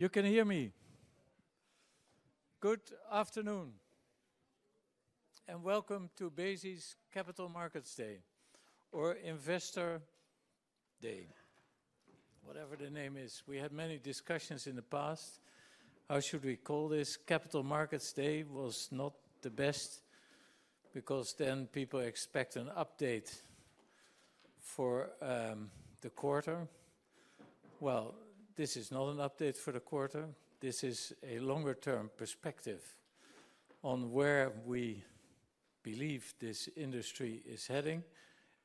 You can hear me. Good afternoon, and welcome to Besi's Capital Markets Day, or Investor Day. Whatever the name is, we had many discussions in the past. How should we call this? Capital Markets Day was not the best because then people expect an update for the quarter. Well, this is not an update for the quarter. This is a longer-term perspective on where we believe this industry is heading,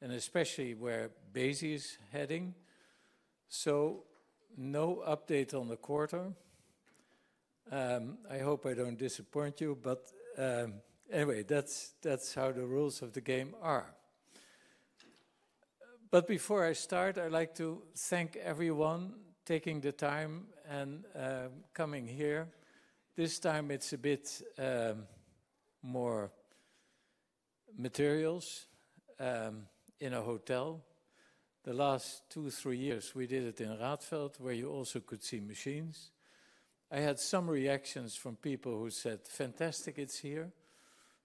and especially where Besi is heading. So, no update on the quarter. I hope I don't disappoint you, but anyway, that's how the rules of the game are. But before I start, I'd like to thank everyone taking the time and coming here. This time it's a bit more formal in a hotel. The last two or three years we did it in Radfeld, where you also could see machines. I had some reactions from people who said, "Fantastic, it's here."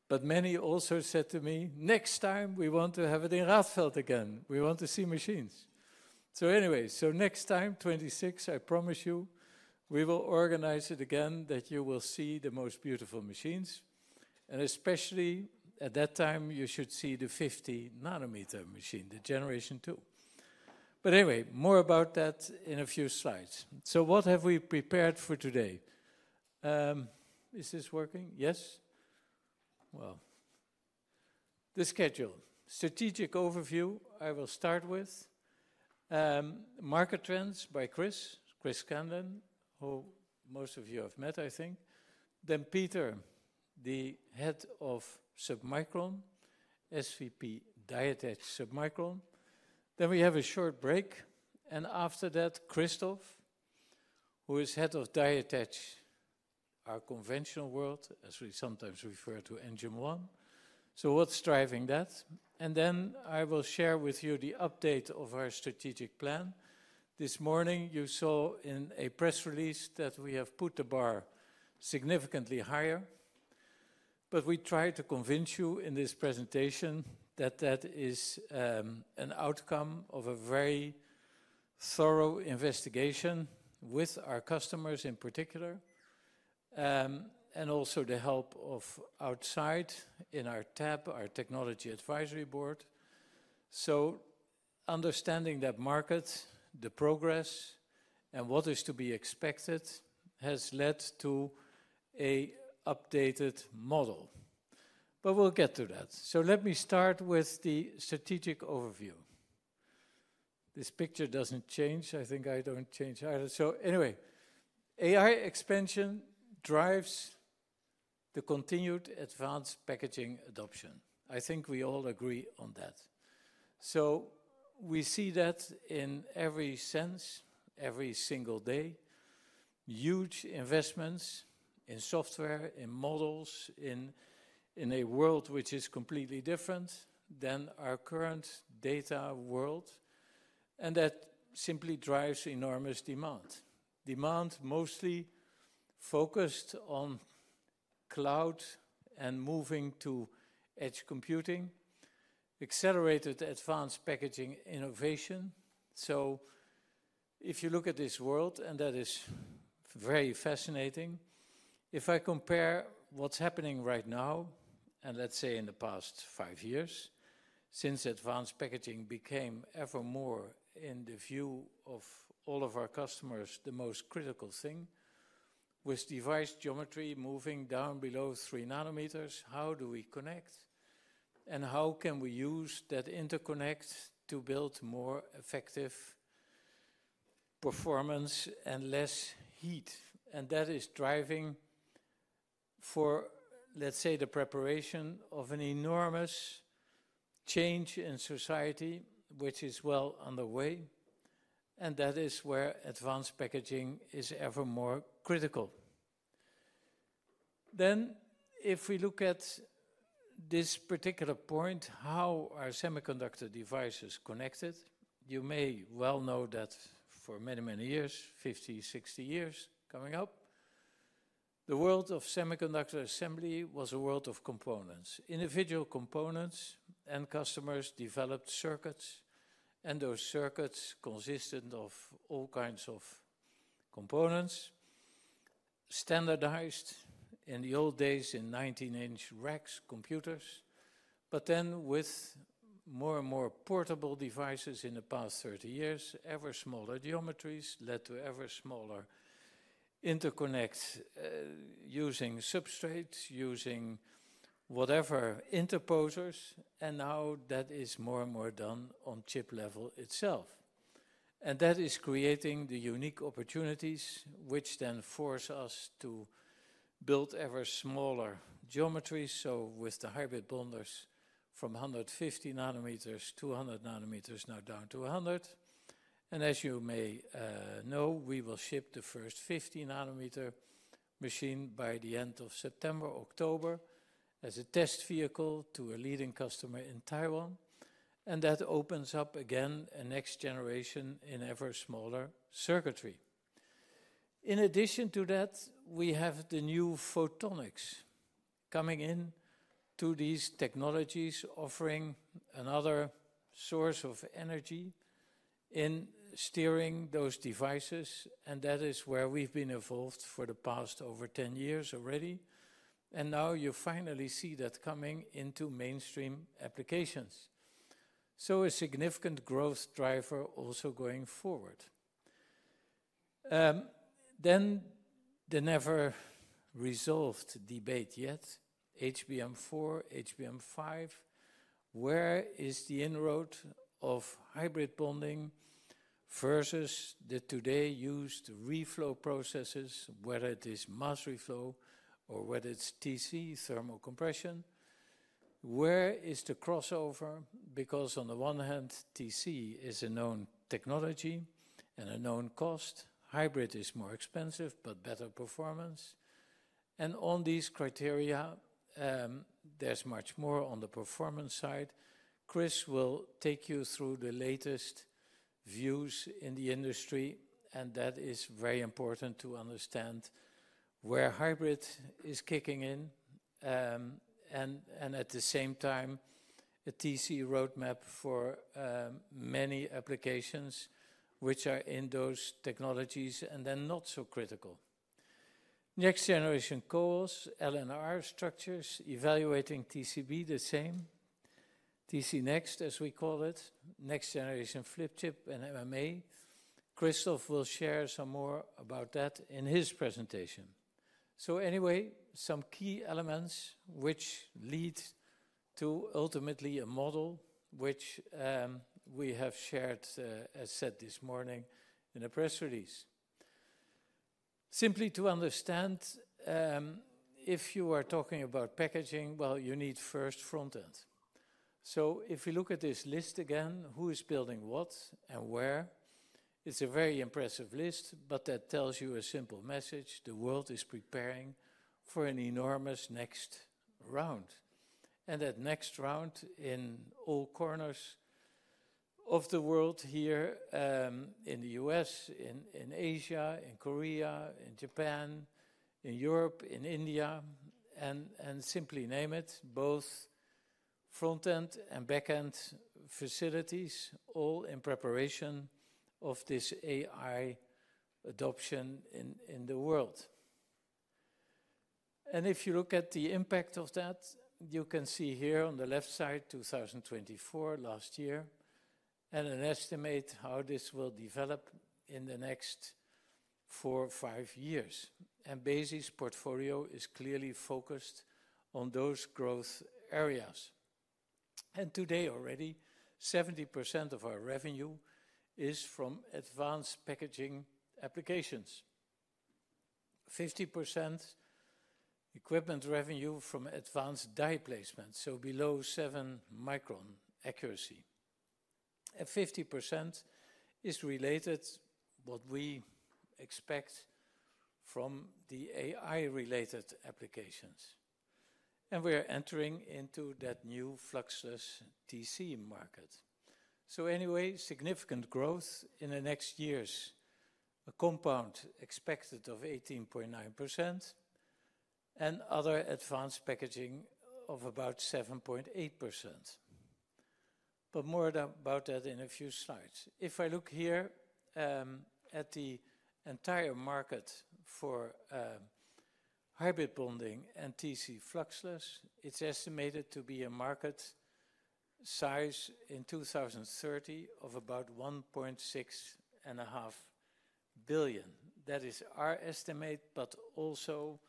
But many also said to me, "Next time we want to have it in Radfeld again. We want to see machines." So anyway, so next time, 26, I promise you, we will organize it again that you will see the most beautiful machines. And especially at that time, you should see the 50-nanometer machine, the Generation 2. But anyway, more about that in a few slides. So what have we prepared for today? Is this working? Yes? Well, the schedule. Strategic overview I will start with. Market trends by Chris, Chris Scanlan, who most of you have met, I think. Then Peter, the head of Submicron, SVP Die Attach Submicron. Then we have a short break. And after that, Christoph, who is head of Die Attach, our conventional world, as we sometimes refer to, and Jim Wang. So what's driving that? And then I will share with you the update of our strategic plan. This morning you saw in a press release that we have put the bar significantly higher. But we tried to convince you in this presentation that that is an outcome of a very thorough investigation with our customers in particular, and also the help of outsiders in our TAB, our Technology Advisory Board. So understanding the markets, the progress, and what is to be expected has led to an updated model. But we'll get to that. So let me start with the strategic overview. This picture doesn't change. I think I don't change either. So anyway, AI expansion drives the continued advanced packaging adoption. I think we all agree on that. So we see that in every sense, every single day. Huge investments in software, in models, in a world which is completely different than our current data world. And that simply drives enormous demand. Demand mostly focused on cloud and moving to edge computing, accelerated advanced packaging innovation. So if you look at this world, and that is very fascinating, if I compare what's happening right now, and let's say in the past five years, since advanced packaging became ever more in the view of all of our customers the most critical thing, with device geometry moving down below three nanometers, how do we connect? And how can we use that interconnect to build more effective performance and less heat? And that is driving for, let's say, the preparation of an enormous change in society, which is well underway. And that is where advanced packaging is ever more critical. Then if we look at this particular point, how are semiconductor devices connected? You may well know that for many, many years, 50, 60 years coming up, the world of semiconductor assembly was a world of components. Individual components and customers developed circuits. And those circuits consisted of all kinds of components, standardized in the old days in 19-inch racks, computers. But then with more and more portable devices in the past 30 years, ever smaller geometries led to ever smaller interconnects using substrates, using whatever interposers. And now that is more and more done on chip level itself. And that is creating the unique opportunities, which then force us to build ever smaller geometries. So with the hybrid bonders from 150-100 nanometers, now down to 100. As you may know, we will ship the first 50-nanometer machine by the end of September, October, as a test vehicle to a leading customer in Taiwan. That opens up again a next generation in ever smaller circuitry. In addition to that, we have the new photonics coming in to these technologies, offering another source of energy in steering those devices. That is where we've been involved for the past over 10 years already. Now you finally see that coming into mainstream applications. A significant growth driver also going forward. The never-resolved debate yet, HBM4, HBM5, where is the inroad of hybrid bonding versus the today used reflow processes, whether it is mass reflow or whether it's TC, thermal compression? Where is the crossover? Because on the one hand, TC is a known technology and a known cost. Hybrid is more expensive, but better performance. On these criteria, there's much more on the performance side. Chris will take you through the latest views in the industry. That is very important to understand where hybrid is kicking in. At the same time, a TC roadmap for many applications which are in those technologies and then not so critical. Next generation cores, LNR structures, evaluating TCB the same, TC Next, as we call it, next generation flip chip and MMA. Christoph will share some more about that in his presentation. Anyway, some key elements which lead to ultimately a model which we have shared, as said this morning in a press release. Simply to understand, if you are talking about packaging, well, you need first front end. So if we look at this list again, who is building what and where, it's a very impressive list, but that tells you a simple message. The world is preparing for an enormous next round. And that next round in all corners of the world here, in the U.S., in Asia, in Korea, in Japan, in Europe, in India, and simply name it, both front end and back end facilities, all in preparation of this AI adoption in the world. And if you look at the impact of that, you can see here on the left side, 2024, last year, and an estimate how this will develop in the next four, five years. And Besi's portfolio is clearly focused on those growth areas. And today already, 70% of our revenue is from advanced packaging applications. 50% equipment revenue from advanced die placement, so below seven micron accuracy. 50% is related, what we expect from the AI-related applications. We are entering into that new fluxless TC market. Anyway, significant growth in the next years, a compound expected of 18.9% and other advanced packaging of about 7.8%. More about that in a few slides. If I look here at the entire market for hybrid bonding and TC fluxless, it's estimated to be a market size in 2030 of about 2.1 billion. That is our estimate, but also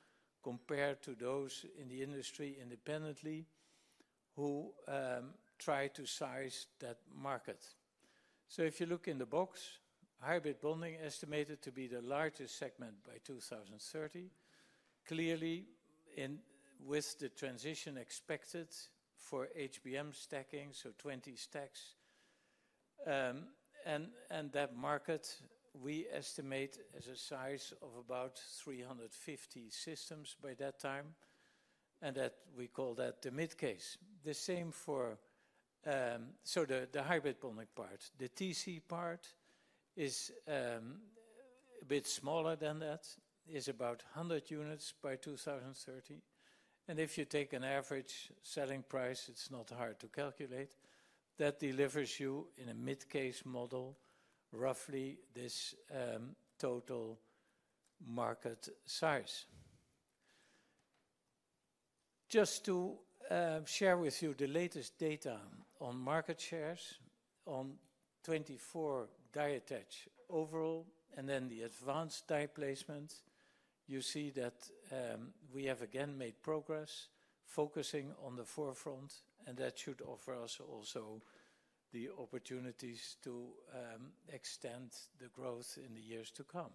compared to those in the industry independently who try to size that market. If you look in the box, hybrid bonding estimated to be the largest segment by 2030, clearly with the transition expected for HBM stacking, so 20 stacks. That market we estimate as a size of about 350 systems by that time. That we call that the mid case. The same for the hybrid bonding part. The TC part is a bit smaller than that, is about 100 units by 2030. If you take an average selling price, it's not hard to calculate. That delivers you in a mid case model, roughly this total market size. Just to share with you the latest data on market shares on 2024 die attach overall, and then the advanced die placement, you see that we have again made progress focusing on the forefront, and that should offer us also the opportunities to extend the growth in the years to come.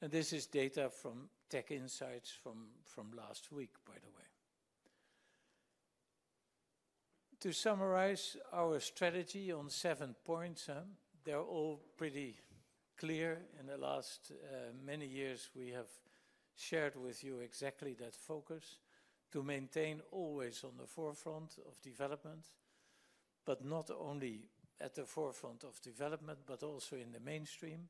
This is data from TechInsights from last week, by the way. To summarize our strategy on seven points, they're all pretty clear. In the last many years, we have shared with you exactly that focus to maintain always on the forefront of development, but not only at the forefront of development, but also in the mainstream.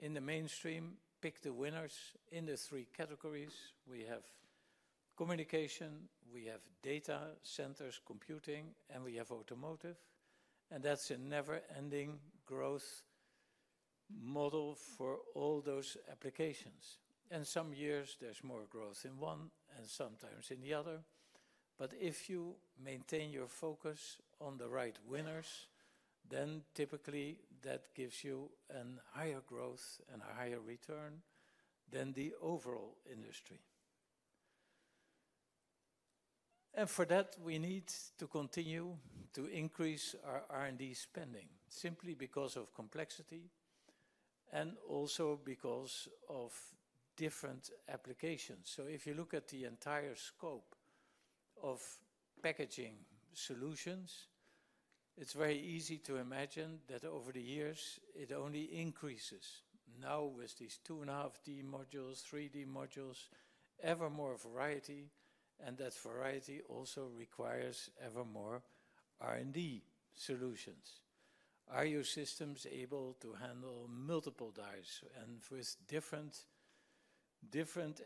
In the mainstream, pick the winners in the three categories. We have communication, we have data centers, computing, and we have automotive, and that's a never-ending growth model for all those applications, and some years there's more growth in one and sometimes in the other, but if you maintain your focus on the right winners, then typically that gives you a higher growth and a higher return than the overall industry, and for that, we need to continue to increase our R&D spending simply because of complexity and also because of different applications, so if you look at the entire scope of packaging solutions, it's very easy to imagine that over the years it only increases. Now, with these 2.5D modules, 3D modules, ever more variety. And that variety also requires ever more R&D solutions. Are your systems able to handle multiple dies and with different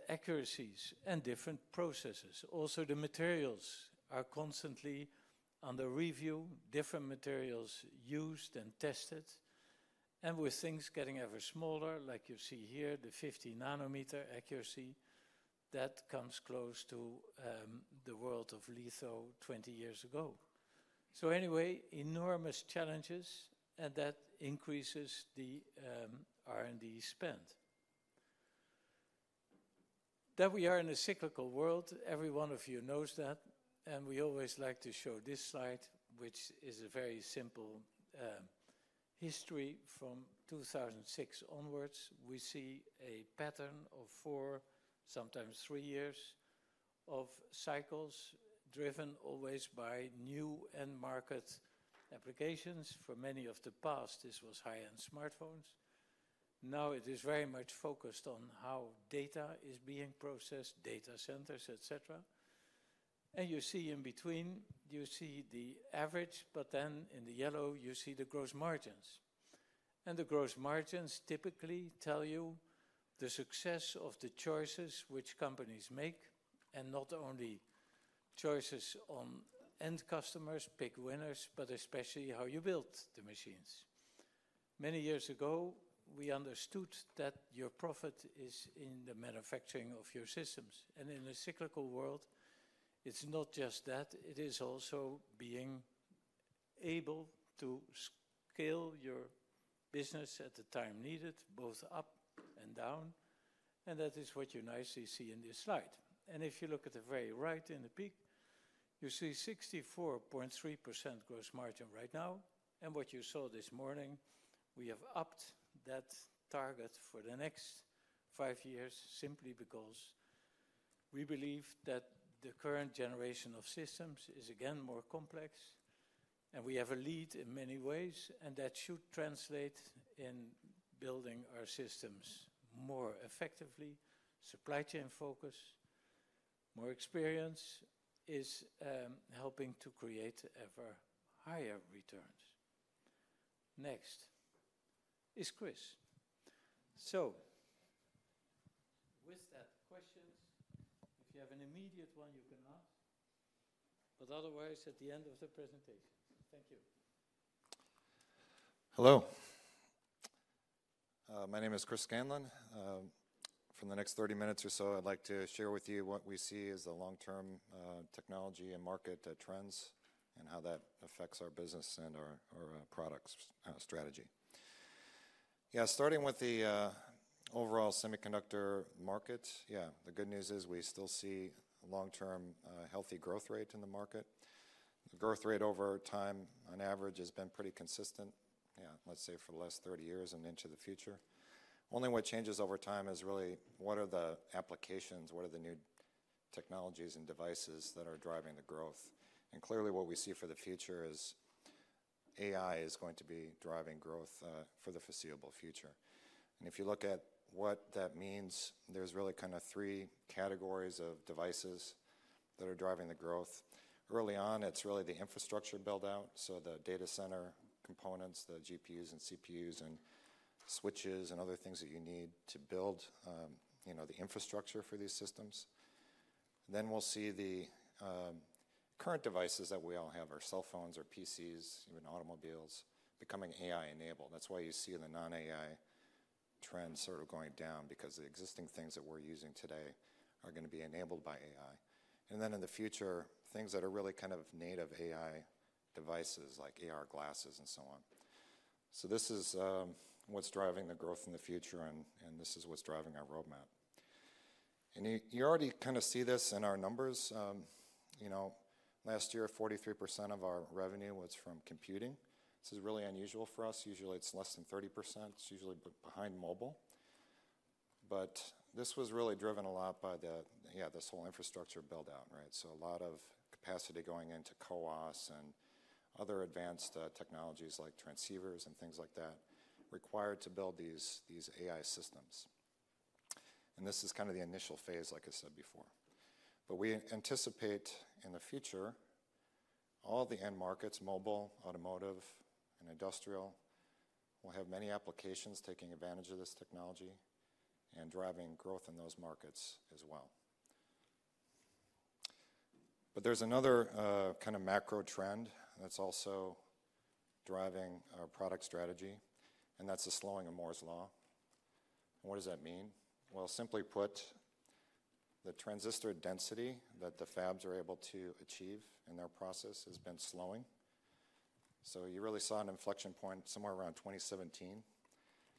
accuracies and different processes? Also, the materials are constantly under review. Different materials used and tested. And with things getting ever smaller, like you see here, the 50-nanometer accuracy, that comes close to the world of litho 20 years ago. So anyway, enormous challenges, and that increases the R&D spend. That we are in a cyclical world, every one of you knows that. And we always like to show this slide, which is a very simple history from 2006 onwards. We see a pattern of four, sometimes three years of cycles driven always by new end market applications. For many of the past, this was high-end smartphones. Now it is very much focused on how data is being processed, data centers, etc. And you see in between, you see the average, but then in the yellow, you see the gross margins. And the gross margins typically tell you the success of the choices which companies make, and not only choices on end customers, pick winners, but especially how you build the machines. Many years ago, we understood that your profit is in the manufacturing of your systems. And in a cyclical world, it's not just that. It is also being able to scale your business at the time needed, both up and down. And that is what you nicely see in this slide. And if you look at the very right in the peak, you see 64.3% gross margin right now. And what you saw this morning, we have upped that target for the next five years simply because we believe that the current generation of systems is again more complex. And we have a lead in many ways. And that should translate in building our systems more effectively. Supply chain focus, more experience is helping to create ever higher returns. Next is Chris. So with that, questions. If you have an immediate one, you can ask. But otherwise, at the end of the presentation. Thank you. Hello. My name is Chris Scanlan. For the next 30 minutes or so, I'd like to share with you what we see as the long-term technology and market trends and how that affects our business and our products strategy. Yeah, starting with the overall semiconductor market, yeah, the good news is we still see long-term healthy growth rate in the market. The growth rate over time, on average, has been pretty consistent, yeah. Let's say for the last 30 years and into the future. Only what changes over time is really what are the applications, what are the new technologies and devices that are driving the growth, and clearly, what we see for the future is AI is going to be driving growth for the foreseeable future, and if you look at what that means, there's really kind of three categories of devices that are driving the growth. Early on, it's really the infrastructure build-out, so the data center components, the GPUs and CPUs and switches and other things that you need to build the infrastructure for these systems, then we'll see the current devices that we all have, our cell phones, our PCs, even automobiles, becoming AI-enabled. That's why you see the non-AI trend sort of going down, because the existing things that we're using today are going to be enabled by AI, and then in the future, things that are really kind of native AI devices like AR glasses and so on, so this is what's driving the growth in the future, and this is what's driving our roadmap, and you already kind of see this in our numbers. Last year, 43% of our revenue was from computing. This is really unusual for us. Usually, it's less than 30%. It's usually behind mobile, but this was really driven a lot by the, yeah, this whole infrastructure build-out, right, so a lot of capacity going into CPOs and other advanced technologies like transceivers and things like that required to build these AI systems, and this is kind of the initial phase, like I said before. But we anticipate in the future, all the end markets, mobile, automotive, and industrial, will have many applications taking advantage of this technology and driving growth in those markets as well. But there's another kind of macro trend that's also driving our product strategy, and that's the slowing of Moore's Law. And what does that mean? Well, simply put, the transistor density that the fabs are able to achieve in their process has been slowing. So you really saw an inflection point somewhere around 2017,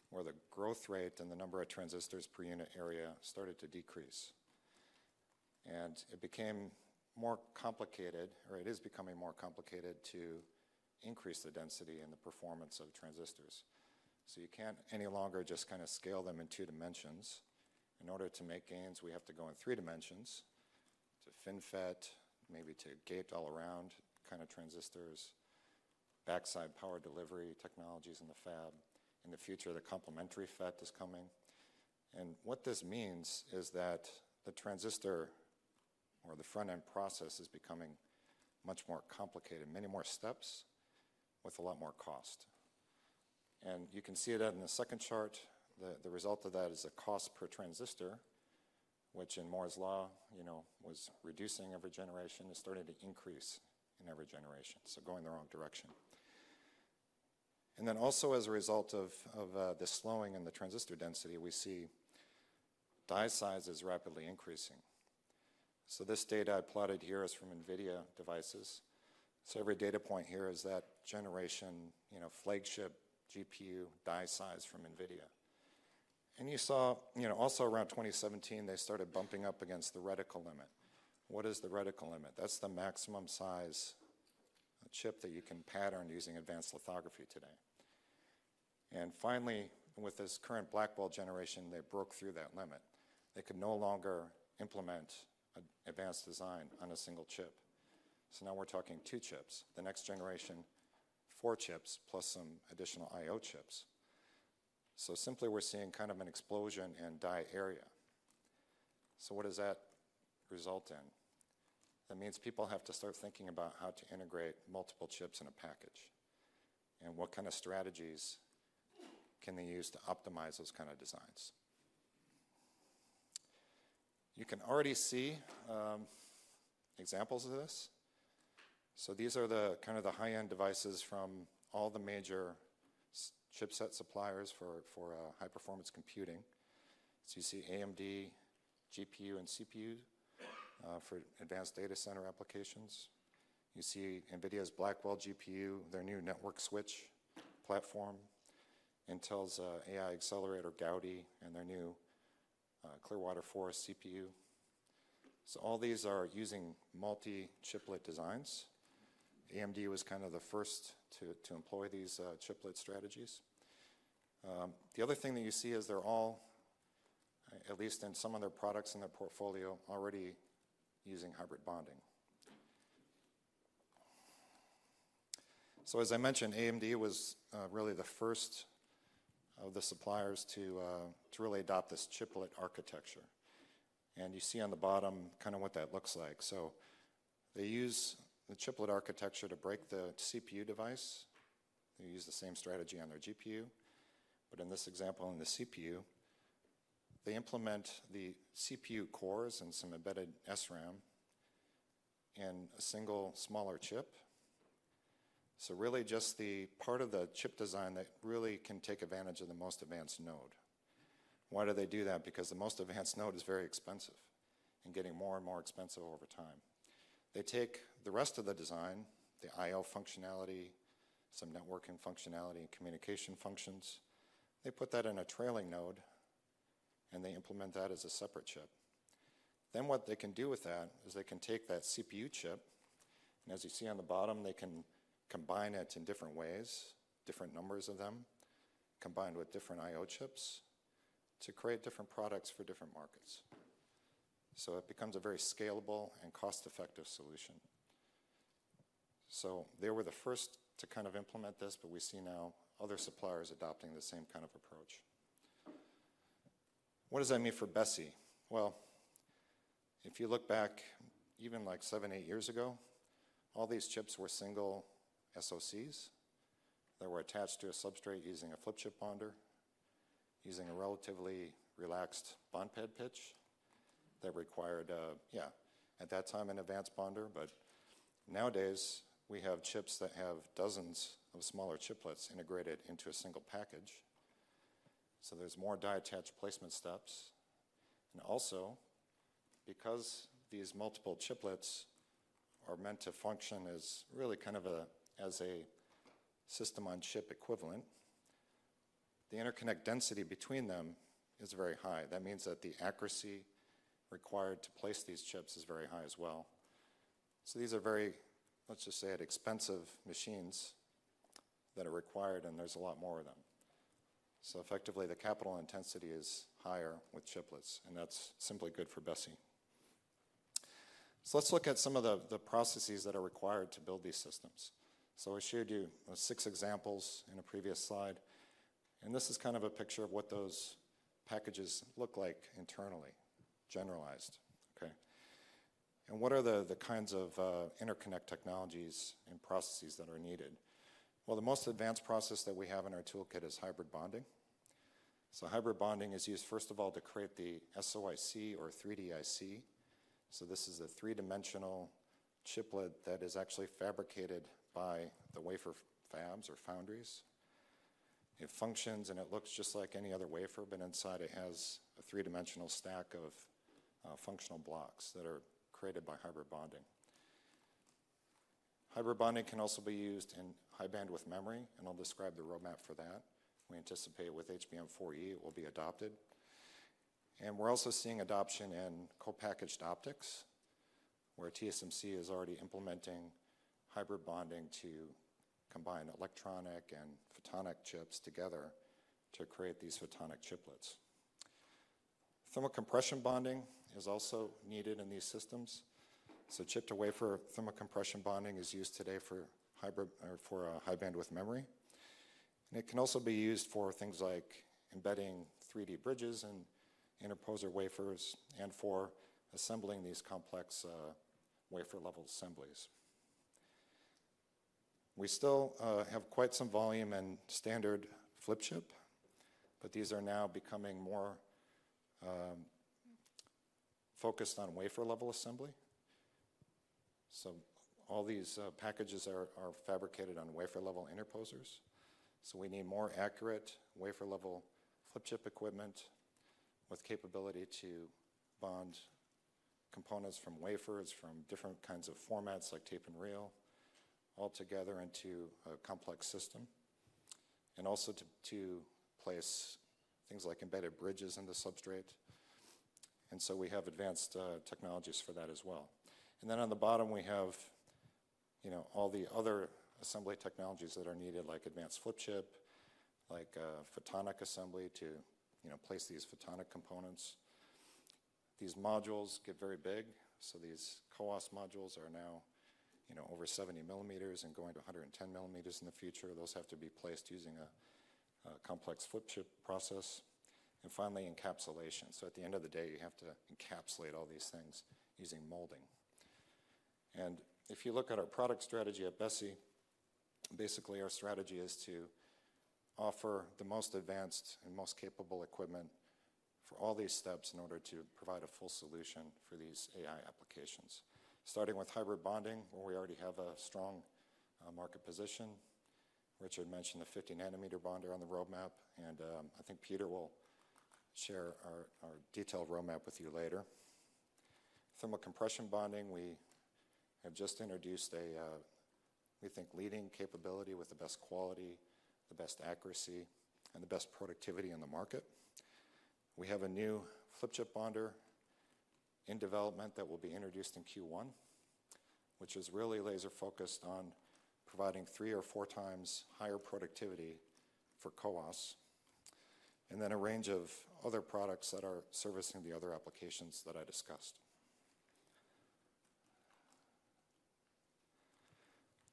where the growth rate and the number of transistors per unit area started to decrease. And it became more complicated, or it is becoming more complicated to increase the density and the performance of transistors. So you can't any longer just kind of scale them in two dimensions. In order to make gains, we have to go in three dimensions to FinFET, maybe to gate all around kind of transistors, backside power delivery technologies in the fab. In the future, the complementary FET is coming. And what this means is that the transistor or the front-end process is becoming much more complicated, many more steps with a lot more cost. And you can see that in the second chart. The result of that is the cost per transistor, which in Moore's Law was reducing every generation, is starting to increase in every generation, so going the wrong direction. And then also, as a result of the slowing in the transistor density, we see die sizes rapidly increasing. So this data I plotted here is from NVIDIA devices. So every data point here is that generation flagship GPU die size from NVIDIA. You saw also around 2017, they started bumping up against the reticle limit. What is the reticle limit? That's the maximum size chip that you can pattern using advanced lithography today. And finally, with this current Blackwell generation, they broke through that limit. They could no longer implement advanced design on a single chip. So now we're talking two chips, the next generation, four chips, plus some additional IO chips. So simply, we're seeing kind of an explosion in die area. So what does that result in? That means people have to start thinking about how to integrate multiple chips in a package and what kind of strategies can they use to optimize those kind of designs. You can already see examples of this. So these are the kind of the high-end devices from all the major chipset suppliers for high-performance computing. So you see AMD GPU and CPU for advanced data center applications. You see NVIDIA's Blackwell GPU, their new network switch platform, Intel's AI accelerator, Gaudi, and their new Clearwater Forest CPU. So all these are using multi-chiplet designs. AMD was kind of the first to employ these chiplet strategies. The other thing that you see is they're all, at least in some of their products in their portfolio, already using hybrid bonding. So as I mentioned, AMD was really the first of the suppliers to really adopt this chiplet architecture. And you see on the bottom kind of what that looks like. So they use the chiplet architecture to break the CPU device. They use the same strategy on their GPU. But in this example, in the CPU, they implement the CPU cores and some embedded S-RAM in a single smaller chip. So really just the part of the chip design that really can take advantage of the most advanced node. Why do they do that? Because the most advanced node is very expensive and getting more and more expensive over time. They take the rest of the design, the IO functionality, some networking functionality, and communication functions. They put that in a trailing node, and they implement that as a separate chip. Then what they can do with that is they can take that CPU chip, and as you see on the bottom, they can combine it in different ways, different numbers of them combined with different IO chips to create different products for different markets. So it becomes a very scalable and cost-effective solution. So they were the first to kind of implement this, but we see now other suppliers adopting the same kind of approach. What does that mean for Besi? Well, if you look back even like seven, eight years ago, all these chips were single SoCs that were attached to a substrate using a flip chip bonder, using a relatively relaxed bond pad pitch that required, yeah, at that time an advanced bonder. But nowadays, we have chips that have dozens of smaller chiplets integrated into a single package. So there's more die attach placement steps. And also, because these multiple chiplets are meant to function as really kind of a system-on-chip equivalent, the interconnect density between them is very high. That means that the accuracy required to place these chips is very high as well. So these are very, let's just say, expensive machines that are required, and there's a lot more of them. So effectively, the capital intensity is higher with chiplets, and that's simply good for Besi. So let's look at some of the processes that are required to build these systems. So I showed you six examples in a previous slide. And this is kind of a picture of what those packages look like internally, generalized. Okay. And what are the kinds of interconnect technologies and processes that are needed? Well, the most advanced process that we have in our toolkit is hybrid bonding. So hybrid bonding is used, first of all, to create the SoIC or 3DIC. So this is a three-dimensional chiplet that is actually fabricated by the wafer fabs or foundries. It functions, and it looks just like any other wafer, but inside it has a three-dimensional stack of functional blocks that are created by hybrid bonding. Hybrid bonding can also be used in high-bandwidth memory, and I'll describe the roadmap for that. We anticipate with HBM4E, it will be adopted. And we're also seeing adoption in co-packaged optics, where TSMC is already implementing hybrid bonding to combine electronic and photonic chips together to create these photonic chiplets. Thermal compression bonding is also needed in these systems. So chip-to-wafer thermal compression bonding is used today for high-bandwidth memory. And it can also be used for things like embedding 3D bridges and interposer wafers and for assembling these complex wafer-level assemblies. We still have quite some volume and standard flip chip, but these are now becoming more focused on wafer-level assembly. So all these packages are fabricated on wafer-level interposers. So we need more accurate wafer-level flip chip equipment with capability to bond components from wafers, from different kinds of formats like tape and reel, all together into a complex system, and also to place things like embedded bridges in the substrate. And so we have advanced technologies for that as well. And then on the bottom, we have all the other assembly technologies that are needed, like advanced flip chip, like photonic assembly to place these photonic components. These modules get very big. So these CPO modules are now over 70 mm and going to 110 mm in the future. Those have to be placed using a complex flip chip process. And finally, encapsulation. So at the end of the day, you have to encapsulate all these things using molding. And if you look at our product strategy at Besi, basically, our strategy is to offer the most advanced and most capable equipment for all these steps in order to provide a full solution for these AI applications, starting with hybrid bonding, where we already have a strong market position. Richard mentioned the 50-nanometer bonder on the roadmap, and I think Peter will share our detailed roadmap with you later. Thermal compression bonding, we have just introduced a, we think, leading capability with the best quality, the best accuracy, and the best productivity in the market. We have a new flip chip bonder in development that will be introduced in Q1, which is really laser-focused on providing three or four times higher productivity for CPOs, and then a range of other products that are servicing the other applications that I discussed.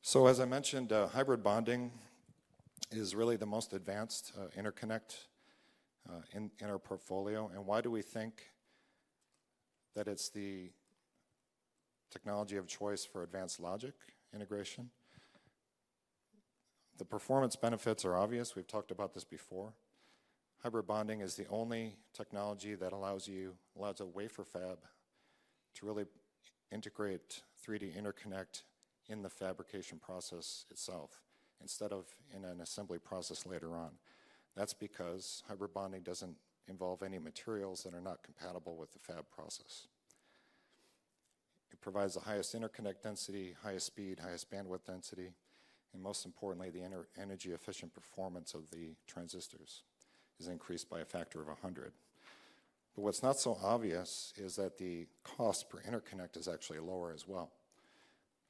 So, as I mentioned, hybrid bonding is really the most advanced interconnect in our portfolio. And why do we think that it's the technology of choice for advanced logic integration? The performance benefits are obvious. We've talked about this before. Hybrid bonding is the only technology that allows a wafer fab to really integrate 3D interconnect in the fabrication process itself instead of in an assembly process later on. That's because hybrid bonding doesn't involve any materials that are not compatible with the fab process. It provides the highest interconnect density, highest speed, highest bandwidth density, and most importantly, the energy-efficient performance of the transistors is increased by a factor of 100. But what's not so obvious is that the cost per interconnect is actually lower as well.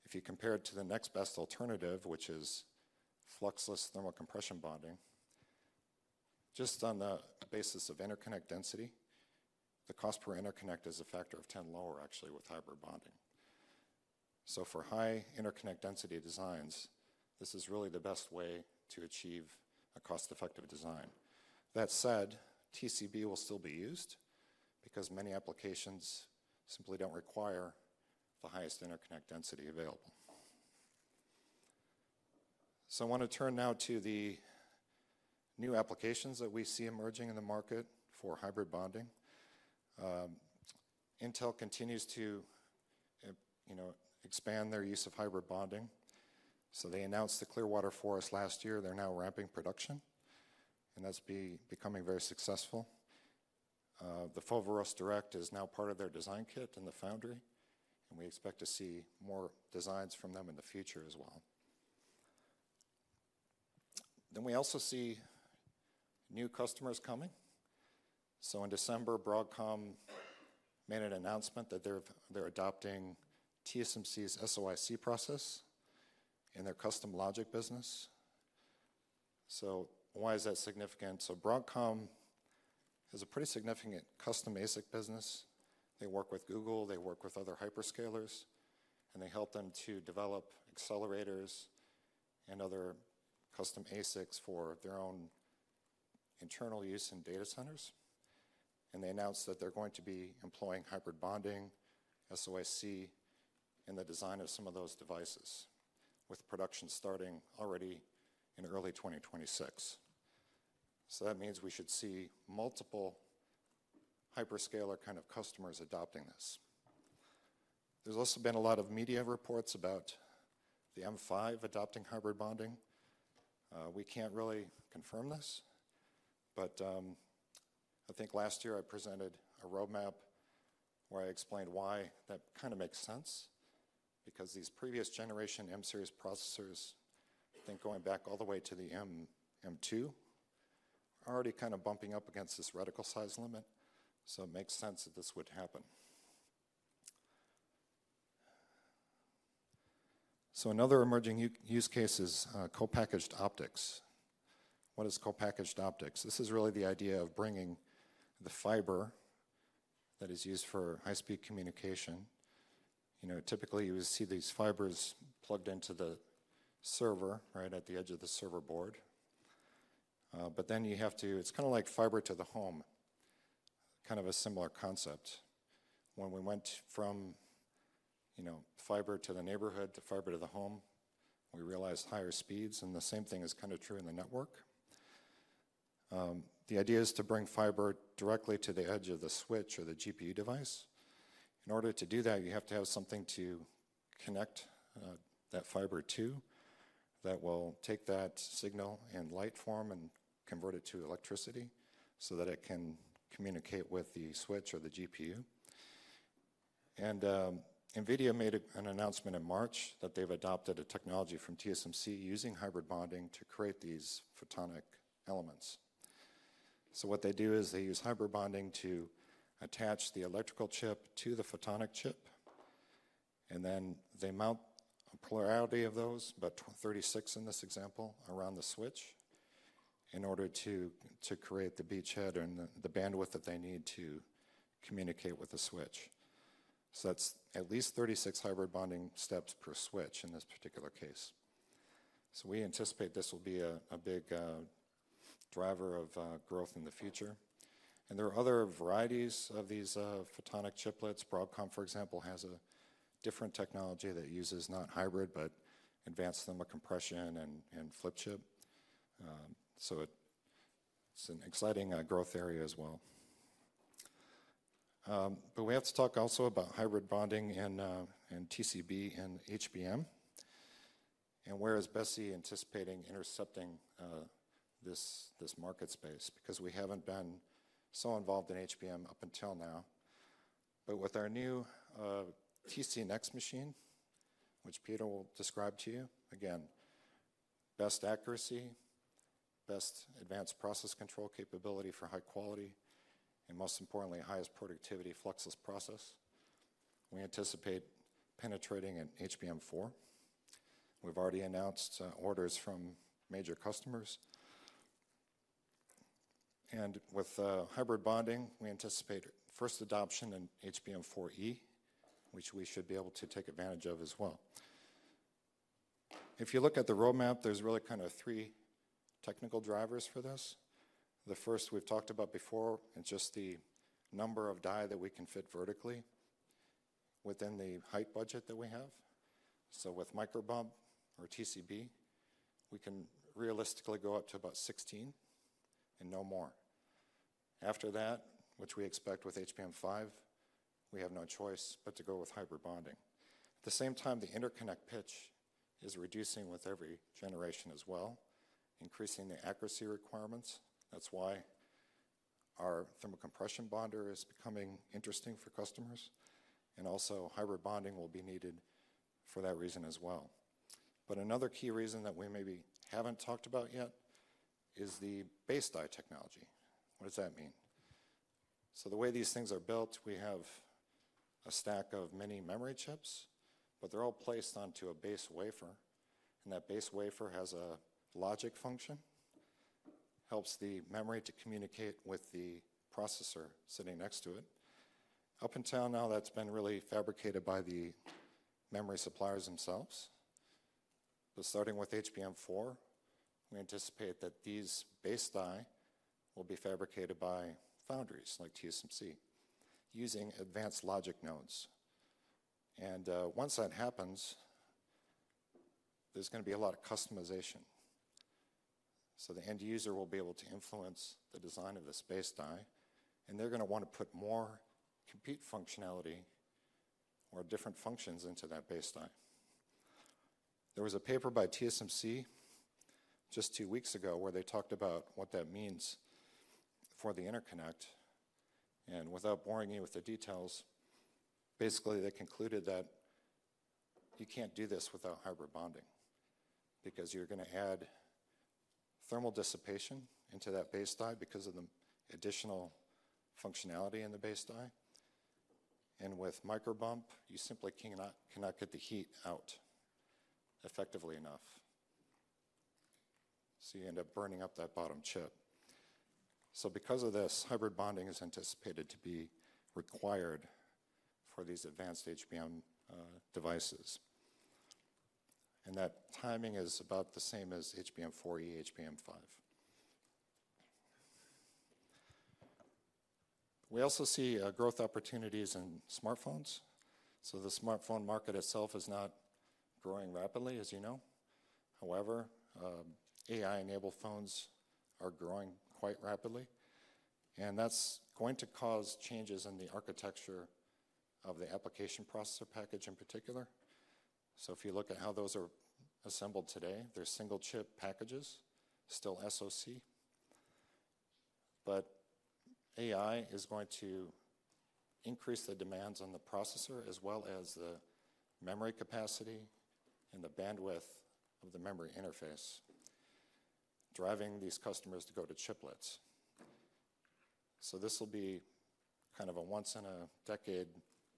If you compare it to the next best alternative, which is fluxless thermal compression bonding, just on the basis of interconnect density, the cost per interconnect is a factor of 10 lower, actually, with hybrid bonding. So for high interconnect density designs, this is really the best way to achieve a cost-effective design. That said, TCB will still be used because many applications simply don't require the highest interconnect density available. So I want to turn now to the new applications that we see emerging in the market for hybrid bonding. Intel continues to expand their use of hybrid bonding. So they announced the Clearwater Forest last year. They're now ramping production, and that's becoming very successful. The Foveros Direct is now part of their design kit in the foundry, and we expect to see more designs from them in the future as well. Then we also see new customers coming. So in December, Broadcom made an announcement that they're adopting TSMC's SoIC process in their custom logic business. So why is that significant? So Broadcom has a pretty significant custom ASIC business. They work with Google, they work with other hyperscalers, and they help them to develop accelerators and other custom ASICs for their own internal use in data centers. And they announced that they're going to be employing hybrid bonding, SoIC, in the design of some of those devices, with production starting already in early 2026. So that means we should see multiple hyperscaler kind of customers adopting this. There's also been a lot of media reports about the M5 adopting hybrid bonding. We can't really confirm this, but I think last year I presented a roadmap where I explained why that kind of makes sense, because these previous generation M-series processors, I think going back all the way to the M2, are already kind of bumping up against this reticle size limit. So another emerging use case is co-packaged optics. What is co-packaged optics? This is really the idea of bringing the fiber that is used for high-speed communication. Typically, you would see these fibers plugged into the server, right at the edge of the server board. But then you have to, it's kind of like fiber to the home, kind of a similar concept. When we went from fiber to the neighborhood to fiber to the home, we realized higher speeds, and the same thing is kind of true in the network. The idea is to bring fiber directly to the edge of the switch or the GPU device. In order to do that, you have to have something to connect that fiber to that will take that signal and light form and convert it to electricity so that it can communicate with the switch or the GPU. And NVIDIA made an announcement in March that they've adopted a technology from TSMC using hybrid bonding to create these photonic elements. So what they do is they use hybrid bonding to attach the electronic chip to the photonic chip, and then they mount a plurality of those, about 36 in this example, around the switch in order to create the backplane and the bandwidth that they need to communicate with the switch. So that's at least 36 hybrid bonding steps per switch in this particular case. So we anticipate this will be a big driver of growth in the future. And there are other varieties of these photonic chiplets. Broadcom, for example, has a different technology that uses not hybrid, but advanced thermal compression and flip chip. So it's an exciting growth area as well. But we have to talk also about hybrid bonding in TCB and HBM. And where is Besi anticipating intercepting this market space? Because we haven't been so involved in HBM up until now. But with our new TC Next machine, which Peter will describe to you, again, best accuracy, best advanced process control capability for high quality, and most importantly, highest productivity fluxless process, we anticipate penetrating an HBM4. We've already announced orders from major customers. And with hybrid bonding, we anticipate first adoption in HBM4E, which we should be able to take advantage of as well. If you look at the roadmap, there's really kind of three technical drivers for this. The first we've talked about before, it's just the number of die that we can fit vertically within the height budget that we have. So with microbump or TCB, we can realistically go up to about 16 and no more. After that, which we expect with HBM5, we have no choice but to go with hybrid bonding. At the same time, the interconnect pitch is reducing with every generation as well, increasing the accuracy requirements. That's why our thermal compression bonder is becoming interesting for customers. And also hybrid bonding will be needed for that reason as well. But another key reason that we maybe haven't talked about yet is the base die technology. What does that mean? So the way these things are built, we have a stack of many memory chips, but they're all placed onto a base wafer. And that base wafer has a logic function, helps the memory to communicate with the processor sitting next to it. Up until now, that's been really fabricated by the memory suppliers themselves. But starting with HBM4, we anticipate that these base die will be fabricated by foundries like TSMC using advanced logic nodes. And once that happens, there's going to be a lot of customization. The end user will be able to influence the design of this base die, and they're going to want to put more compute functionality or different functions into that base die. There was a paper by TSMC just two weeks ago where they talked about what that means for the interconnect. Without boring you with the details, basically they concluded that you can't do this without hybrid bonding because you're going to add thermal dissipation into that base die because of the additional functionality in the base die. With microbump, you simply cannot get the heat out effectively enough. You end up burning up that bottom chip. Because of this, hybrid bonding is anticipated to be required for these advanced HBM devices. That timing is about the same as HBM4E, HBM5. We also see growth opportunities in smartphones. So the smartphone market itself is not growing rapidly, as you know. However, AI-enabled phones are growing quite rapidly, and that's going to cause changes in the architecture of the application processor package in particular. So if you look at how those are assembled today, they're single chip packages, still SoC. But AI is going to increase the demands on the processor as well as the memory capacity and the bandwidth of the memory interface, driving these customers to go to chiplets. So this will be kind of a once-in-a-decade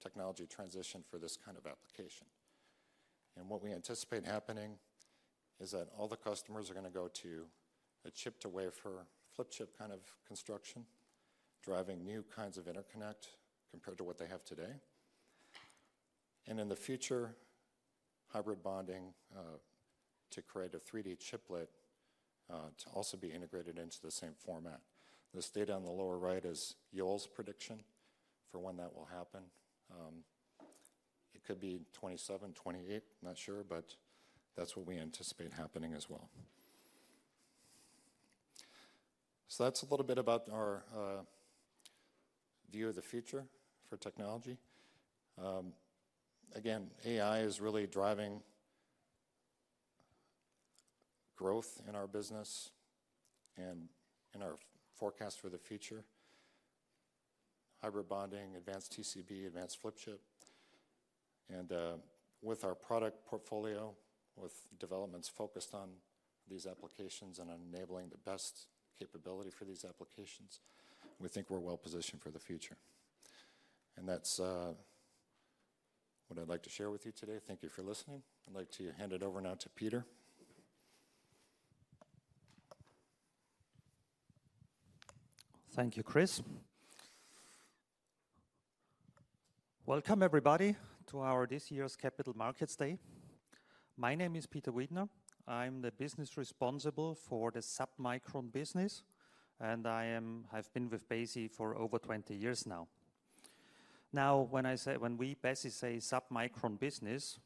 technology transition for this kind of application. And what we anticipate happening is that all the customers are going to go to a chip-to-wafer flip chip kind of construction, driving new kinds of interconnect compared to what they have today. And in the future, hybrid bonding to create a 3D chiplet to also be integrated into the same format. This data on the lower right is Yole's prediction for when that will happen. It could be 2027, 2028, not sure, but that's what we anticipate happening as well. So that's a little bit about our view of the future for technology. Again, AI is really driving growth in our business and in our forecast for the future, hybrid bonding, advanced TCB, advanced flip chip. With our product portfolio, with developments focused on these applications and enabling the best capability for these applications, we think we're well positioned for the future. That's what I'd like to share with you today. Thank you for listening. I'd like to hand it over now to Peter. Thank you, Chris. Welcome, everybody, to our this year's Capital Markets Day. My name is Peter Wiedner. I'm the business responsible for the submicron business, and I have been with Besi for over 20 years now. Now, when we at Besi say submicron business,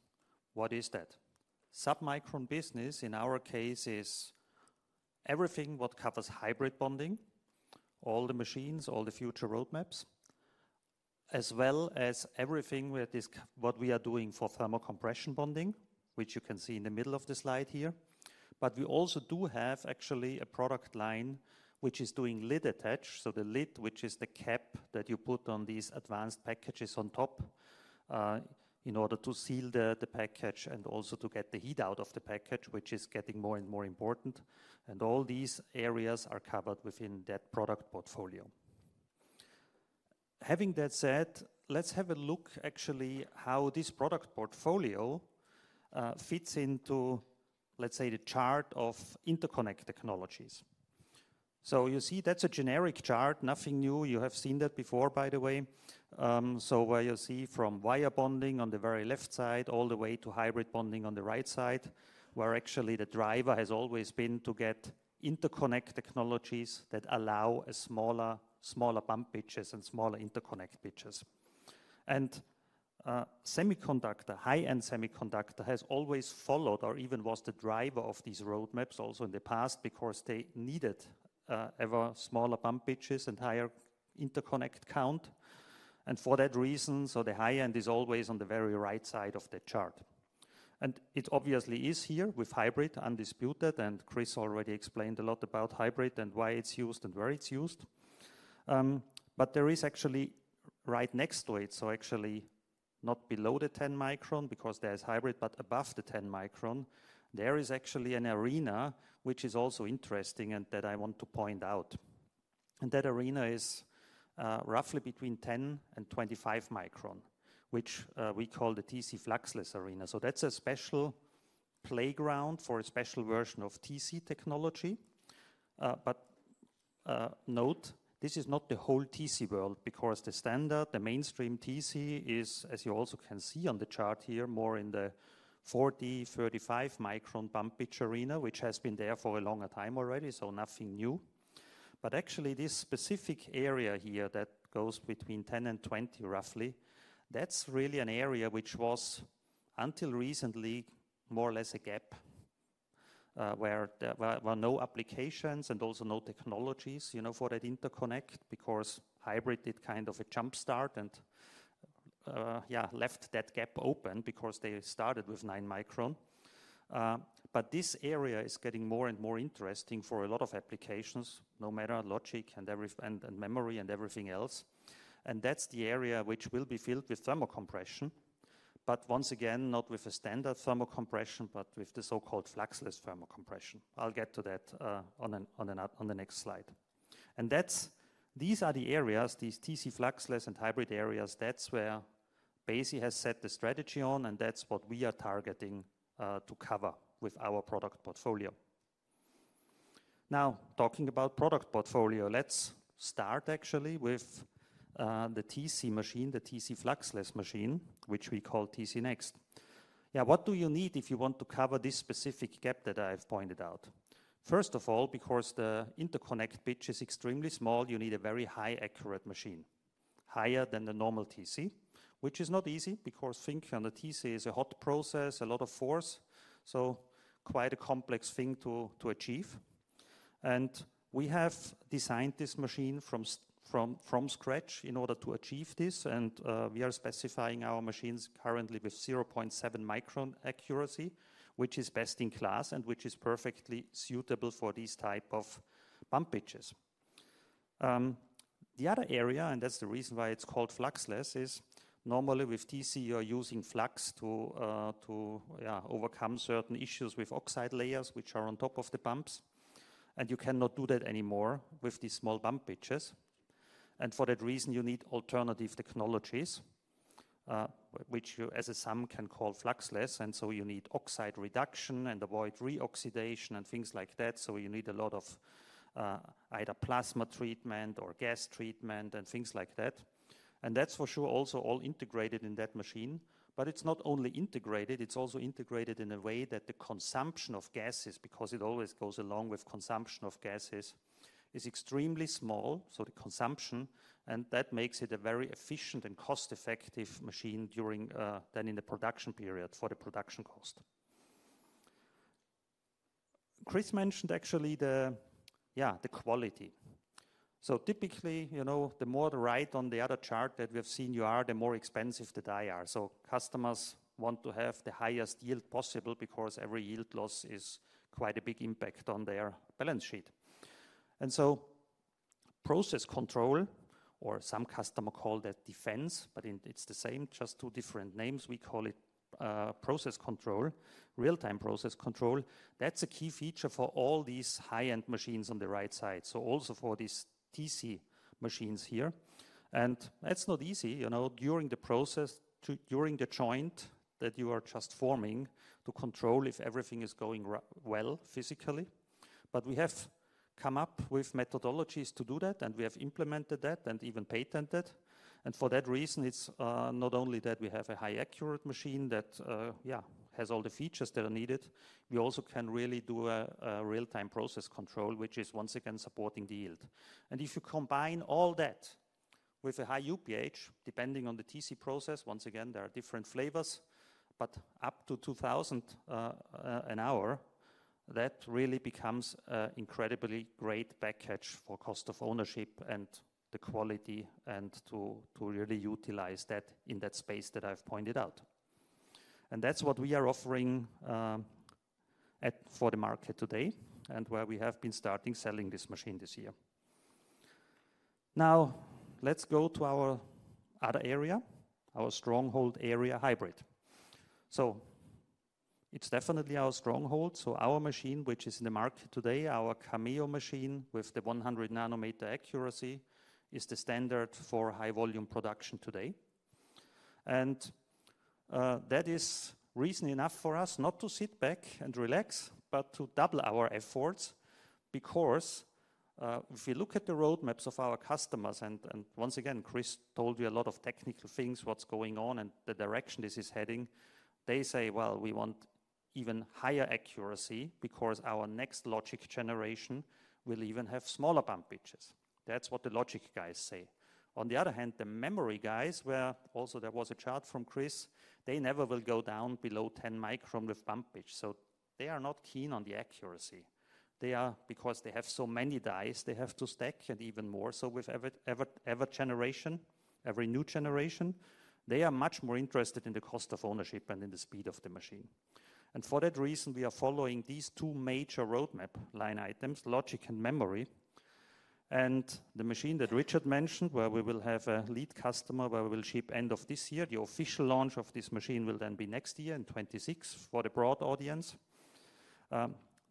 what is that? Submicron business, in our case, is everything what covers hybrid bonding, all the machines, all the future roadmaps, as well as everything what we are doing for thermal compression bonding, which you can see in the middle of the slide here. But we also do have actually a product line which is doing lid attach, so the lid, which is the cap that you put on these advanced packages on top in order to seal the package and also to get the heat out of the package, which is getting more and more important. And all these areas are covered within that product portfolio. Having that said, let's have a look, actually, how this product portfolio fits into, let's say, the chart of interconnect technologies. So you see that's a generic chart, nothing new. You have seen that before, by the way. So where you see from wire bonding on the very left side all the way to hybrid bonding on the right side, where actually the driver has always been to get interconnect technologies that allow smaller bump pitches and smaller interconnect pitches. And semiconductor, high-end semiconductor has always followed or even was the driver of these roadmaps also in the past because they needed ever smaller bump pitches and higher interconnect count. And for that reason, so the high-end is always on the very right side of the chart. It obviously is here with hybrid, undisputed, and Chris already explained a lot about hybrid and why it's used and where it's used. There is actually right next to it, so actually not below the 10 micron because there's hybrid, but above the 10 micron, there is actually an arena which is also interesting and that I want to point out. That arena is roughly between 10 and 25 micron, which we call the TC Fluxless Arena. That's a special playground for a special version of TC technology. Note, this is not the whole TC world because the standard, the mainstream TC is, as you also can see on the chart here, more in the 40, 35 micron bump pitch arena, which has been there for a longer time already, so nothing new. But actually this specific area here that goes between 10 and 20 roughly, that's really an area which was until recently more or less a gap where there were no applications and also no technologies for that interconnect because hybrid did kind of a jumpstart and left that gap open because they started with 9-micron. But this area is getting more and more interesting for a lot of applications, no matter logic and memory and everything else. And that's the area which will be filled with thermal compression, but once again, not with a standard thermal compression, but with the so-called fluxless thermal compression. I'll get to that on the next slide. And these are the areas, these TC fluxless and hybrid areas, that's where Besi has set the strategy on, and that's what we are targeting to cover with our product portfolio. Now, talking about product portfolio, let's start actually with the TC machine, the TC fluxless machine, which we call TC Next. Yeah, what do you need if you want to cover this specific gap that I've pointed out? First of all, because the interconnect pitch is extremely small, you need a very high accurate machine, higher than the normal TC, which is not easy because thinking on the TC is a hot process, a lot of force, so quite a complex thing to achieve, and we have designed this machine from scratch in order to achieve this, and we are specifying our machines currently with 0.7 micron accuracy, which is best in class and which is perfectly suitable for these types of bump pitches. The other area, and that's the reason why it's called fluxless, is normally with TC, you're using flux to overcome certain issues with oxide layers, which are on top of the bumps. And you cannot do that anymore with these small bump pitches. And for that reason, you need alternative technologies, which we call fluxless. And so you need oxide reduction and avoid reoxidation and things like that. So you need a lot of either plasma treatment or gas treatment and things like that. And that's for sure also all integrated in that machine. But it's not only integrated, it's also integrated in a way that the consumption of gases, because it always goes along with consumption of gases, is extremely small, so the consumption, and that makes it a very efficient and cost-effective machine in the production environment for the production cost. Chris mentioned, actually, the quality. So, typically, the more right you are on the other chart that we have seen, the more expensive the die are. So, customers want to have the highest yield possible because every yield loss is quite a big impact on their balance sheet. And so, process control, or some customers call it defense, but it's the same, just two different names. We call it process control, real-time process control. That's a key feature for all these high-end machines on the right side, so also for these TC machines here. And that's not easy during the process, during the joint that you are just forming to control if everything is going well physically. But we have come up with methodologies to do that, and we have implemented that and even patented. For that reason, it's not only that we have a highly accurate machine that has all the features that are needed, we also can really do a real-time process control, which is once again supporting the yield. If you combine all that with a high UPH, depending on the TC process, once again, there are different flavors, but up to 2,000 an hour, that really becomes an incredibly great benchmark for cost of ownership and the quality and to really utilize that in that space that I've pointed out. That's what we are offering for the market today and where we have been starting selling this machine this year. Now, let's go to our other area, our stronghold area hybrid. It's definitely our stronghold. So our machine, which is in the market today Chameleo machine with the 100 nanometer accuracy, is the standard for high-volume production today. And that is reason enough for us not to sit back and relax, but to double our efforts because if you look at the roadmaps of our customers, and once again, Chris told you a lot of technical things, what's going on and the direction this is heading, they say, well, we want even higher accuracy because our next logic generation will even have smaller bump pitches. That's what the logic guys say. On the other hand, the memory guys, where also there was a chart from Chris, they never will go down below 10 micron with bump pitch. So they are not keen on the accuracy. They are, because they have so many dies, they have to stack and even more so with every generation, every new generation, they are much more interested in the cost of ownership and in the speed of the machine. And for that reason, we are following these two major roadmap line items, logic and memory. And the machine that Richard mentioned, where we will have a lead customer, where we will ship end of this year, the official launch of this machine will then be next year in 2026 for the broad audience.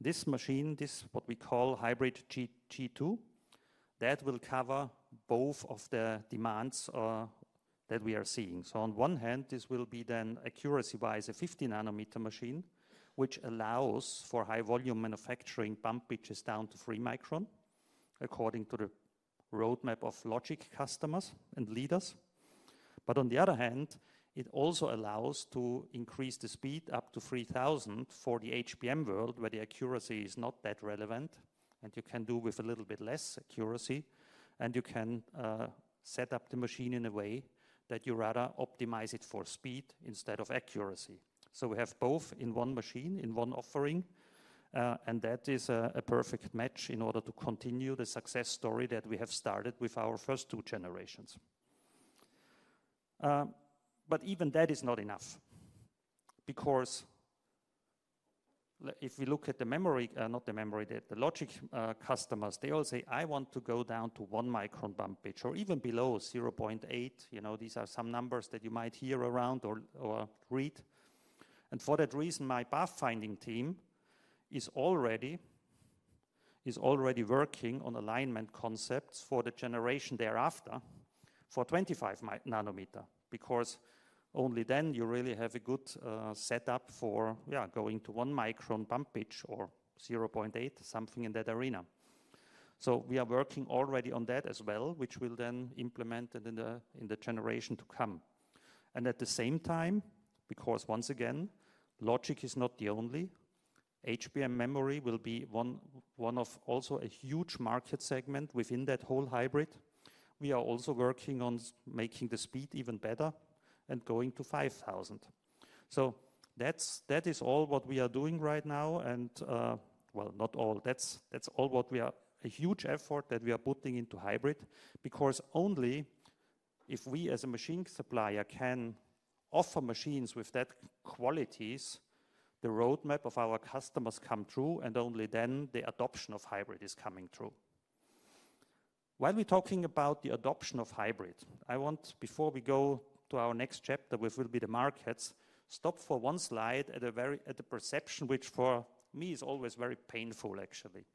This machine, this is what we call Hybrid G2, that will cover both of the demands that we are seeing. So on one hand, this will be then accuracy-wise a 50-nanometer machine, which allows for high-volume manufacturing bump pitches down to 3 micron according to the roadmap of logic customers and leaders. But on the other hand, it also allows to increase the speed up to 3,000 for the HBM world, where the accuracy is not that relevant, and you can do with a little bit less accuracy, and you can set up the machine in a way that you rather optimize it for speed instead of accuracy. So we have both in one machine, in one offering, and that is a perfect match in order to continue the success story that we have started with our first two generations. But even that is not enough because if we look at the memory, not the memory, the logic customers, they all say, "I want to go down to 1 micron bump pitch or even below 0.8." These are some numbers that you might hear around or read. And for that reason, my pathfinding team is already working on alignment concepts for the generation thereafter for 25-nanometer because only then you really have a good setup for going to one-micron bump pitch or 0.8, something in that arena. So we are working already on that as well, which we'll then implement in the generation to come. And at the same time, because once again, logic is not the only, HBM memory will be one of also a huge market segment within that whole hybrid. We are also working on making the speed even better and going to 5,000. So that is all what we are doing right now, and well, not all. That's all what we are, a huge effort that we are putting into hybrid because only if we as a machine supplier can offer machines with that qualities, the roadmap of our customers come true, and only then the adoption of hybrid is coming true. While we're talking about the adoption of hybrid, I want, before we go to our next chapter, which will be the markets, stop for one slide at a perception which for me is always very painful, actually.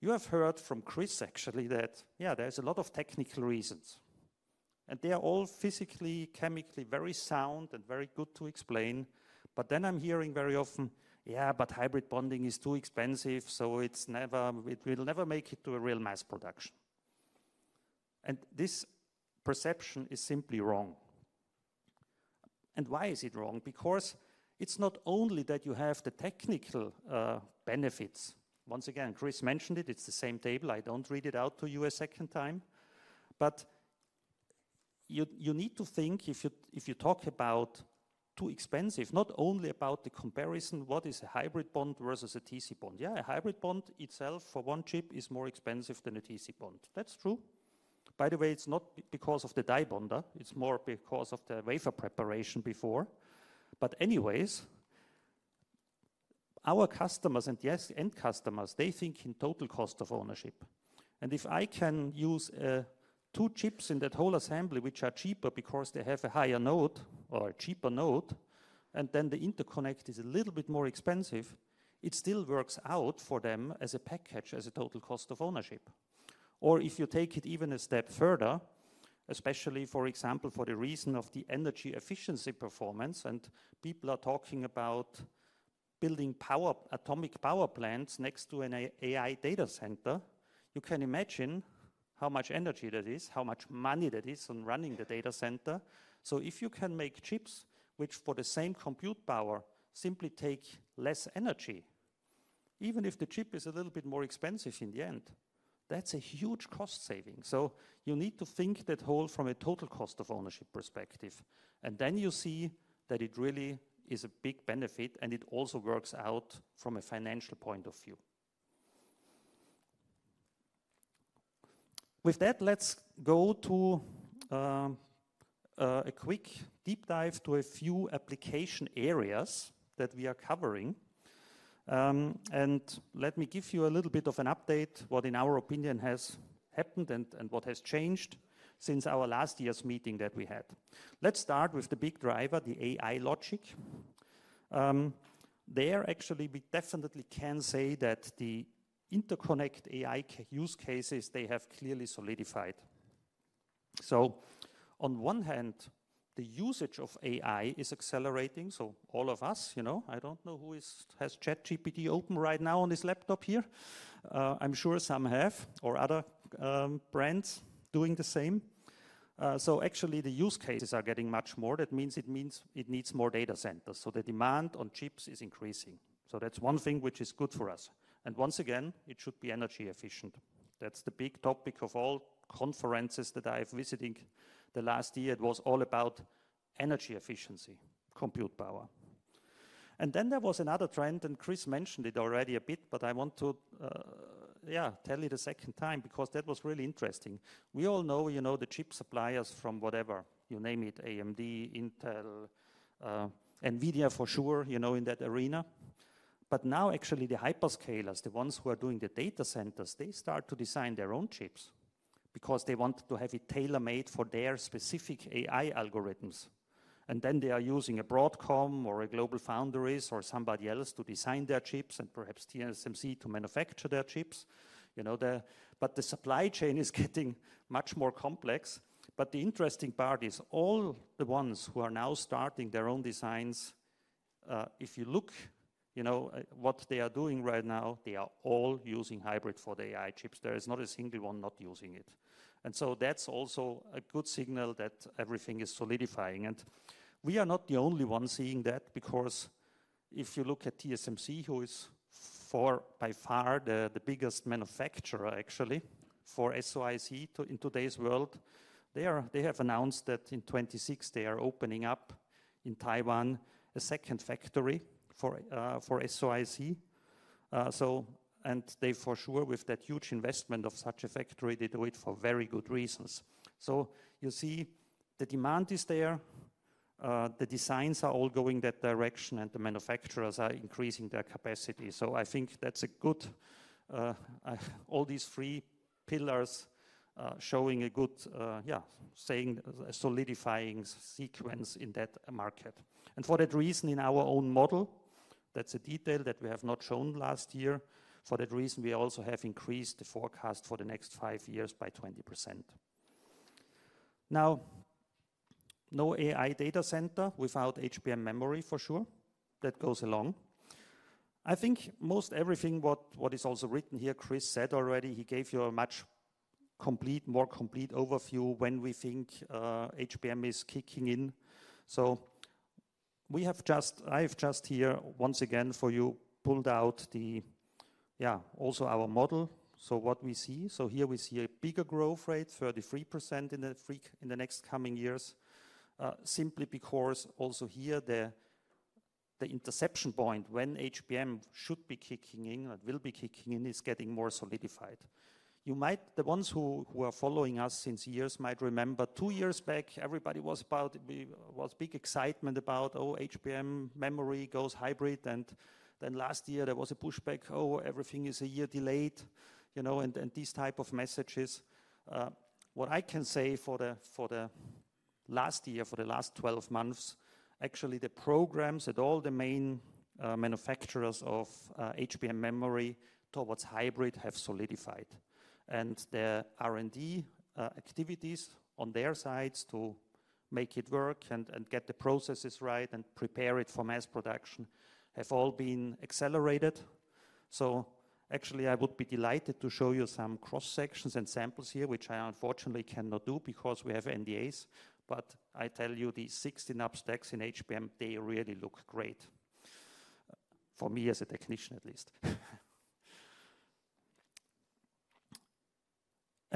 You have heard from Chris, actually, that, yeah, there's a lot of technical reasons. And they are all physically, chemically very sound and very good to explain. But then I'm hearing very often, "Yeah, but hybrid bonding is too expensive, so it will never make it to a real mass production. And this perception is simply wrong." And why is it wrong? Because it's not only that you have the technical benefits. Once again, Chris mentioned it, it's the same table. I don't read it out to you a second time. But you need to think if you talk about too expensive, not only about the comparison, what is a hybrid bond versus a TC bond? Yeah, a hybrid bond itself for one chip is more expensive than a TC bond. That's true. By the way, it's not because of the die bonder. It's more because of the wafer preparation before. But anyways, our customers and end customers, they think in total cost of ownership. If I can use two chips in that whole assembly, which are cheaper because they have a higher node or a cheaper node, and then the interconnect is a little bit more expensive, it still works out for them as a package as a total cost of ownership. If you take it even a step further, especially, for example, for the reason of the energy efficiency performance, and people are talking about building nuclear power plants next to an AI data center, you can imagine how much energy that is, how much money that is on running the data center. If you can make chips which for the same compute power simply take less energy, even if the chip is a little bit more expensive in the end, that's a huge cost saving. You need to think that whole from a total cost of ownership perspective. And then you see that it really is a big benefit, and it also works out from a financial point of view. With that, let's go to a quick deep dive to a few application areas that we are covering. And let me give you a little bit of an update what, in our opinion, has happened and what has changed since our last year's meeting that we had. Let's start with the big driver, the AI logic. There, actually, we definitely can say that the interconnect AI use cases, they have clearly solidified. So on one hand, the usage of AI is accelerating, so all of us. I don't know who has ChatGPT open right now on his laptop here. I'm sure some have or other brands doing the same. So actually, the use cases are getting much more. That means it needs more data centers. So the demand on chips is increasing. So that's one thing which is good for us. And once again, it should be energy efficient. That's the big topic of all conferences that I've visited the last year. It was all about energy efficiency, compute power. And then there was another trend, and Chris mentioned it already a bit, but I want to tell it a second time because that was really interesting. We all know the chip suppliers from whatever, you name it, AMD, Intel, NVIDIA for sure in that arena. But now, actually, the hyperscalers, the ones who are doing the data centers, they start to design their own chips because they want to have it tailor-made for their specific AI algorithms. And then they are using a Broadcom or a GlobalFoundries or somebody else to design their chips and perhaps TSMC to manufacture their chips. The supply chain is getting much more complex. The interesting part is all the ones who are now starting their own designs, if you look at what they are doing right now, they are all using hybrid for the AI chips. There is not a single one not using it. And so that's also a good signal that everything is solidifying. And we are not the only ones seeing that because if you look at TSMC, who is by far the biggest manufacturer, actually, for SoIC in today's world, they have announced that in 2026 they are opening up in Taiwan a second factory for SoIC. And they for sure, with that huge investment of such a factory, they do it for very good reasons. So you see the demand is there. The designs are all going that direction, and the manufacturers are increasing their capacity. So I think that's a good, all these three pillars showing a good, saying, a solidifying sequence in that market. And for that reason, in our own model, that's a detail that we have not shown last year. For that reason, we also have increased the forecast for the next five years by 20%. Now, no AI data center without HBM memory for sure. That goes along. I think most everything what is also written here, Chris said already, he gave you a much more complete overview when we think HBM is kicking in. So I have just here, once again for you, pulled out the, yeah, also our model. So what we see, so here we see a bigger growth rate, 33% in the next coming years, simply because also here the inflection point when HBM should be kicking in, it will be kicking in, is getting more solidified. The ones who are following us since years might remember two years back, everybody was about, there was big excitement about, oh, HBM memory goes hybrid, and then last year there was a pushback, oh, everything is a year delayed, and these type of messages. What I can say for the last year, for the last 12 months, actually the programs at all the main manufacturers of HBM memory towards hybrid have solidified, and the R&D activities on their sides to make it work and get the processes right and prepare it for mass production have all been accelerated, so actually, I would be delighted to show you some cross-sections and samples here, which I unfortunately cannot do because we have NDAs, but I tell you, the 16 upstacks in HBM, they really look great for me as a technician, at least.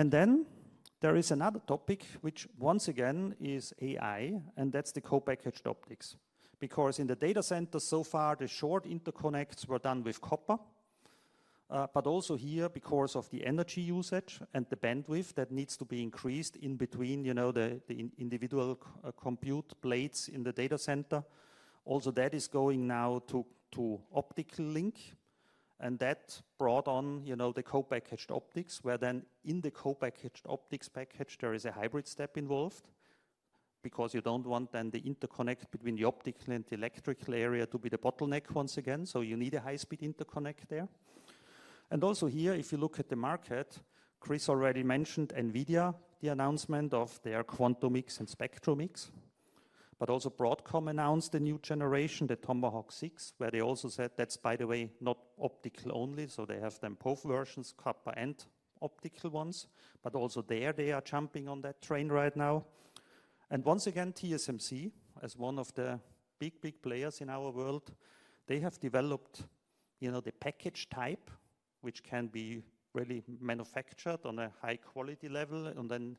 Then there is another topic, which once again is AI, and that's the co-packaged optics. Because in the data centers so far, the short interconnects were done with copper. But also here, because of the energy usage and the bandwidth that needs to be increased in between the individual compute blades in the data center, also that is going now to optical link. And that brought on the co-packaged optics, where then in the co-packaged optics package, there is a hybrid step involved. Because you don't want then the interconnect between the optical and the electrical area to be the bottleneck once again. So you need a high-speed interconnect there. And also here, if you look at the market, Chris already mentioned NVIDIA, the announcement of their Quantum-X and Spectrum-X. But also Broadcom announced the new generation, the Tomahawk 6, where they also said that's, by the way, not optical only. So they have them both versions, copper and optical ones. But also there, they are jumping on that train right now. And once again, TSMC, as one of the big, big players in our world, they have developed the package type, which can be really manufactured on a high-quality level and then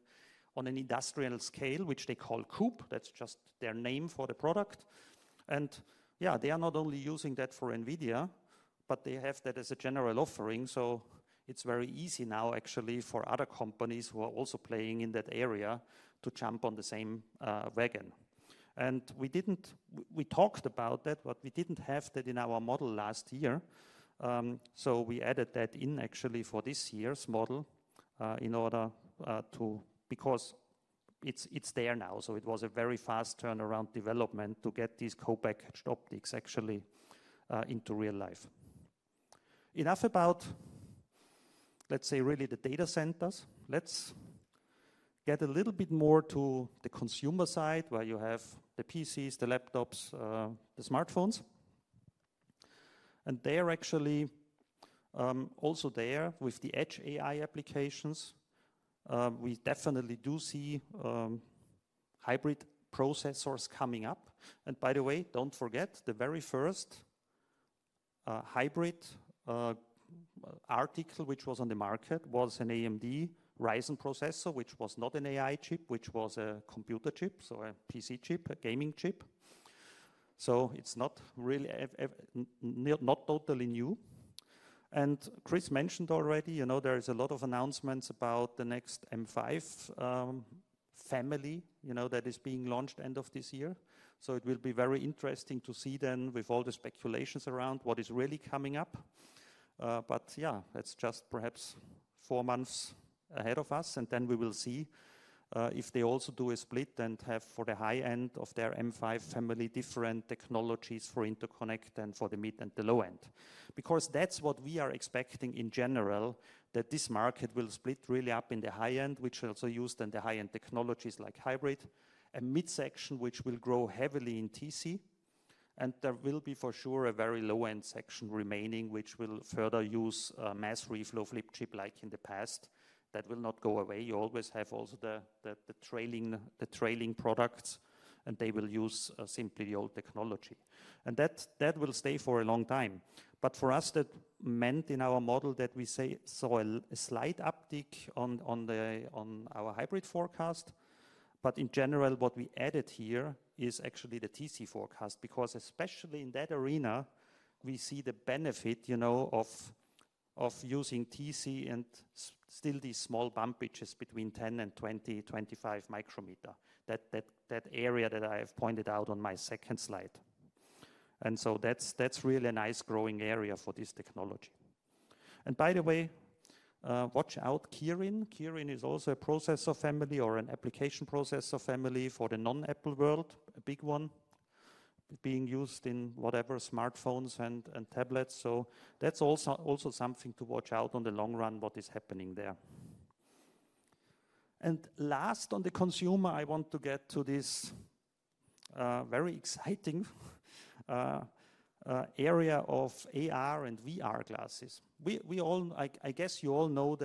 on an industrial scale, which they call COUPE. That's just their name for the product. And yeah, they are not only using that for NVIDIA, but they have that as a general offering. So it's very easy now, actually, for other companies who are also playing in that area to jump on the same wagon. And we talked about that, but we didn't have that in our model last year. So we added that in, actually, for this year's model in order to, because it's there now. So it was a very fast turnaround development to get these co-packaged optics, actually, into real life. Enough about, let's say, really the data centers. Let's get a little bit more to the consumer side, where you have the PCs, the laptops, the smartphones. And they are actually also there with the edge AI applications. We definitely do see hybrid processors coming up. And by the way, don't forget, the very first hybrid architecture which was on the market was an AMD Ryzen processor, which was not an AI chip, which was a computer chip, so a PC chip, a gaming chip. So it's not really not totally new. And Chris mentioned already, there is a lot of announcements about the next M5 family that is being launched end of this year. So it will be very interesting to see then with all the speculations around what is really coming up. But yeah, that's just perhaps four months ahead of us. And then we will see if they also do a split and have for the high end of their M5 family different technologies for interconnect and for the mid and the low end. Because that's what we are expecting in general, that this market will split really up in the high end, which will also use then the high-end technologies like hybrid, a mid section which will grow heavily in TC. And there will be for sure a very low-end section remaining, which will further use mass reflow flip chip like in the past. That will not go away. You always have also the trailing products, and they will use simply the old technology. And that will stay for a long time. But for us, that meant in our model that we saw a slight uptick on our hybrid forecast. But in general, what we added here is actually the TC forecast, because especially in that arena, we see the benefit of using TC and still these small bump pitches between 10 and 20, 25 micrometer, that area that I have pointed out on my second slide. And so that's really a nice growing area for this technology. And by the way, watch out, Kirin. Kirin is also a processor family or an application processor family for the non-Apple world, a big one being used in whatever smartphones and tablets. So that's also something to watch out on the long run, what is happening there. And last on the consumer, I want to get to this very exciting area of AR and VR glasses. I guess you all know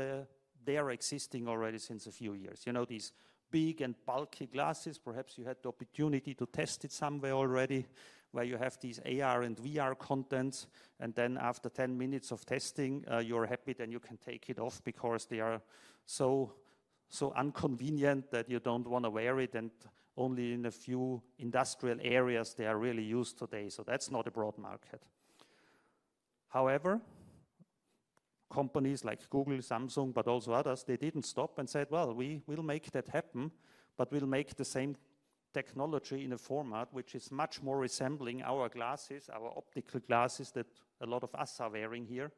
they're existing already since a few years. These big and bulky glasses, perhaps you had the opportunity to test it somewhere already, where you have these AR and VR contents, and then after 10 minutes of testing, you're happy that you can take it off because they are so inconvenient that you don't want to wear it, and only in a few industrial areas, they are really used today, so that's not a broad market. However, companies like Google, Samsung, but also others, they didn't stop and said, well, we will make that happen, but we'll make the same technology in a format which is much more resembling our glasses, our optical glasses that a lot of us are wearing here,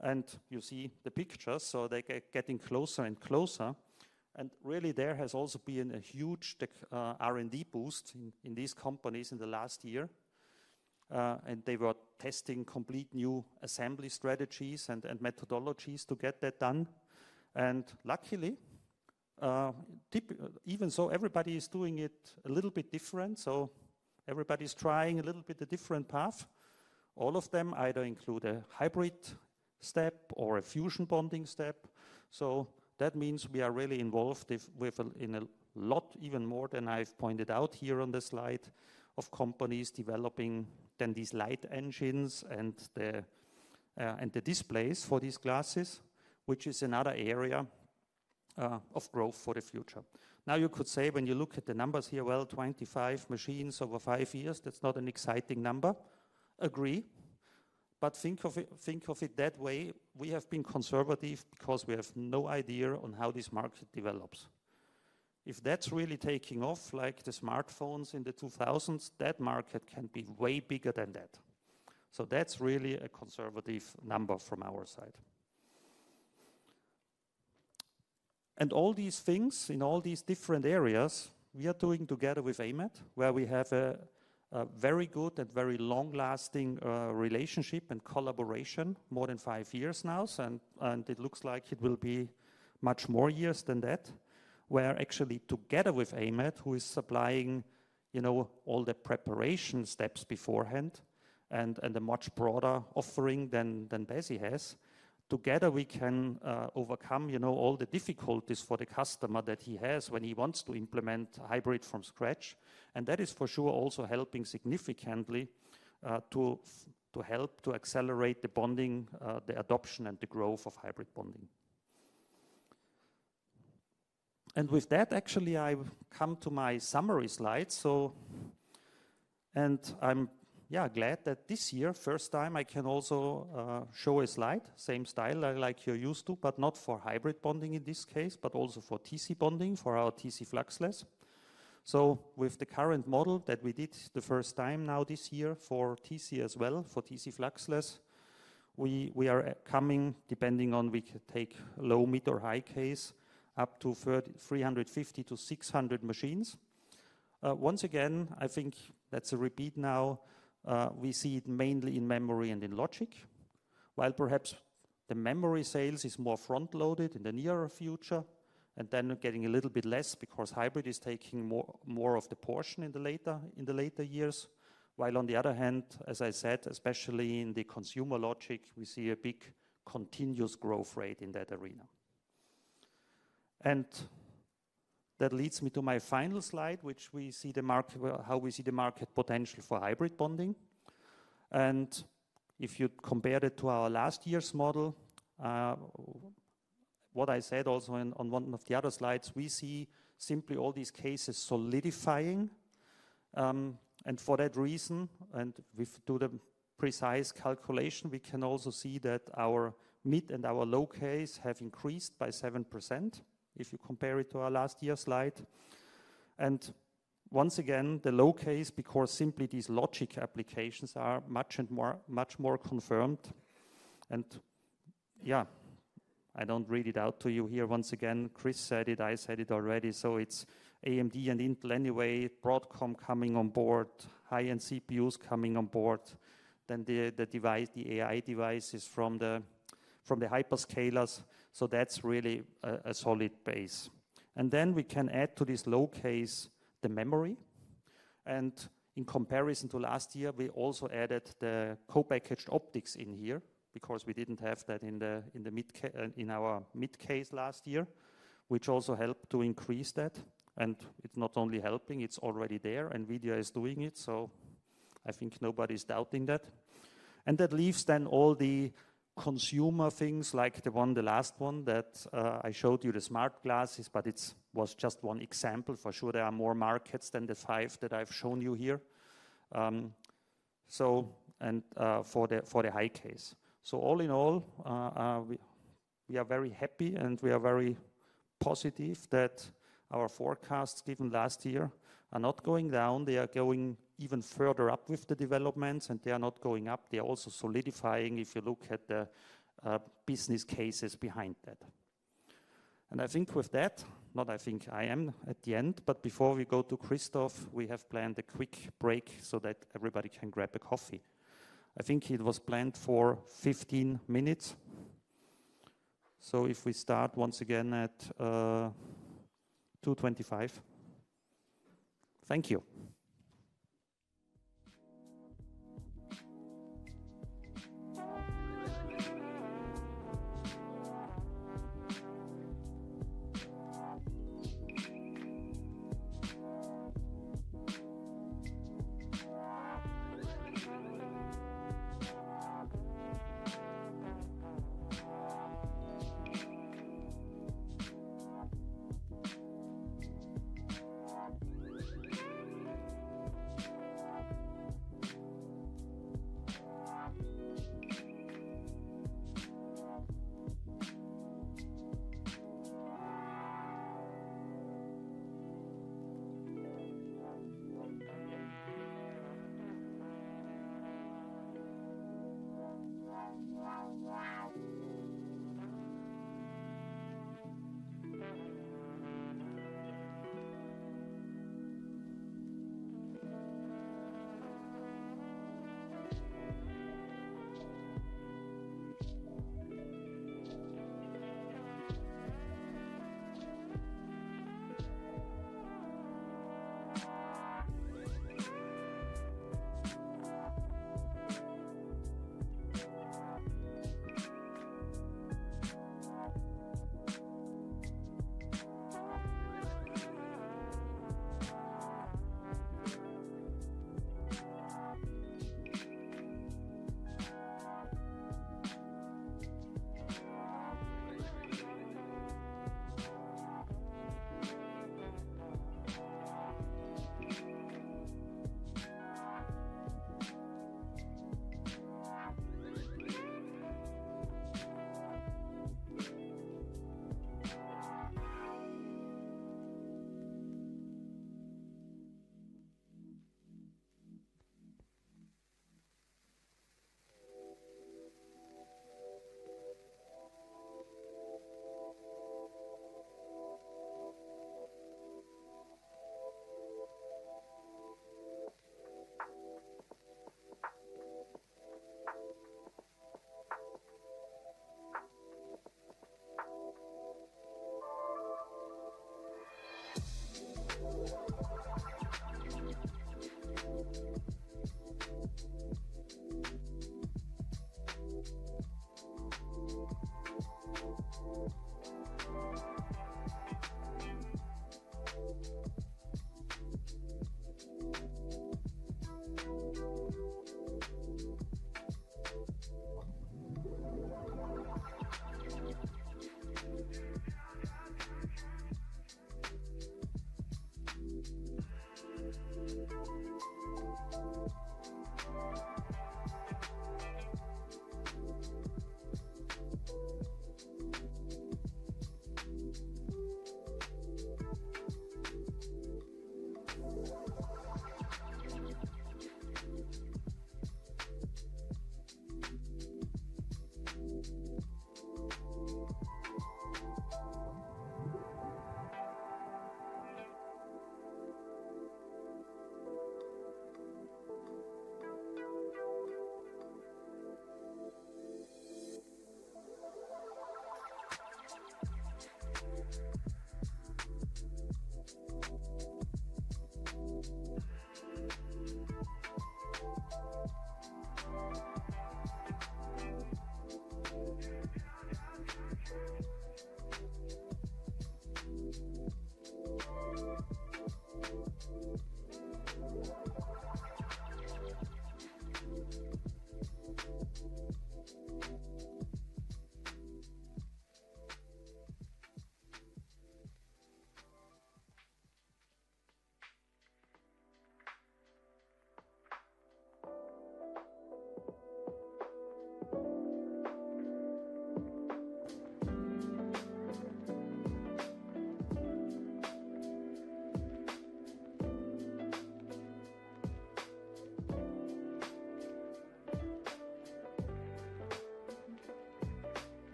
and you see the pictures, so they're getting closer and closer. Really, there has also been a huge R&D boost in these companies in the last year. They were testing completely new assembly strategies and methodologies to get that done. Luckily, even so, everybody is doing it a little bit different. Everybody's trying a little bit of a different path. All of them either include a hybrid step or a fusion bonding step. That means we are really involved in a lot, even more than I've pointed out here on the slide, of companies developing then these light engines and the displays for these glasses, which is another area of growth for the future. Now, you could say when you look at the numbers here, well, 25 machines over five years, that's not an exciting number. Agree. But think of it that way. We have been conservative because we have no idea on how this market develops. If that's really taking off, like the smartphones in the 2000s, that market can be way bigger than that, so that's really a conservative number from our side, and all these things in all these different areas, we are doing together with AMAT, where we have a very good and very long-lasting relationship and collaboration more than five years now. And it looks like it will be much more years than that, where actually together with AMAT, who is supplying all the preparation steps beforehand and a much broader offering than Besi has, together we can overcome all the difficulties for the customer that he has when he wants to implement hybrid from scratch, and that is for sure also helping significantly to help to accelerate the bonding, the adoption, and the growth of hybrid bonding. And with that, actually, I come to my summary slides. And I'm glad that this year, first time, I can also show a slide, same style like you're used to, but not for hybrid bonding in this case, but also for TC bonding for our TC fluxless. So with the current model that we did the first time now this year for TC as well, for TC fluxless, we are coming, depending on we take low mid or high case, up to 350 to 600 machines. Once again, I think that's a repeat now. We see it mainly in memory and in logic, while perhaps the memory sales is more front-loaded in the near future and then getting a little bit less because hybrid is taking more of the portion in the later years. While on the other hand, as I said, especially in the consumer logic, we see a big continuous growth rate in that arena. And that leads me to my final slide, which we see how we see the market potential for hybrid bonding. And if you compare it to our last year's model, what I said also on one of the other slides, we see simply all these cases solidifying. And for that reason, and we do the precise calculation, we can also see that our mid and our low case have increased by 7% if you compare it to our last year's slide. And once again, the low case because simply these logic applications are much more confirmed. And yeah, I don't read it out to you here. Once again, Chris said it, I said it already. So it's AMD and Intel anyway, Broadcom coming on board, high-end CPUs coming on board, then the AI devices from the hyperscalers. So that's really a solid base. And then we can add to this low case, the memory. And in comparison to last year, we also added the co-packaged optics in here because we didn't have that in our mid case last year, which also helped to increase that. And it's not only helping, it's already there. NVIDIA is doing it. So I think nobody's doubting that. And that leaves then all the consumer things like the one, the last one that I showed you, the smart glasses, but it was just one example. For sure, there are more markets than the five that I've shown you here. And for the high case. So all in all, we are very happy and we are very positive that our forecasts given last year are not going down. They are going even further up with the developments, and they are not going up. They are also solidifying if you look at the business cases behind that. And I think with that, not I think I am at the end, but before we go to Christoph, we have planned a quick break so that everybody can grab a coffee. I think it was planned for 15 minutes. So if we start once again at 2:25 P.M. Thank you.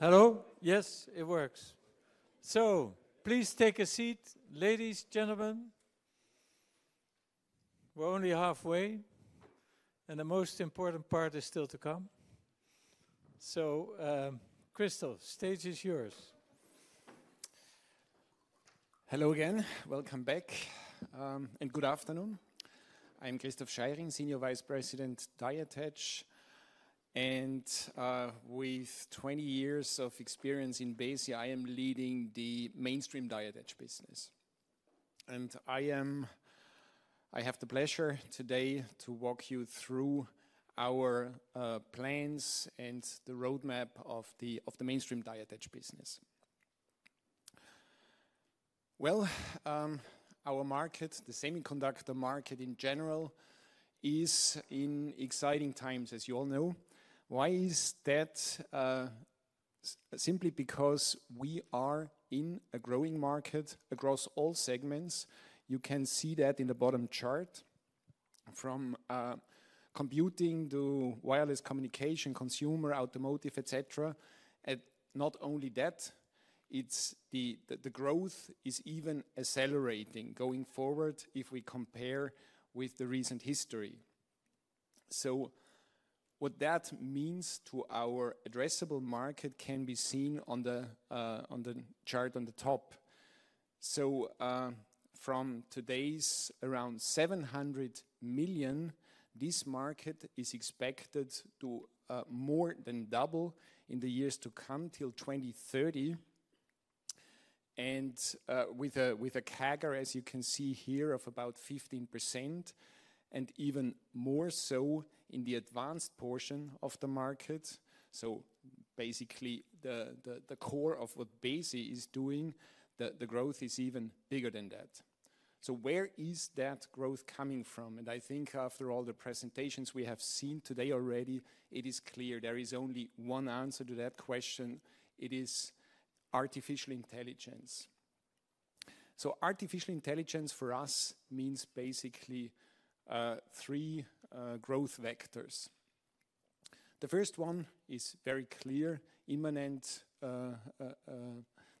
So they say. Hello? Yes, it works. So please take a seat, ladies and gentlemen. We're only halfway, and the most important part is still to come. So, Christoph, stage is yours. Hello again, welcome back, and good afternoon. I'm Christoph Scheiring, Senior Vice President, Die Attach. With 20 years of experience in Besi, I am leading the mainstream Die Attach business. I have the pleasure today to walk you through our plans and the roadmap of the mainstream Die Attach business. Our market, the semiconductor market in general, is in exciting times, as you all know. Why is that? Simply because we are in a growing market across all segments. You can see that in the bottom chart. From computing to wireless communication, consumer, automotive, et cetera. Not only that, the growth is even accelerating going forward if we compare with the recent history. What that means to our addressable market can be seen on the chart on the top. From today, around 700 million, this market is expected to more than double in the years to come till 2030. With a CAGR, as you can see here, of about 15%, and even more so in the advanced portion of the market. Basically, the core of what Besi is doing, the growth, is even bigger than that. Where is that growth coming from? I think after all the presentations we have seen today already, it is clear there is only one answer to that question. It is artificial intelligence. Artificial intelligence for us means basically three growth vectors. The first one is very clear, imminent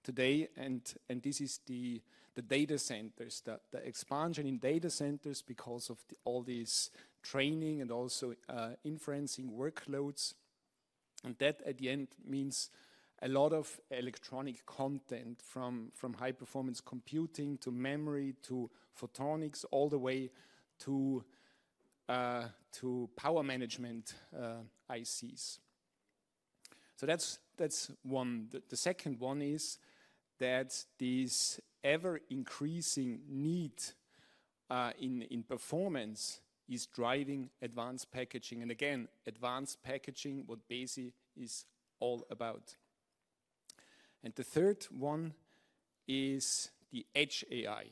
today. This is the data centers, the expansion in data centers because of all this training and also inference workloads. That at the end means a lot of electronic content from high performance computing to memory to photonics, all the way to power management ICs. That's one. The second one is that this ever increasing need, in performance is driving advanced packaging. And again, advanced packaging, what Besi is all about. And the third one is the edge AI.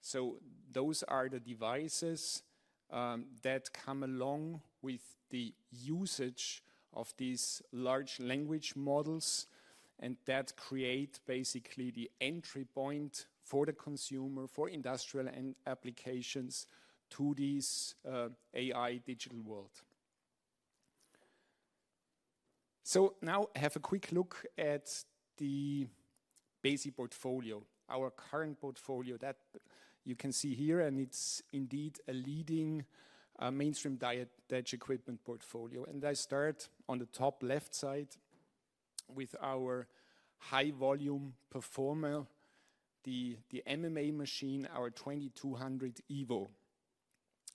So those are the devices, that come along with the usage of these large language models. And that create basically the entry point for the consumer, for industrial and applications to these, AI digital world. So now I have a quick look at the Besi portfolio, our current portfolio that you can see here. And it's indeed a leading, mainstream die attach equipment portfolio. And I start on the top left side with our high volume performer, the MMA machine, our 2200 Evo.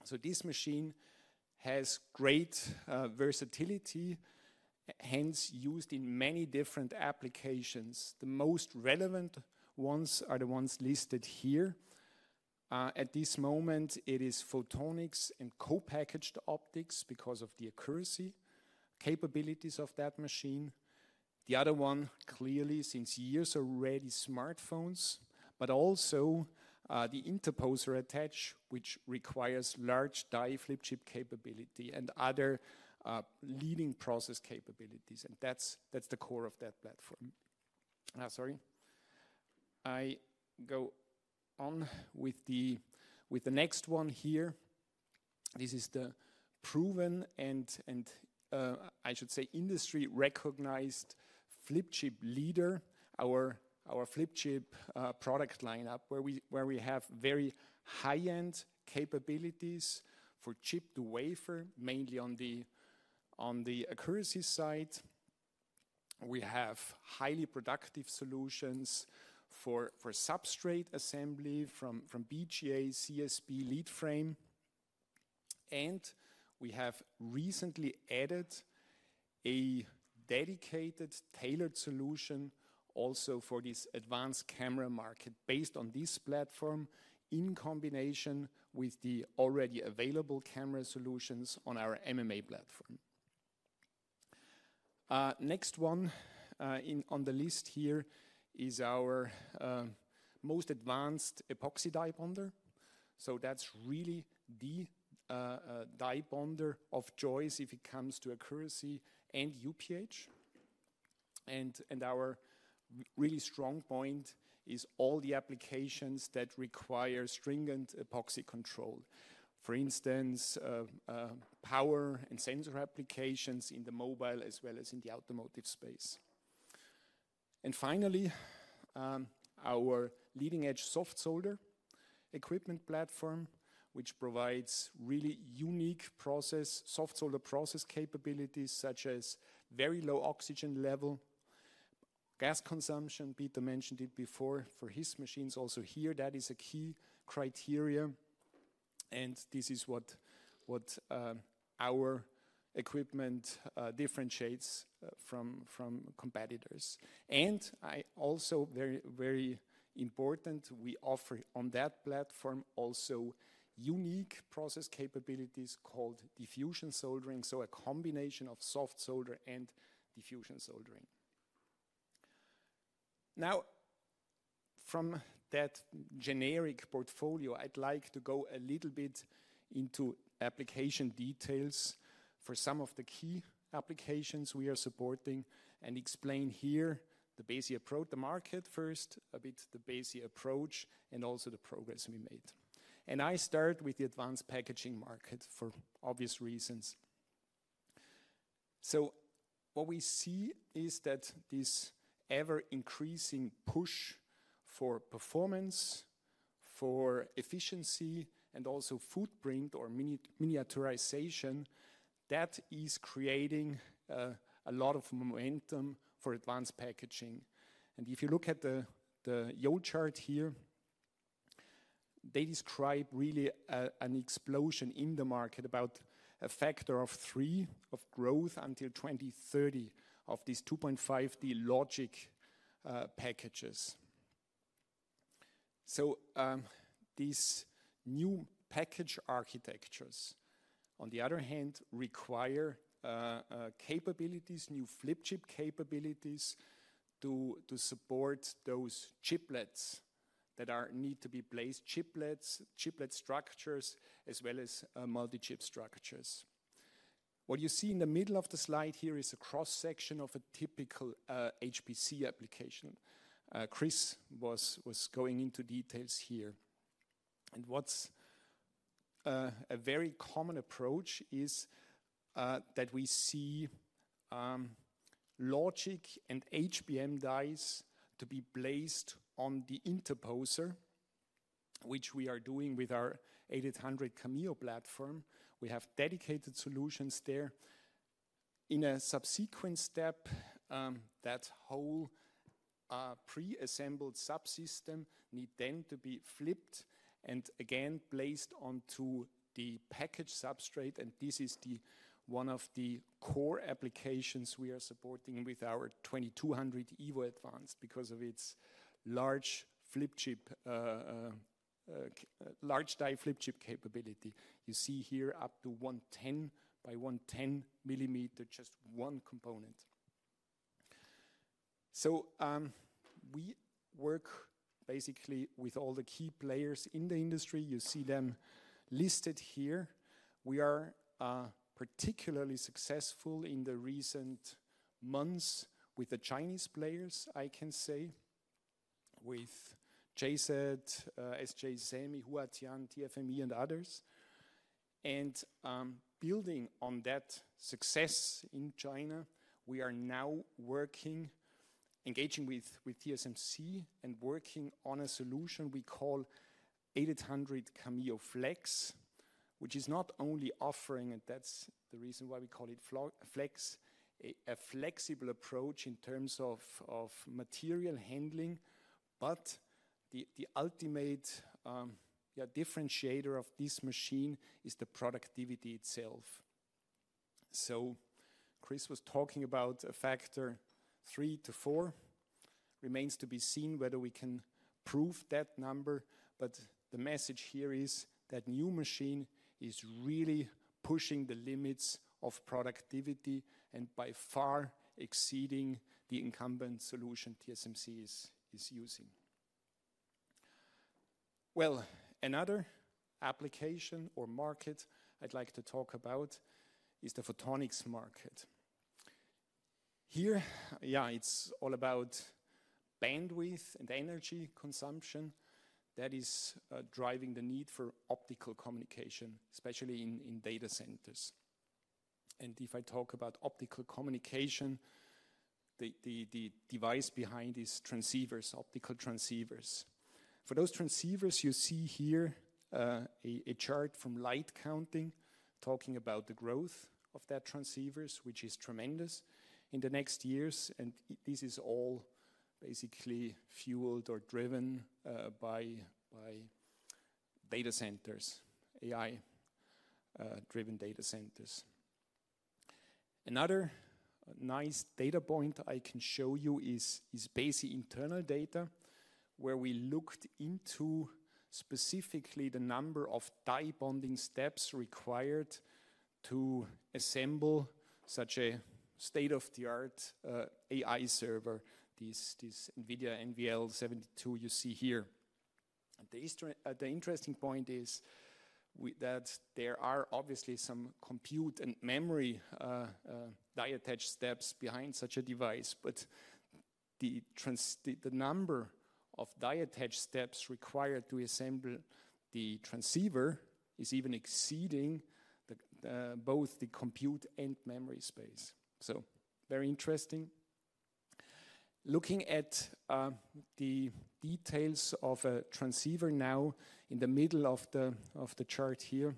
So this machine has great, versatility, hence used in many different applications. The most relevant ones are the ones listed here. At this moment, it is photonics and co-packaged optics because of the accuracy capabilities of that machine. The other one clearly since years already smartphones, but also the interposer attach, which requires large die flip chip capability and other leading process capabilities. And that's the core of that platform. Sorry, I go on with the next one here. This is the proven and, I should say, industry recognized flip chip leader, our flip chip product lineup where we have very high-end capabilities for chip to wafer, mainly on the accuracy side. We have highly productive solutions for substrate assembly from BGA, CSP, lead frame. And we have recently added a dedicated tailored solution also for this advanced camera market based on this platform in combination with the already available camera solutions on our MMA platform. Next one on the list here is our most advanced epoxy die bonder. So that's really the die bonder of choice if it comes to accuracy and UPH. And our really strong point is all the applications that require stringent epoxy control, for instance, power and sensor applications in the mobile as well as in the automotive space. And finally, our leading edge soft solder equipment platform, which provides really unique soft solder process capabilities such as very low oxygen level, gas consumption. Peter mentioned it before for his machines. Also here that is a key criteria. And this is what our equipment differentiates from competitors. And also very important, we offer on that platform unique process capabilities called diffusion soldering. So a combination of soft solder and diffusion soldering. Now, from that generic portfolio, I'd like to go a little bit into application details for some of the key applications we are supporting and explain here the Besi approach the market first, a bit the Besi approach and also the progress we made. I start with the advanced packaging market for obvious reasons. What we see is that this ever increasing push for performance, for efficiency and also footprint or miniaturization, that is creating a lot of momentum for advanced packaging. If you look at the Yole chart here, they describe really an explosion in the market about a factor of three of growth until 2030 of these 2.5D logic packages. These new package architectures on the other hand require capabilities, new flip chip capabilities to support those chiplets that need to be placed chiplets, chiplet structures as well as multi-chip structures. What you see in the middle of the slide here is a cross-section of a typical HPC application. Chris was going into details here. What's a very common approach is that we see logic and HBM dies to be placed on the interposer, which we are doing with our 8800 Cameo platform. We have dedicated solutions there. In a subsequent step, that whole pre-assembled subsystem need then to be flipped and again placed onto the package substrate. This is one of the core applications we are supporting with our 2200 Evo Advanced because of its large flip chip, large die flip chip capability. You see here up to 110 by 110 millimeter, just one component. We work basically with all the key players in the industry. You see them listed here. We are particularly successful in the recent months with the Chinese players. I can say, with JCET, SJ Semi, Huatian, TFME and others. Building on that success in China, we are now working, engaging with TSMC and working on a solution we call 8800 Cameo Flex, which is not only offering, and that's the reason why we call it Flex, a flexible approach in terms of material handling, but the ultimate, yeah, differentiator of this machine is the productivity itself. Chris was talking about a factor three to four. Remains to be seen whether we can prove that number, but the message here is that new machine is really pushing the limits of productivity and by far exceeding the incumbent solution TSMC is using. Another application or market I'd like to talk about is the photonics market. Here, yeah, it's all about bandwidth and energy consumption that is driving the need for optical communication, especially in data centers. And if I talk about optical communication, the device behind is transceivers, optical transceivers. For those transceivers, you see here, a chart from LightCounting talking about the growth of those transceivers, which is tremendous in the next years. And this is all basically fueled or driven, by data centers, AI, driven data centers. Another nice data point I can show you is Besi internal data where we looked into specifically the number of die bonding steps required to assemble such a state-of-the-art, AI server, this NVIDIA NVL72 you see here. The interesting point is that there are obviously some compute and memory, die attached steps behind such a device, but the number of die attached steps required to assemble the transceiver is even exceeding both the compute and memory space. Very interesting. Looking at the details of a transceiver now in the middle of the chart here,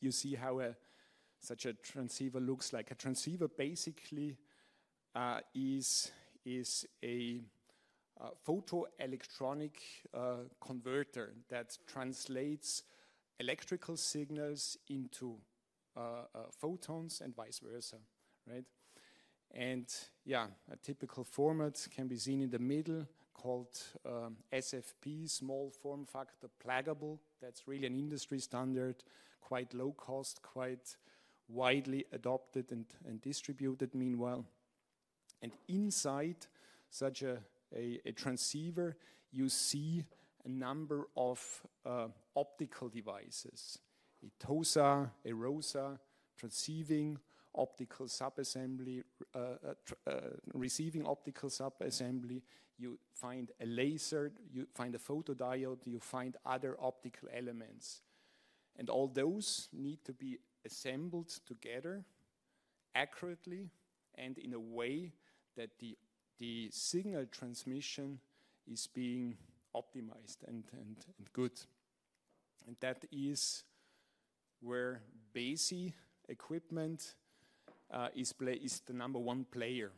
you see how such a transceiver looks like. A transceiver basically is a optoelectronic converter that translates electrical signals into photons and vice versa, right? Yeah, a typical format can be seen in the middle called SFP, small form-factor pluggable. That's really an industry standard, quite low cost, quite widely adopted and distributed meanwhile. Inside such a transceiver, you see a number of optical devices, a TOSA, a ROSA, receiver optical subassembly. You find a laser, you find a photodiode, you find other optical elements. All those need to be assembled together accurately and in a way that the signal transmission is being optimized and good. That is where Besi equipment is the number one player,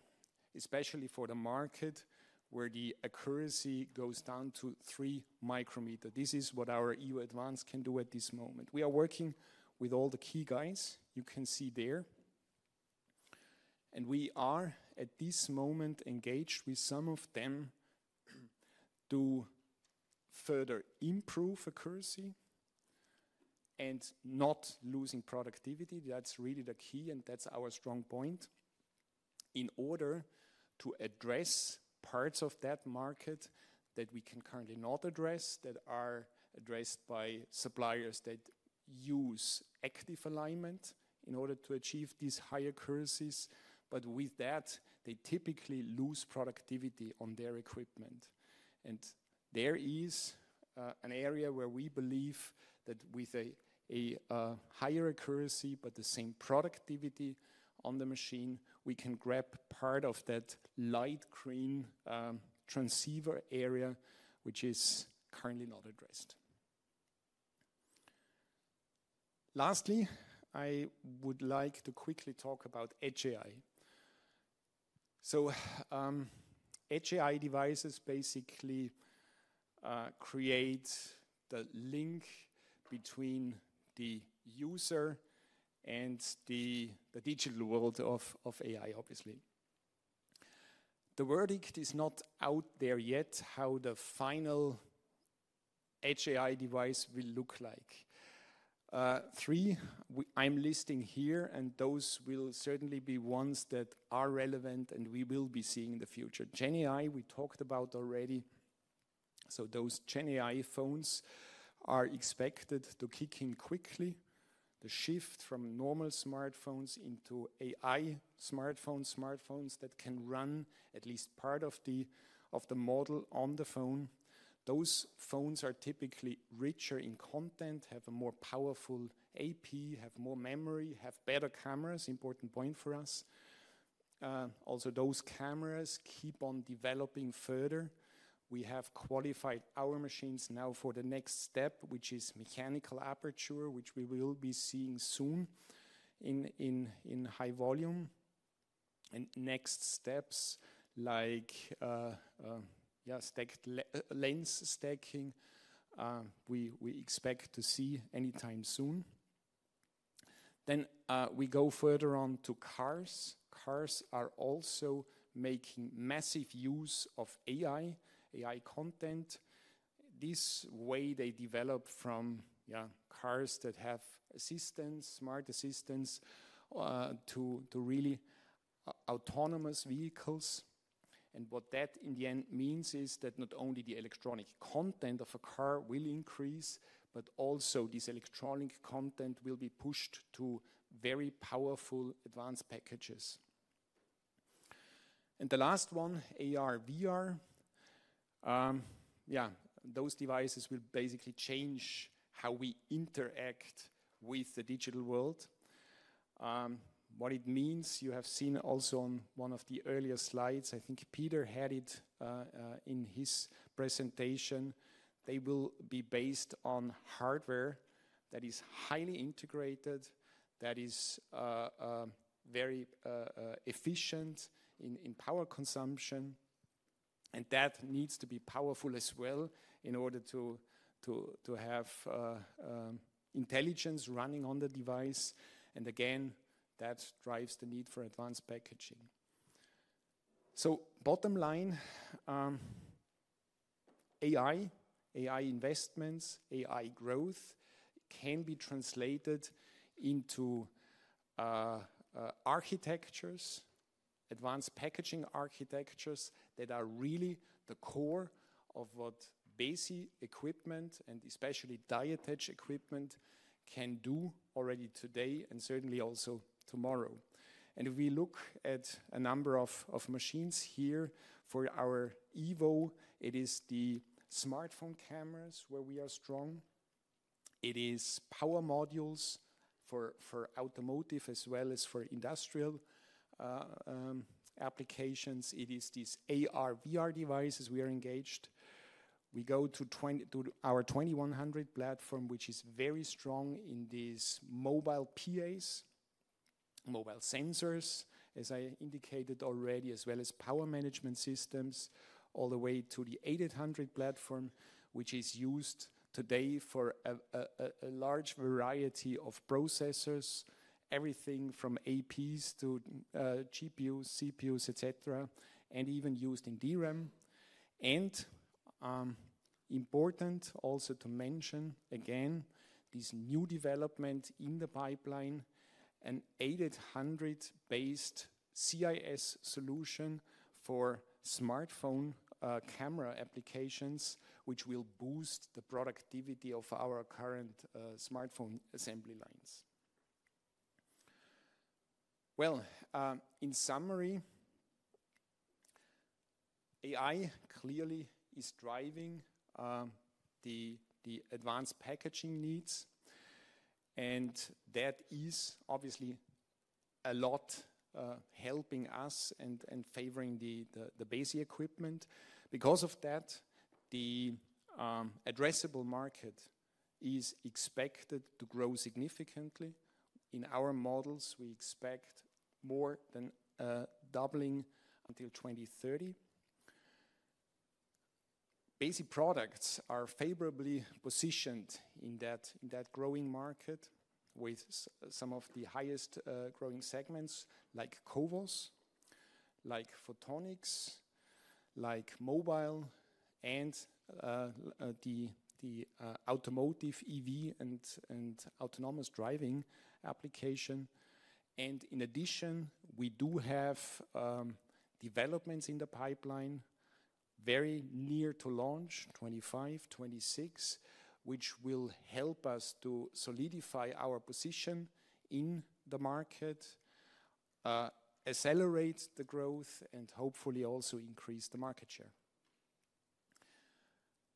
especially for the market where the accuracy goes down to three micrometer. This is what our Evo Advanced can do at this moment. We are working with all the key guys you can see there. We are at this moment engaged with some of them to further improve accuracy and not losing productivity. That's really the key and that's our strong point in order to address parts of that market that we can currently not address that are addressed by suppliers that use active alignment in order to achieve these higher accuracies. But with that, they typically lose productivity on their equipment. And there is an area where we believe that with a higher accuracy, but the same productivity on the machine, we can grab part of that light green transceiver area, which is currently not addressed. Lastly, I would like to quickly talk about edge AI. So, edge AI devices basically create the link between the user and the digital world of AI, obviously. The verdict is not out there yet how the final edge AI device will look like. Three I'm listing here and those will certainly be ones that are relevant and we will be seeing in the future. Gen AI we talked about already. So those Gen AI phones are expected to kick in quickly. The shift from normal smartphones into AI smartphones, smartphones that can run at least part of the model on the phone. Those phones are typically richer in content, have a more powerful AP, have more memory, have better cameras, important point for us. Also those cameras keep on developing further. We have qualified our machines now for the next step, which is mechanical aperture, which we will be seeing soon in high volume. And next steps like, yeah, stacked lens stacking, we expect to see anytime soon. Then, we go further on to cars. Cars are also making massive use of AI, AI content. This way they develop from, yeah, cars that have assistance, smart assistance, to really autonomous vehicles. What that in the end means is that not only the electronic content of a car will increase, but also this electronic content will be pushed to very powerful advanced packages. The last one, AR, VR. Yeah, those devices will basically change how we interact with the digital world. What it means, you have seen also on one of the earlier slides. I think Peter had it in his presentation. They will be based on hardware that is highly integrated, that is very efficient in power consumption. That needs to be powerful as well in order to have intelligence running on the device. Again, that drives the need for advanced packaging. Bottom line, AI, AI investments, AI growth can be translated into architectures, advanced packaging architectures that are really the core of what Besi equipment and especially die attach equipment can do already today and certainly also tomorrow. And if we look at a number of machines here for our Evo, it is the smartphone cameras where we are strong. It is power modules for automotive as well as for industrial applications. It is these AR, VR devices we are engaged. We go to our 2100 platform, which is very strong in these mobile PAs, mobile sensors, as I indicated already, as well as power management systems all the way to the 8800 platform, which is used today for a large variety of processors, everything from APs to GPUs, CPUs, et cetera, and even used in DRAM. Important also to mention again this new development in the pipeline, an 8800 based CIS solution for smartphone, camera applications, which will boost the productivity of our current, smartphone assembly lines. In summary, AI clearly is driving, advanced packaging needs. That is obviously a lot, helping us and favoring the Besi equipment. Because of that, addressable market is expected to grow significantly. In our models, we expect more than a doubling until 2030. Besi products are favorably positioned in that growing market with some of the highest, growing segments like CoWoS, like photonics, like mobile, and, the, automotive EV and autonomous driving application. In addition, we do have developments in the pipeline very near to launch 2025, 2026, which will help us to solidify our position in the market, accelerate the growth, and hopefully also increase the market share.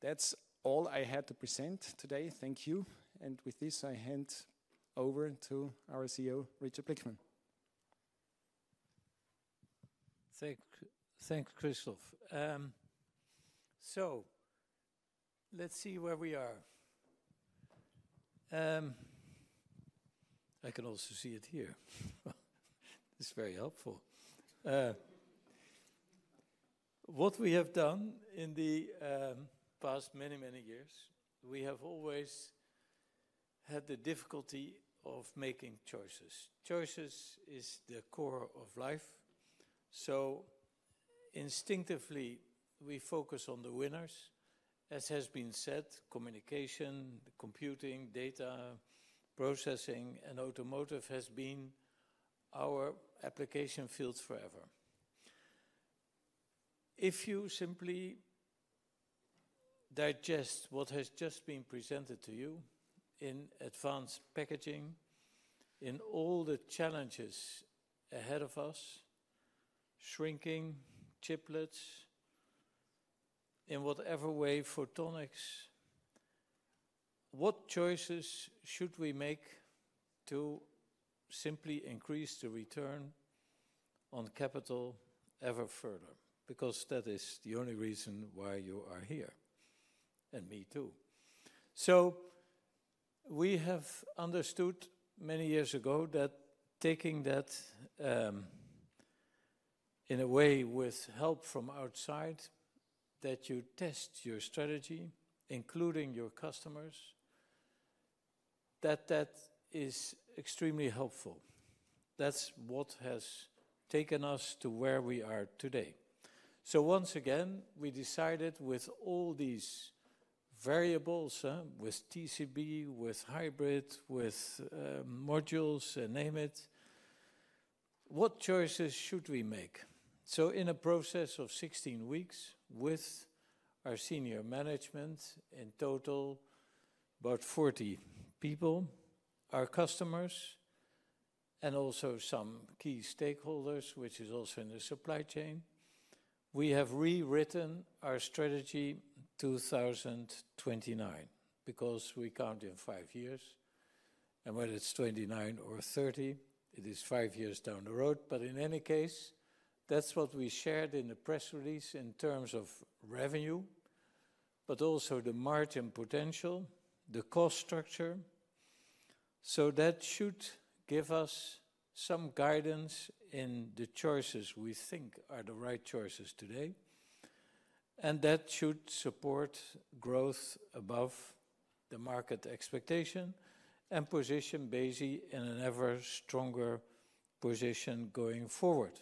That's all I had to present today. Thank you. And with this, I hand over to our CEO, Richard Blickman. Thank you, thank you, Christoph. So let's see where we are. I can also see it here. Well, it's very helpful. What we have done in the past many, many years, we have always had the difficulty of making choices. Choices is the core of life. So instinctively, we focus on the winners, as has been said, communication, the computing, data, processing, and automotive has been our application fields forever. If you simply digest what has just been presented to you in advanced packaging, in all the challenges ahead of us, shrinking chiplets in whatever way photonics, what choices should we make to simply increase the return on capital ever further? Because that is the only reason why you are here and me too. So we have understood many years ago that taking that, in a way with help from outside, that you test your strategy, including your customers, that that is extremely helpful. That's what has taken us to where we are today. So once again, we decided with all these variables, with TCB, with hybrid, with modules and name it, what choices should we make? So in a process of 16 weeks with our senior management, in total about 40 people, our customers, and also some key stakeholders, which is also in the supply chain, we have rewritten our Strategy 2029 because we count in five years. And whether it's 29 or 30, it is five years down the road. But in any case, that's what we shared in the press release in terms of revenue, but also the margin potential, the cost structure. So that should give us some guidance in the choices we think are the right choices today. And that should support growth above the market expectation and position Besi in an ever stronger position going forward.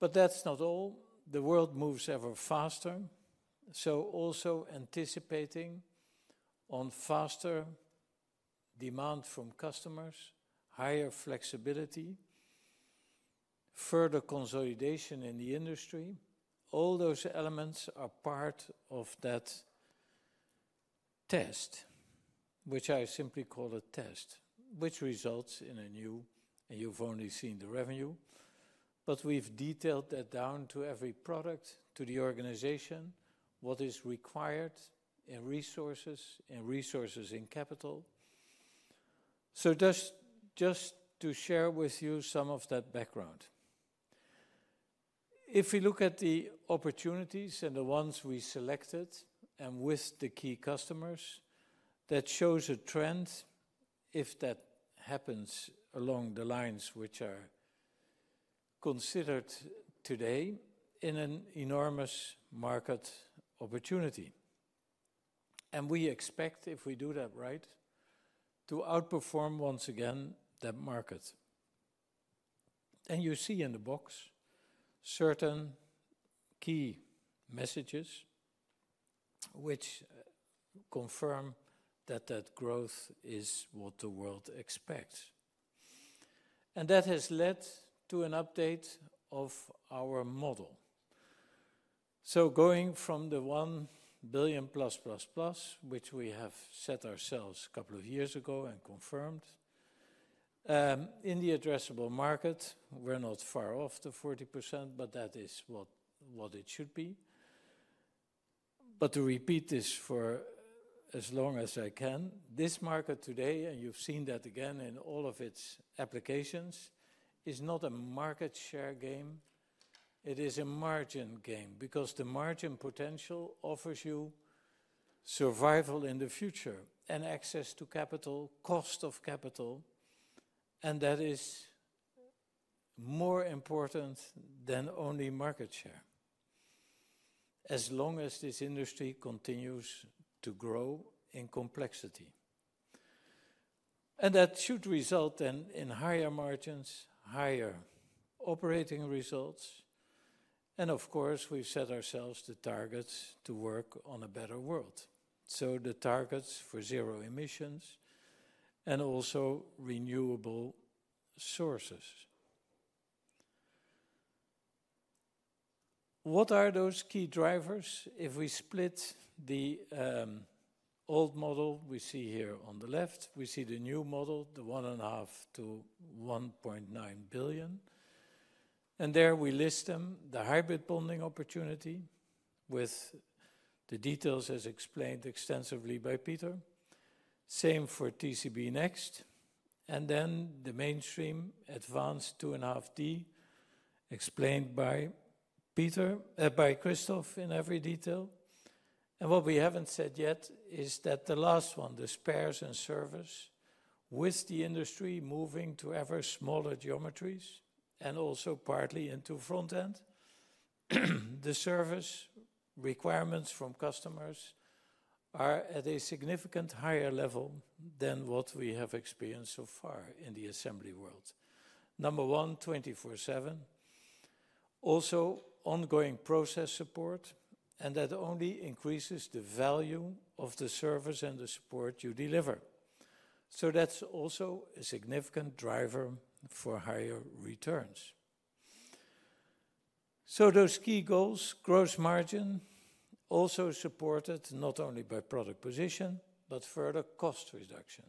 But that's not all. The world moves ever faster. So also anticipating on faster demand from customers, higher flexibility, further consolidation in the industry, all those elements are part of that test, which I simply call a test, which results in a new, and you've only seen the revenue, but we've detailed that down to every product, to the organization, what is required in resources and resources in capital. So just to share with you some of that background. If we look at the opportunities and the ones we selected and with the key customers, that shows a trend if that happens along the lines which are considered today in an enormous market opportunity. We expect, if we do that right, to outperform once again that market. You see in the box certain key messages which confirm that growth is what the world expects. That has led to an update of our model. Going from the 1 billion +++, which we have set ourselves a couple of years ago and confirmed in the addressable market, we're not far off the 40%, but that is what it should be. To repeat this for as long as I can, this market today, and you've seen that again in all of its applications, is not a market share game. It is a margin game because the margin potential offers you survival in the future and access to capital, cost of capital, and that is more important than only market share as long as this industry continues to grow in complexity. That should result then in higher margins, higher operating results. Of course, we've set ourselves the targets to work on a better world. The targets for zero emissions and also renewable sources. What are those key drivers? If we split the old model we see here on the left, we see the new model, the 1.5 billion-1.9 billion. There we list them, the hybrid bonding opportunity with the details as explained extensively by Peter, same for TC Next, and then the mainstream advanced two and a half D explained by Peter, by Christoph in every detail. What we haven't said yet is that the last one, the spares and service with the industry moving to ever smaller geometries and also partly into front end, the service requirements from customers are at a significant higher level than what we have experienced so far in the assembly world. Number one, 24, 7, also ongoing process support, and that only increases the value of the service and the support you deliver, so that's also a significant driver for higher returns. Those key goals, gross margin also supported not only by product position, but further cost reduction.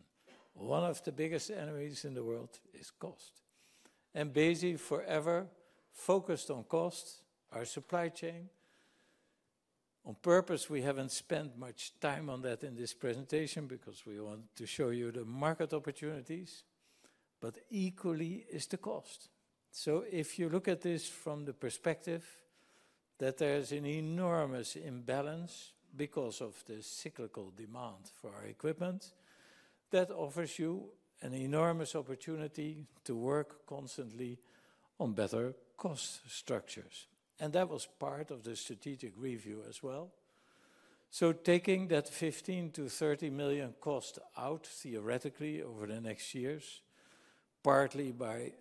One of the biggest enemies in the world is cost. And Besi forever focused on cost, our supply chain. On purpose, we haven't spent much time on that in this presentation because we want to show you the market opportunities, but equally is the cost. If you look at this from the perspective that there is an enormous imbalance because of the cyclical demand for our equipment, that offers you an enormous opportunity to work constantly on better cost structures. And that was part of the strategic review as well. Taking that 15 million-30 million cost out theoretically over the next years, partly by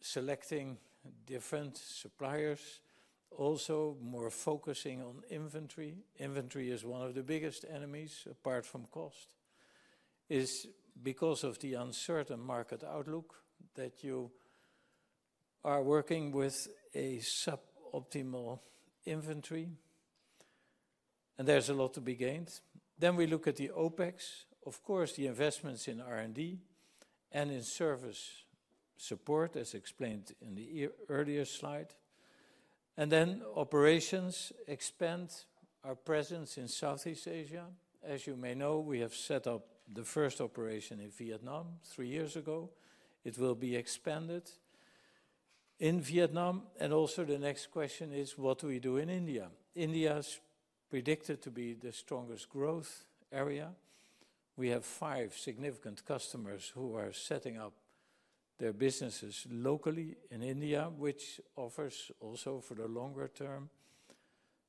selecting different suppliers, also more focusing on inventory. Inventory is one of the biggest enemies apart from cost, is because of the uncertain market outlook that you are working with a suboptimal inventory. And there's a lot to be gained. Then we look at the OpEx, of course, the investments in R&D and in service support, as explained in the earlier slide. And then operations expand our presence in Southeast Asia. As you may know, we have set up the first operation in Vietnam three years ago. It will be expanded in Vietnam. And also the next question is, what do we do in India? India is predicted to be the strongest growth area. We have five significant customers who are setting up their businesses locally in India, which offers also for the longer term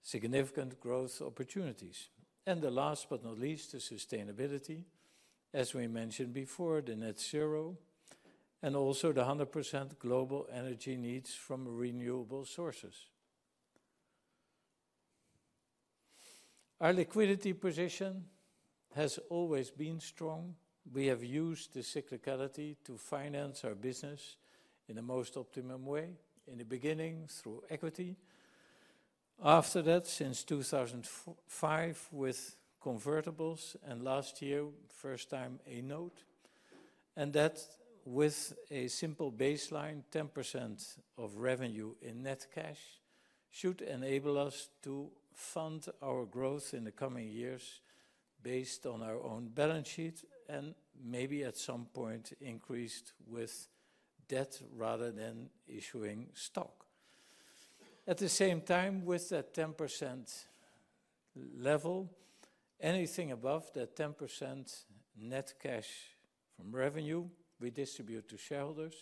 significant growth opportunities. The last but not least, the sustainability, as we mentioned before, the net zero and also the 100% global energy needs from renewable sources. Our liquidity position has always been strong. We have used the cyclicality to finance our business in the most optimum way in the beginning through equity. After that, since 2005 with convertibles and last year, first time a note. That with a simple baseline, 10% of revenue in net cash should enable us to fund our growth in the coming years based on our own balance sheet and maybe at some point increased with debt rather than issuing stock. At the same time, with that 10% level, anything above that 10% net cash from revenue, we distribute to shareholders.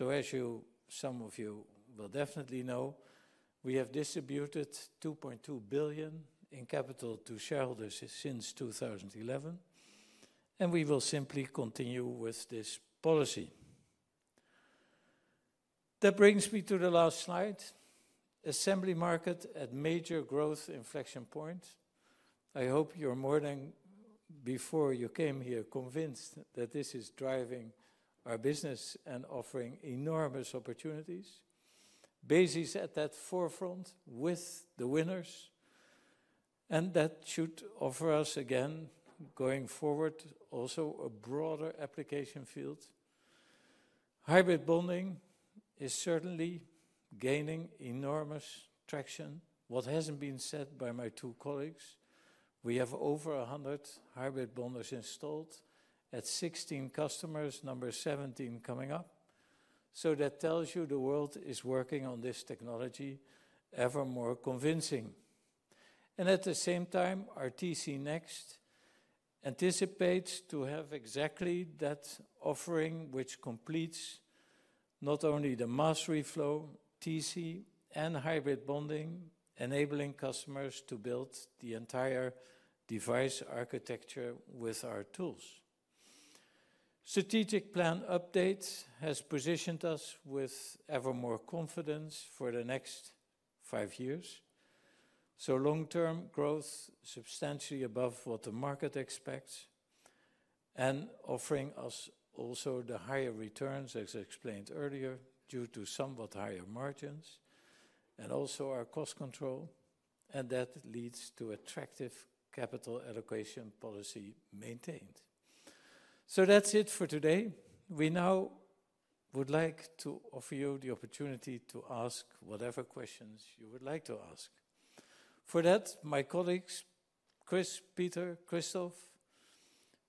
As you, some of you will definitely know, we have distributed 2.2 billion in capital to shareholders since 2011. And we will simply continue with this policy. That brings me to the last slide. Assembly market at major growth inflection points. I hope you're more than before you came here convinced that this is driving our business and offering enormous opportunities. Besi is at that forefront with the winners. And that should offer us again going forward also a broader application field. Hybrid bonding is certainly gaining enormous traction. What hasn't been said by my two colleagues, we have over 100 hybrid bonders installed at 16 customers, number 17 coming up. So that tells you the world is working on this technology ever more convincing. And at the same time, our TC Next anticipates to have exactly that offering, which completes not only the Mass Reflow TC and hybrid bonding, enabling customers to build the entire device architecture with our tools. Strategic plan updates has positioned us with ever more confidence for the next five years. So long-term growth substantially above what the market expects and offering us also the higher returns, as explained earlier, due to somewhat higher margins and also our cost control. And that leads to attractive capital allocation policy maintained. So that's it for today. We now would like to offer you the opportunity to ask whatever questions you would like to ask. For that, my colleagues, Chris, Peter, Christoph,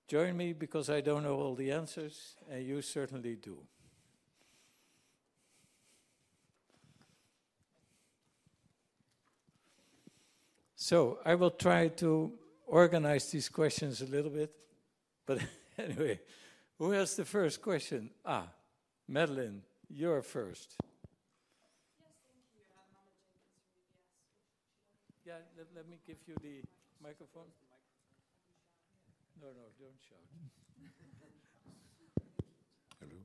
join me because I don't know all the answers and you certainly do. So I will try to organize these questions a little bit, but anyway, who has the first question? Madeleine, you're first. Yes, thank you. I'm Madeleine Jenkins from UBS. Yeah, let me give you the microphone. No, no, don't shout. Hello.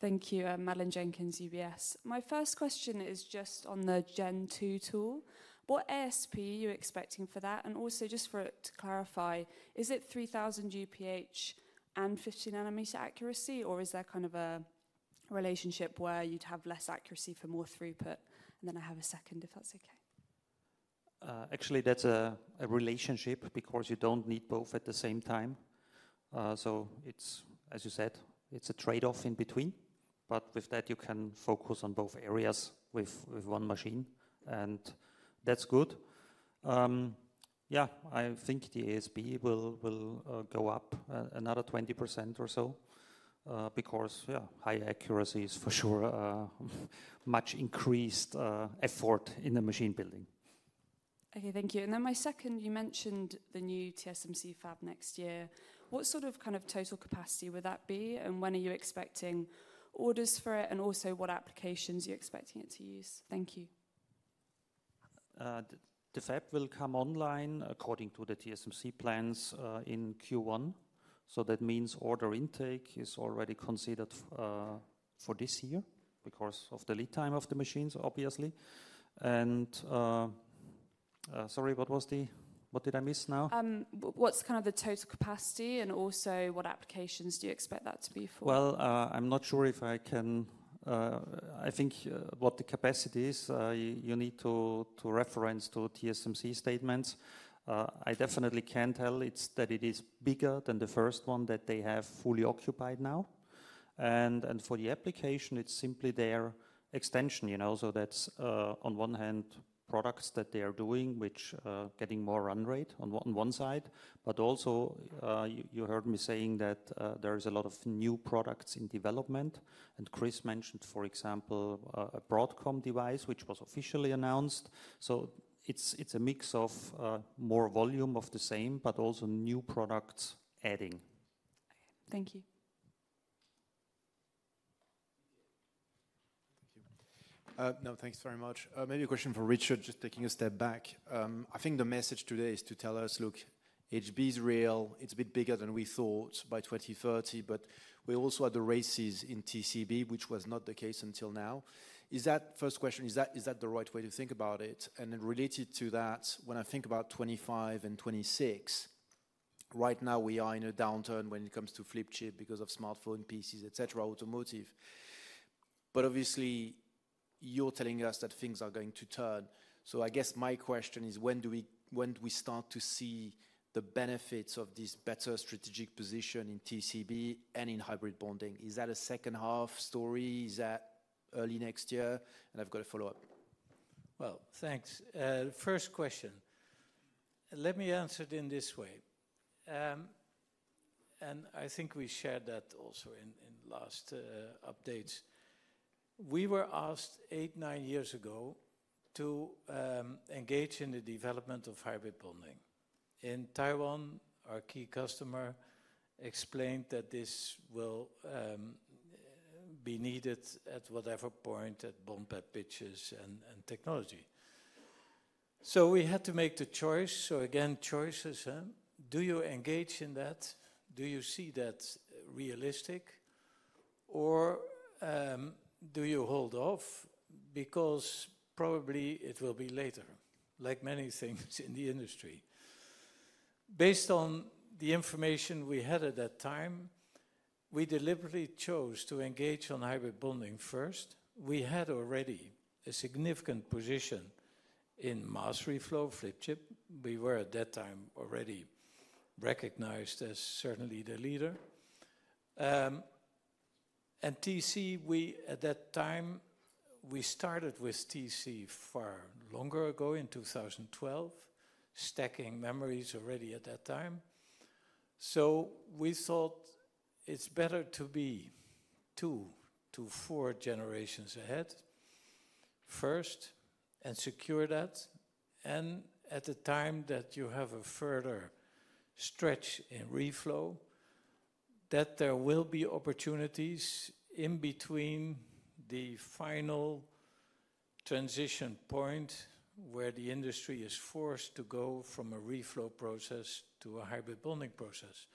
Thank you. I'm Madeleine Jenkins UBS.My first question is just on the Gen 2 tool. What ASP are you expecting for that? And also just for it to clarify, is it 3000 UPH and 50 nanometer accuracy or is there kind of a relationship where you'd have less accuracy for more throughput? And then I have a second, if that's okay. Actually, that's a relationship because you don't need both at the same time. So it's, as you said, it's a trade-off in between, but with that, you can focus on both areas with one machine. And that's good. Yeah, I think the ASP will go up another 20% or so because, yeah, high accuracy is for sure much increased effort in the machine building. Okay, thank you. And then my second, you mentioned the new TSMC Fab next year. What sort of kind of total capacity would that be and when are you expecting orders for it and also what applications you're expecting it to use? Thank you. The Fab will come online according to the TSMC plans in Q1. So that means order intake is already considered for this year because of the lead time of the machines, obviously. And sorry, what did I miss now? What's kind of the total capacity and also what applications do you expect that to be for? Well, I'm not sure if I can. I think what the capacity is, you need to reference to TSMC statements. I definitely can tell that it is bigger than the first one that they have fully occupied now. And for the application, it's simply their extension, you know, so that's on one hand products that they are doing, which are getting more run rate on one side, but also you heard me saying that there is a lot of new products in development and Chris mentioned, for example, a Broadcom device, which was officially announced. So it's a mix of more volume of the same, but also new products adding. Okay, thank you. Thank you. No, thanks very much. Maybe a question for Richard, just taking a step back. I think the message today is to tell us, look, HB is real. It's a bit bigger than we thought by 2030, but we also had the race is in TCB, which was not the case until now. Is that the first question, is that the right way to think about it? Related to that, when I think about 2025 and 2026, right now we are in a downturn when it comes to flip chip because of smartphone pieces, et cetera, automotive. But obviously you are telling us that things are going to turn. I guess my question is, when do we start to see the benefits of this better strategic position in TCB and in hybrid bonding? Is that a second half story? Is that early next year? I have got a follow-up. Thanks. First question. Let me answer it in this way. I think we shared that also in the last updates. We were asked eight, nine years ago to engage in the development of hybrid bonding. In Taiwan, our key customer explained that this will be needed at whatever point at bond pad pitches and technology. We had to make the choice. So again, choices: do you engage in that? Do you see that realistic? Or do you hold off? Because probably it will be later, like many things in the industry. Based on the information we had at that time, we deliberately chose to engage on hybrid bonding first. We had already a significant position in mass reflow flip chip. We were at that time already recognized as certainly the leader. And TC, we at that time, we started with TC far longer ago in 2012, stacking memories already at that time. So we thought it's better to be two to four generations ahead first and secure that. And at the time that you have a further stretch in reflow, that there will be opportunities in between the final transition point where the industry is forced to go from a reflow process to a hybrid bonding process.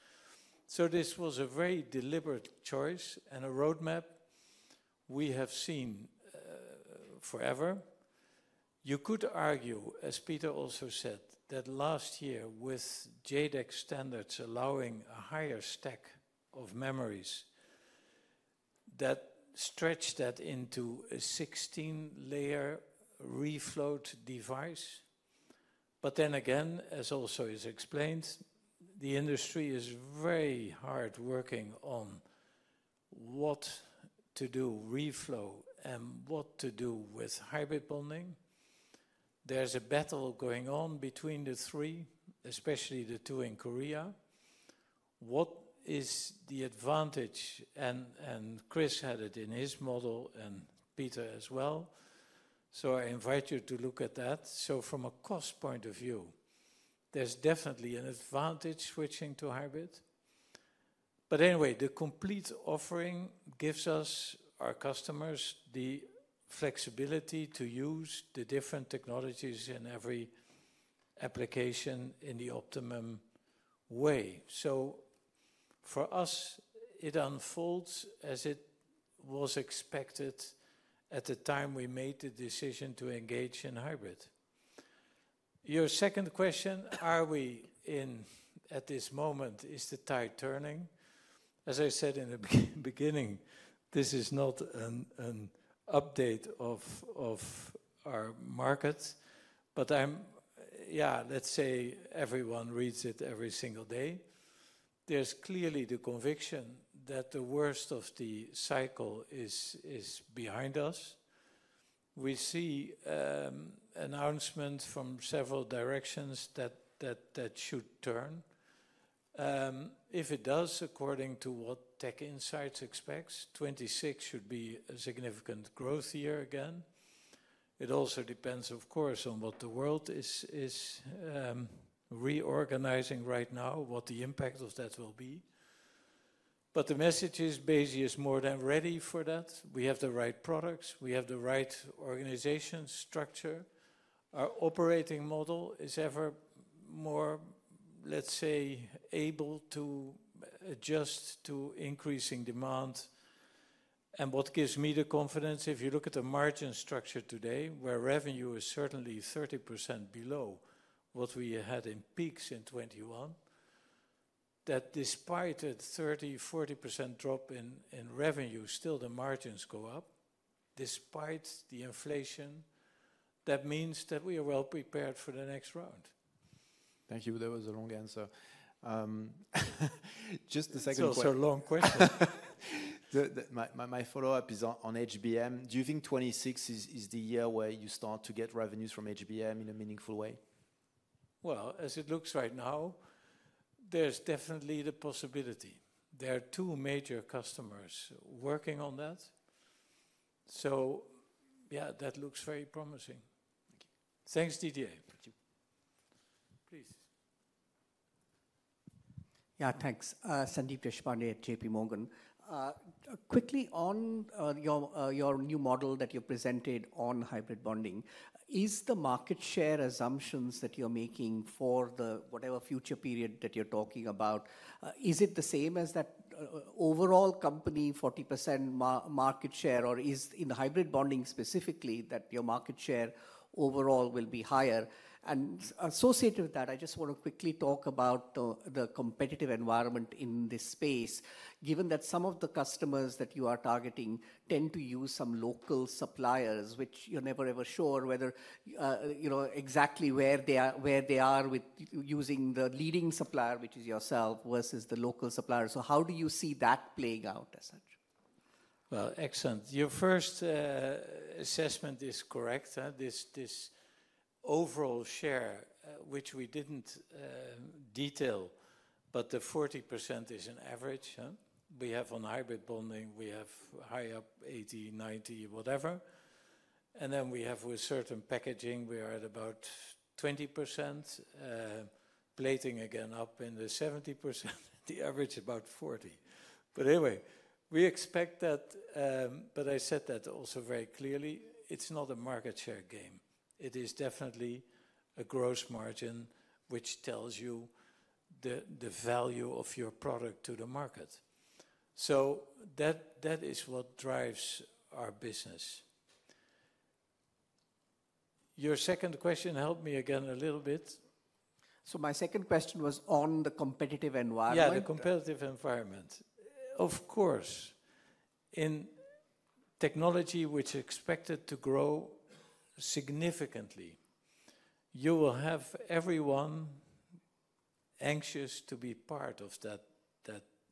This was a very deliberate choice and a roadmap we have seen forever. You could argue, as Peter also said, that last year with JEDEC standards allowing a higher stack of memories that stretched that into a 16-layer reflow device. But then again, as also is explained, the industry is very hard working on what to do reflow and what to do with hybrid bonding. There's a battle going on between the three, especially the two in Korea. What is the advantage? And Chris had it in his model and Peter as well. I invite you to look at that. From a cost point of view, there's definitely an advantage switching to hybrid. But anyway, the complete offering gives us, our customers, the flexibility to use the different technologies in every application in the optimum way. So for us, it unfolds as it was expected at the time we made the decision to engage in hybrid. Your second question, are we in at this moment, is the tide turning? As I said in the beginning, this is not an update of our market, but I'm, yeah, let's say everyone reads it every single day. There's clearly the conviction that the worst of the cycle is behind us. We see announcements from several directions that should turn. If it does, according to what TechInsights expects, 2026 should be a significant growth year again. It also depends, of course, on what the world is reorganizing right now, what the impact of that will be. But the message is, Besi is more than ready for that. We have the right products. We have the right organization structure. Our operating model is ever more, let's say, able to adjust to increasing demand. What gives me the confidence, if you look at the margin structure today, where revenue is certainly 30% below what we had in peaks in 2021, that despite a 30%-40% drop in revenue, still the margins go up. Despite the inflation, that means that we are well prepared for the next round. Thank you. That was a long answer. Just the second question. So it's a long question. My follow-up is on HBM. Do you think 2026 is the year where you start to get revenues from HBM in a meaningful way? Well, as it looks right now, there's definitely the possibility. There are two major customers working on that. So yeah, that looks very promising. Thank you. Thanks, DDA. Thank you. Please. Yeah, thanks. Sandeep Deshpande at JPMorgan. Quickly on your new model that you presented on hybrid bonding, is the market share assumptions that you're making for the whatever future period that you're talking about, is it the same as that overall company 40% market share, or is in the hybrid bonding specifically that your market share overall will be higher? And associated with that, I just want to quickly talk about the competitive environment in this space, given that some of the customers that you are targeting tend to use some local suppliers, which you're never ever sure whether exactly where they are with using the leading supplier, which is yourself, versus the local supplier. So how do you see that playing out as such? Well, excellent. Your first assessment is correct. This overall share, which we didn't detail, but the 40% is an average. We have on hybrid bonding. We have high up 80%, 90%, whatever. And then we have with certain packaging. We are at about 20%. Plating again up in the 70%. The average about 40%. But anyway, we expect that. But I said that also very clearly. It is not a market share game. It is definitely a gross margin, which tells you the value of your product to the market. So that is what drives our business. Your second question helped me again a little bit. So my second question was on the competitive environment. Yeah, the competitive environment. Of course, in technology, which is expected to grow significantly, you will have everyone anxious to be part of that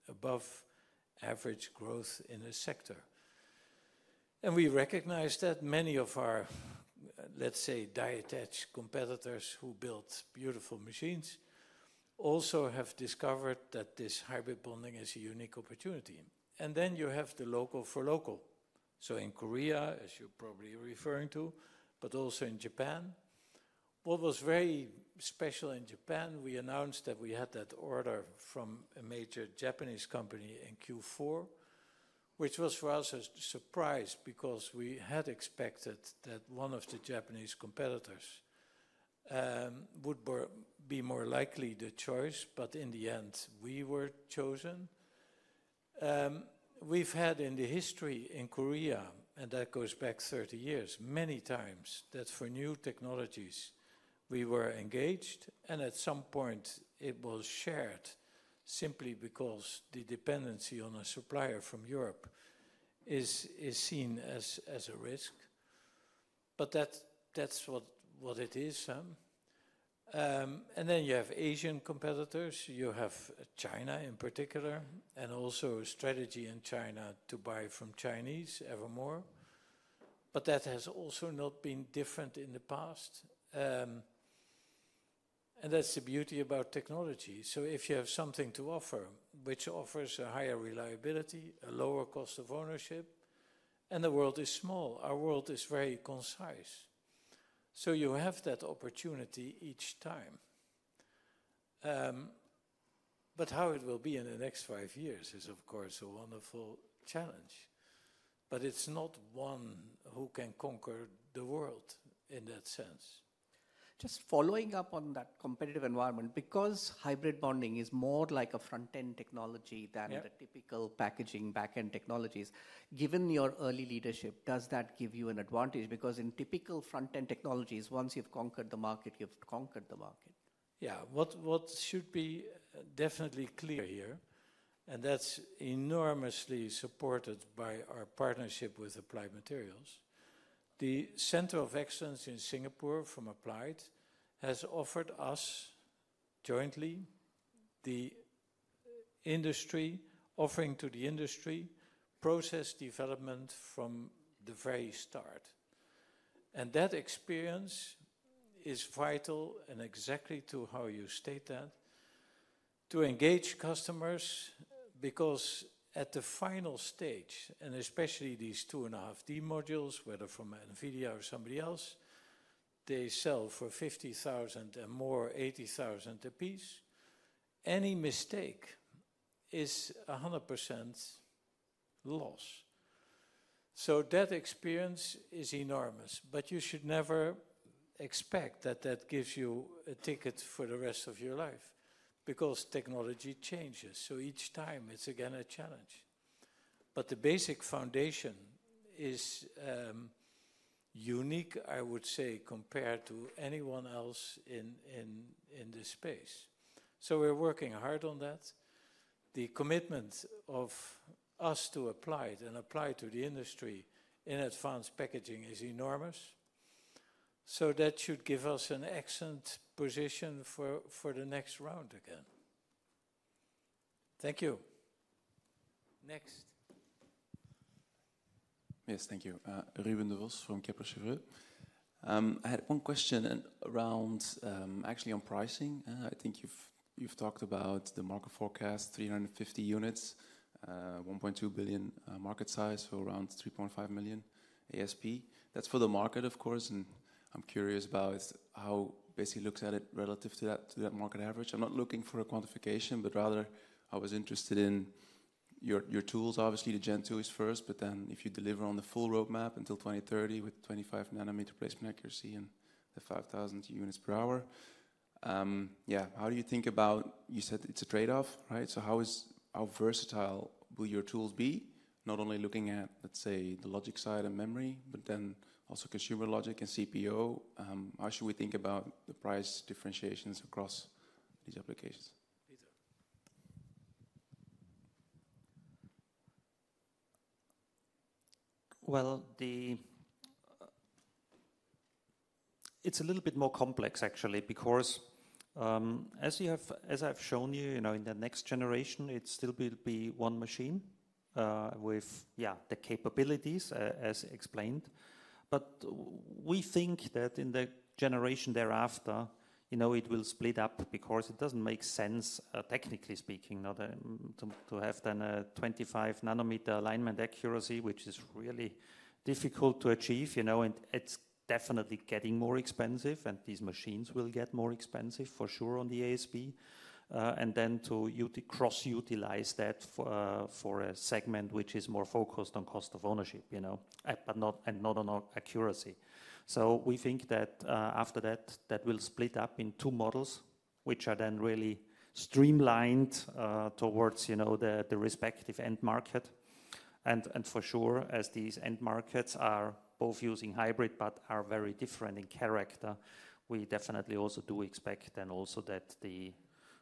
above-average growth in a sector. And we recognize that many of our, let's say, die attached competitors who built beautiful machines also have discovered that this hybrid bonding is a unique opportunity. And then you have the local for local. So in Korea, as you're probably referring to, but also in Japan. What was very special in Japan, we announced that we had that order from a major Japanese company in Q4, which was for us a surprise because we had expected that one of the Japanese competitors would be more likely the choice, but in the end, we were chosen. We've had in the history in Korea, and that goes back 30 years, many times that for new technologies, we were engaged, and at some point, it was shared simply because the dependency on a supplier from Europe is seen as a risk. But that's what it is. And then you have Asian competitors. You have China in particular, and also strategy in China to buy from Chinese evermore. But that has also not been different in the past. And that's the beauty about technology. So if you have something to offer, which offers a higher reliability, a lower cost of ownership, and the world is small, our world is very concise. So you have that opportunity each time. But how it will be in the next five years is, of course, a wonderful challenge. But it's not one who can conquer the world in that sense. Just following up on that competitive environment, because hybrid bonding is more like a front-end technology than the typical packaging back-end technologies, given your early leadership, does that give you an advantage? Because in typical front-end technologies, once you've conquered the market, you've conquered the market. Yeah, what should be definitely clear here, and that's enormously supported by our partnership with Applied Materials. The Center of Excellence in Singapore from Applied has offered us jointly the industry offering to the industry process development from the very start. That experience is vital and exactly to how you state that, to engage customers because at the final stage, and especially these 2.5D modules, whether from NVIDIA or somebody else, they sell for $50,000 and more $80,000 a piece. Any mistake is 100% loss. That experience is enormous, but you should never expect that that gives you a ticket for the rest of your life because technology changes. Each time it's again a challenge. The basic foundation is unique, I would say, compared to anyone else in this space. We're working hard on that. The commitment of us to Applied and Applied to the industry in advanced packaging is enormous. So that should give us an excellent position for the next round again. Thank you. Next. Yes, thank you. Ruben Devos from Kepler Cheuvreux. I had one question around actually on pricing. I think you've talked about the market forecast, 350 units, 1.2 billion market size for around 3.5 million ASP. That's for the market, of course. And I'm curious about how Besi looks at it relative to that market average. I'm not looking for a quantification, but rather I was interested in your tools, obviously the Gen 2 is first, but then if you deliver on the full roadmap until 2030 with 25 nanometer placement accuracy and the 5,000 units per hour. Yeah, how do you think about, you said it's a trade-off, right? So how versatile will your tools be, not only looking at, let's say, the logic side and memory, but then also consumer logic and CPO? How should we think about the price differentiations across these applications? Well, it's a little bit more complex, actually, because as I've shown you, in the next generation, it still will be one machine with, yeah, the capabilities as explained. But we think that in the generation thereafter, it will split up because it doesn't make sense, technically speaking, to have then a 25 nanometer alignment accuracy, which is really difficult to achieve. And it's definitely getting more expensive, and these machines will get more expensive for sure on the ASP. And then to cross-utilize that for a segment which is more focused on cost of ownership and not on accuracy. So we think that after that, that will split up in two models, which are then really streamlined towards the respective end market. And for sure, as these end markets are both using hybrid but are very different in character, we definitely also do expect then also that the,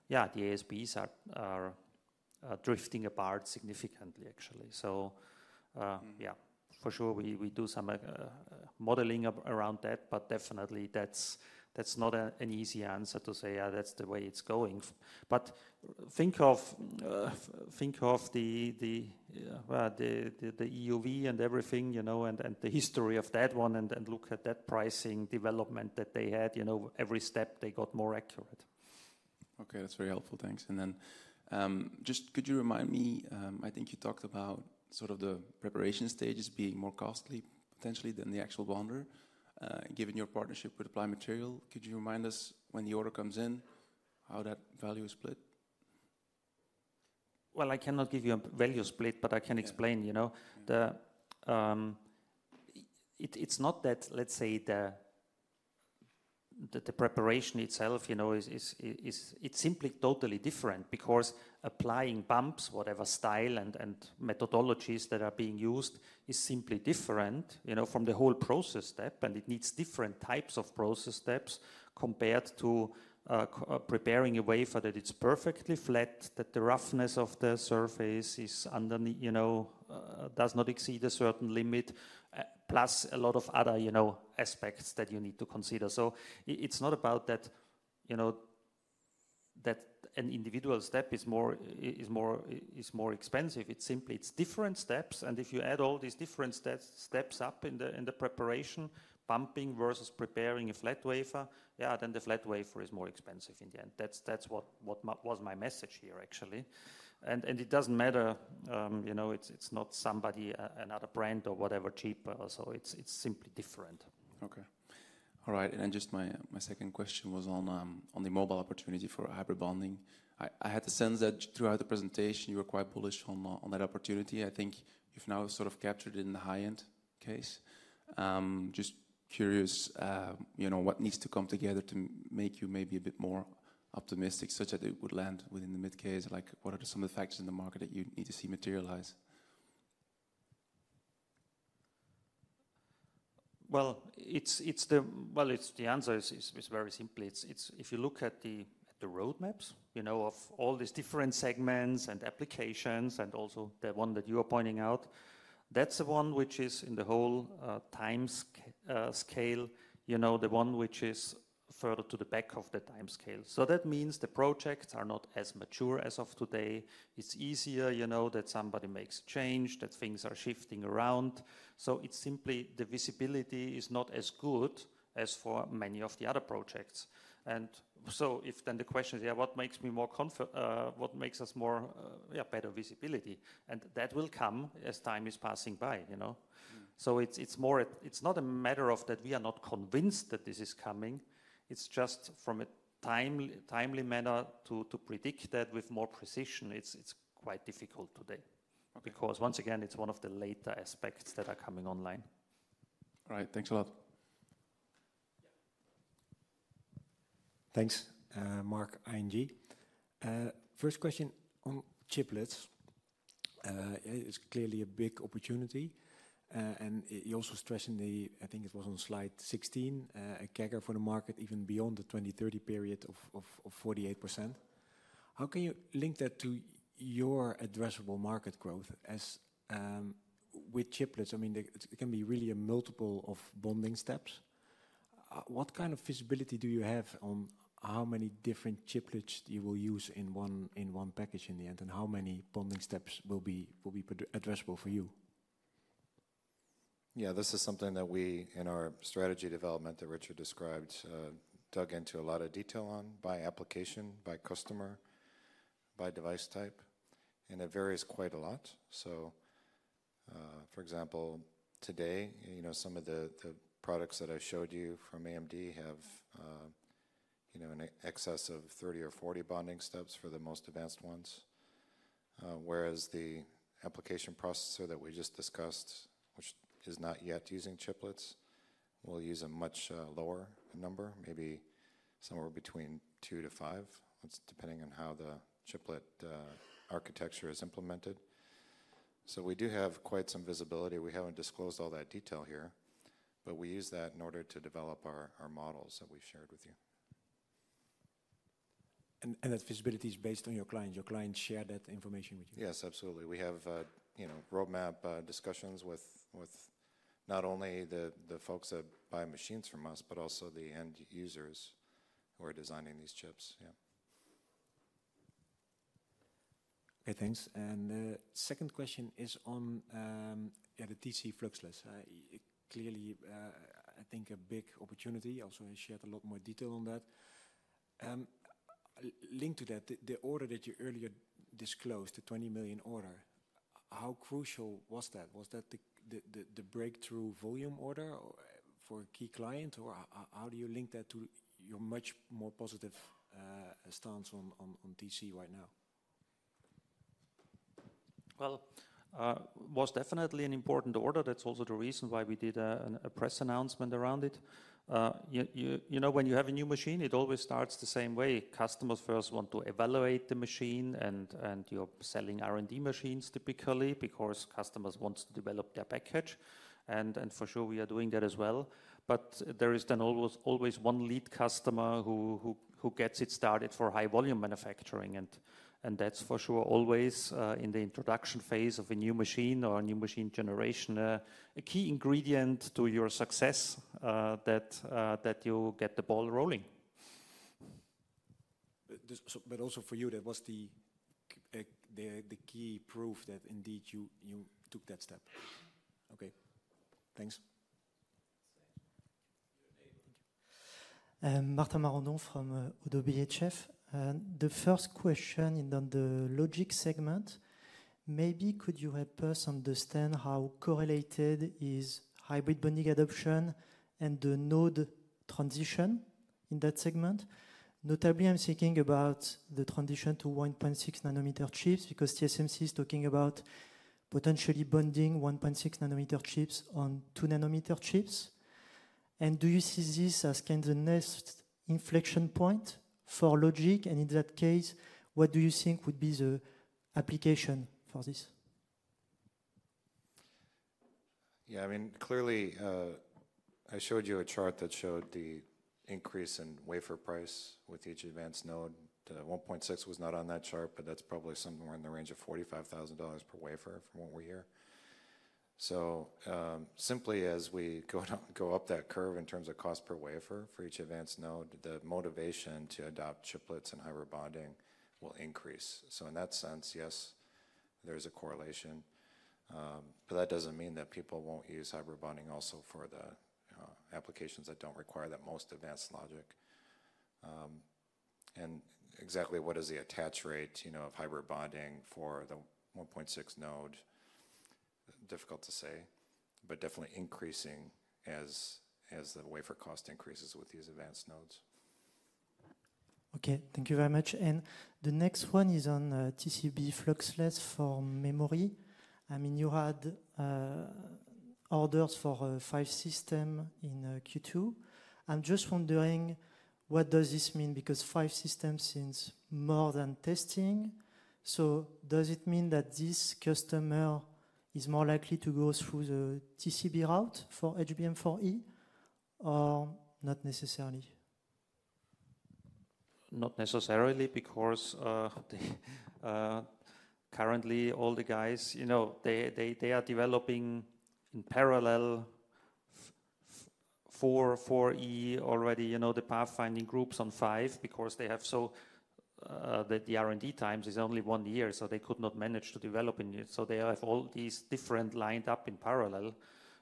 yeah, the ASPs are drifting apart significantly, actually. So yeah, for sure, we do some modeling around that, but definitely that's not an easy answer to say, yeah, that's the way it's going. But think of the EUV and everything and the history of that one and look at that pricing development that they had. Every step, they got more accurate. Okay, that's very helpful. Thanks. And then just could you remind me? I think you talked about sort of the preparation stages being more costly potentially than the actual bonder, given your partnership with Applied Materials. Could you remind us, when the order comes in, how that value is split? Well, I cannot give you a value split, but I can explain. It's not that, let's say, the preparation itself. It's simply totally different because applying bumps, whatever style and methodologies that are being used is simply different from the whole process step. It needs different types of process steps compared to preparing a wafer that it's perfectly flat, that the roughness of the surface does not exceed a certain limit, plus a lot of other aspects that you need to consider. It's not about that an individual step is more expensive. It's simply different steps. If you add all these different steps up in the preparation, bumping versus preparing a flat wafer, yeah, then the flat wafer is more expensive in the end. That's what was my message here, actually. And it doesn't matter. It's not somebody, another brand or whatever, cheaper. So it's simply different. Okay. All right. And then just my second question was on the mobile opportunity for hybrid bonding. I had the sense that throughout the presentation, you were quite bullish on that opportunity. I think you've now sort of captured it in the high-end case. Just curious what needs to come together to make you maybe a bit more optimistic, such that it would land within the mid case. Like what are some of the factors in the market that you need to see materialize? Well, the answer is very simple. If you look at the roadmaps of all these different segments and applications and also the one that you are pointing out, that's the one which is in the whole time scale, the one which is further to the back of the time scale. So that means the projects are not as mature as of today. It's easier that somebody makes a change, that things are shifting around. So it's simply the visibility is not as good as for many of the other projects. And so if then the question is, yeah, what makes us more better visibility? And that will come as time is passing by. So it's not a matter of that we are not convinced that this is coming. It's just from a timely manner to predict that with more precision. It's quite difficult today because once again, it's one of the later aspects that are coming online. All right. Thanks a lot. Thanks, Marc Hesselink. First question on chiplets. It's clearly a big opportunity. And you also stressed in the, I think it was on slide 16, a CAGR for the market even beyond the 2030 period of 48%. How can you link that to your addressable market growth with chiplets? I mean, it can be really a multiple of bonding steps. What kind of visibility do you have on how many different chiplets you will use in one package in the end and how many bonding steps will be addressable for you? Yeah, this is something that we in our strategy development that Richard described, dug into a lot of detail on by application, by customer, by device type. And it varies quite a lot. So for example, today, some of the products that I showed you from AMD have an excess of 30 or 40 bonding steps for the most advanced ones. Whereas the application processor that we just discussed, which is not yet using chiplets, will use a much lower number, maybe somewhere between two to five, depending on how the chiplet architecture is implemented. So we do have quite some visibility. We haven't disclosed all that detail here, but we use that in order to develop our models that we shared with you. And that visibility is based on your client. Your client shared that information with you. Yes, absolutely. We have roadmap discussions with not only the folks that buy machines from us, but also the end users who are designing these chips. Yeah. Okay, thanks. And the second question is on the TC fluxless. Clearly, I think a big opportunity. Also I shared a lot more detail on that. Linked to that, the order that you earlier disclosed, the 20 million order, how crucial was that? Was that the breakthrough volume order for a key client? Or how do you link that to your much more positive stance on TC right now? Well, it was definitely an important order. That's also the reason why we did a press announcement around it. When you have a new machine, it always starts the same way. Customers first want to evaluate the machine, and you're selling R&D machines typically because customers want to develop their package. And for sure, we are doing that as well. But there is then always one lead customer who gets it started for high volume manufacturing. And that's for sure always in the introduction phase of a new machine or a new machine generation, a key ingredient to your success that you get the ball rolling. But also for you, that was the key proof that indeed you took that step. Okay. Thanks. Thank you. Martin Marandon from Oddo BHF. The first question in the logic segment, maybe could you help us understand how correlated is hybrid bonding adoption and the node transition in that segment? Notably, I'm thinking about the transition to 1.6 nanometer chips because TSMC is talking about potentially bonding 1.6 nanometer chips on 2 nanometer chips. And do you see this as kind of the next inflection point for logic? And in that case, what do you think would be the application for this? Yeah, I mean, clearly, I showed you a chart that showed the increase in wafer price with each advanced node. The 1.6 was not on that chart, but that's probably somewhere in the range of $45,000 per wafer from what we hear. So simply as we go up that curve in terms of cost per wafer for each advanced node, the motivation to adopt chiplets and hybrid bonding will increase. So in that sense, yes, there's a correlation. But that doesn't mean that people won't use hybrid bonding also for the applications that don't require that most advanced logic. And exactly what is the attach rate of hybrid bonding for the 1.6 node? Difficult to say, but definitely increasing as the wafer cost increases with these advanced nodes. Okay, thank you very much. And the next one is on TCB fluxless for memory. I mean, you had orders for five systems in Q2. I'm just wondering what does this mean because five systems is more than testing. So does it mean that this customer is more likely to go through the TCB route for HBM4E or not necessarily? Not necessarily because currently all the guys, they are developing in parallel for 4E already, the pathfinding groups on five because they have so the R&D times is only one year, so they could not manage to develop in it. So they have all these different lined up in parallel.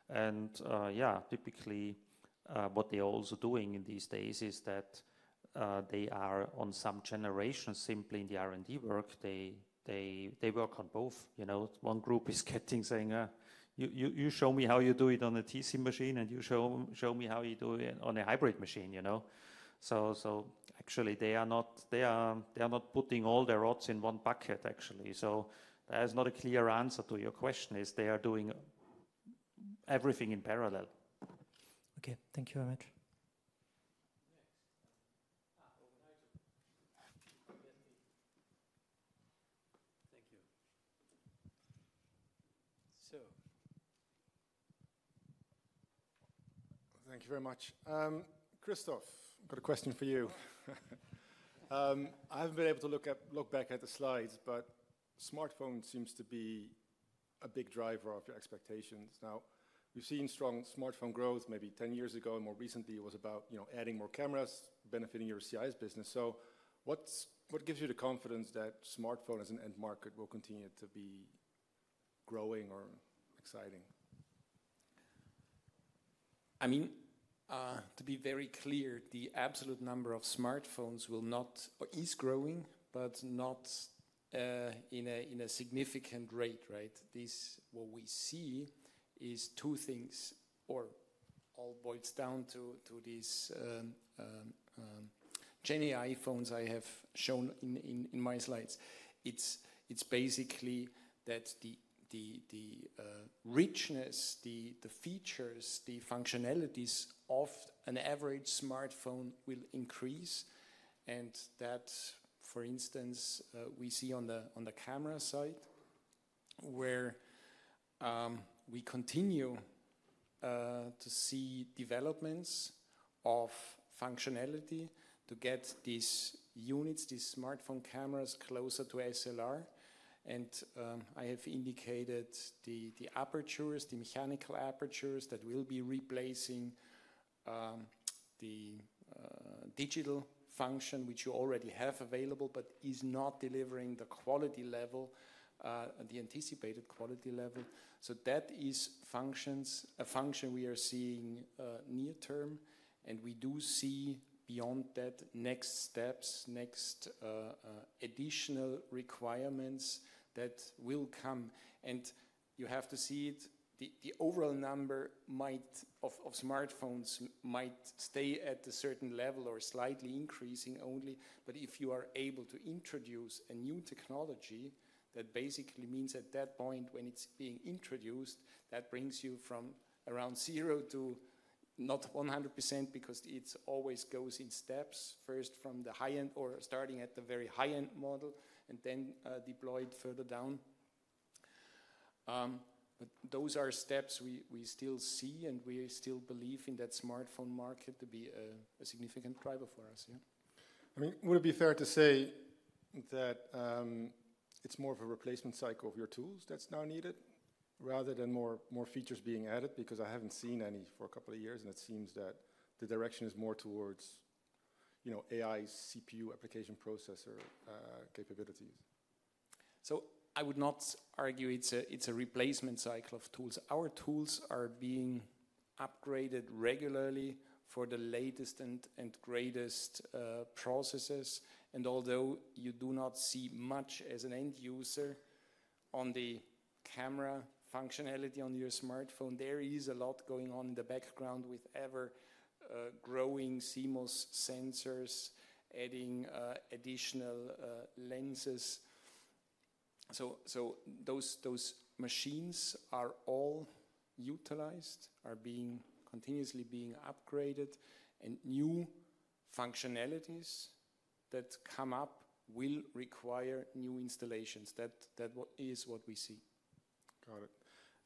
And yeah, typically what they're also doing in these days is that they are on some generation simply in the R&D work. They work on both. One group is getting saying, "You show me how you do it on a TC machine and you show me how you do it on a hybrid machine." So actually, they are not putting all their eggs in one basket, actually. So there's not a clear answer to your question, as they are doing everything in parallel. Okay, thank you very much. Thank you. Thank you very much. Christoph, I've got a question for you. I haven't been able to look back at the slides, but smartphone seems to be a big driver of your expectations. Now, we've seen strong smartphone growth maybe 10 years ago, and more recently it was about adding more cameras benefiting your CIS business. So what gives you the confidence that smartphone as an end market will continue to be growing or exciting? I mean, to be very clear, the absolute number of smartphones is growing, but not at a significant rate, right? What we see is two things, or it all boils down to these Gen AI phones I have shown in my slides. It's basically that the richness, the features, the functionalities of an average smartphone will increase, and that, for instance, we see on the camera side where we continue to see developments in functionality to get these units, these smartphone cameras closer to SLR. I have indicated the apertures, the mechanical apertures that will be replacing the digital function, which you already have available, but is not delivering the quality level, the anticipated quality level. That is a function we are seeing near term. We do see beyond that next steps, next additional requirements that will come. You have to see it, the overall number of smartphones might stay at a certain level or slightly increasing only. If you are able to introduce a new technology, that basically means at that point when it's being introduced, that brings you from around zero to not 100% because it always goes in steps first from the high-end or starting at the very high-end model and then deployed further down. But those are steps we still see, and we still believe in that smartphone market to be a significant driver for us, yeah? I mean, would it be fair to say that it's more of a replacement cycle of your tools that's now needed rather than more features being added? Because I haven't seen any for a couple of years, and it seems that the direction is more towards AI CPU application processor capabilities. So I would not argue it's a replacement cycle of tools. Our tools are being upgraded regularly for the latest and greatest processes. And although you do not see much as an end user on the camera functionality on your smartphone, there is a lot going on in the background with ever-growing CMOS sensors, adding additional lenses. So those machines are all utilized, are continuously being upgraded, and new functionalities that come up will require new installations. That is what we see. Got it.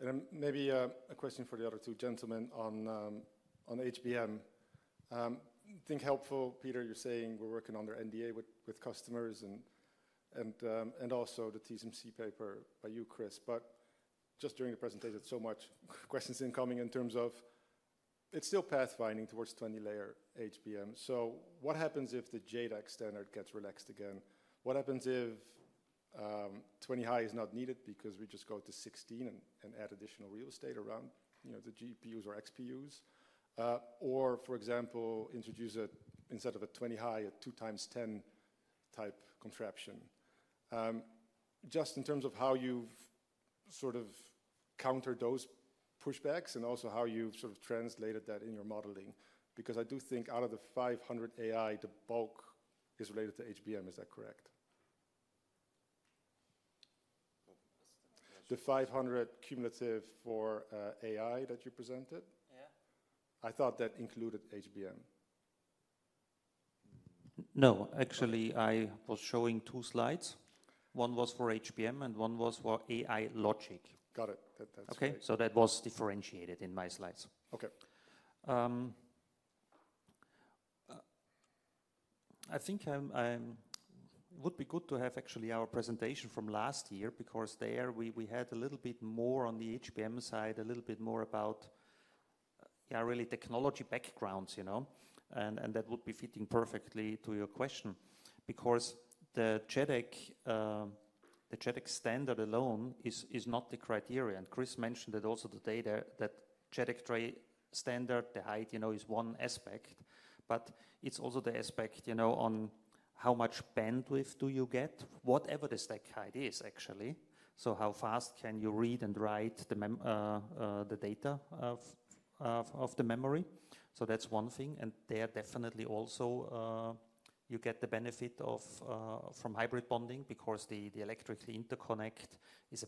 And maybe a question for the other two gentlemen on HBM. I think helpful, Peter, you're saying we're working on their NDA with customers and also the TSMC paper by you, Chris. But just during the presentation, so much questions incoming in terms of it's still pathfinding towards 20-layer HBM. So what happens if the JEDEC standard gets relaxed again? What happens if 20 high is not needed because we just go to 16 and add additional real estate around the GPUs or XPUs? Or, for example, introduce instead of a 20 high, a 2x10 type contraption? Just in terms of how you've sort of countered those pushbacks and also how you've sort of translated that in your modeling. Because I do think out of the 500 AI, the bulk is related to HBM, is that correct? The 500 cumulative for AI that you presented? Yeah. I thought that included HBM. No, actually, I was showing two slides. One was for HBM and one was for AI logic. Got it. Okay, so that was differentiated in my slides. Okay. I think it would be good to have actually our presentation from last year because there we had a little bit more on the HBM side, a little bit more about really technology backgrounds, and that would be fitting perfectly to your question because the JEDEC standard alone is not the criteria, and Chris mentioned that also the data that JEDEC standard, the height is one aspect, but it's also the aspect on how much bandwidth do you get, whatever the stack height is actually. How fast can you read and write the data of the memory? That's one thing. There definitely also you get the benefit from hybrid bonding because the electric interconnect is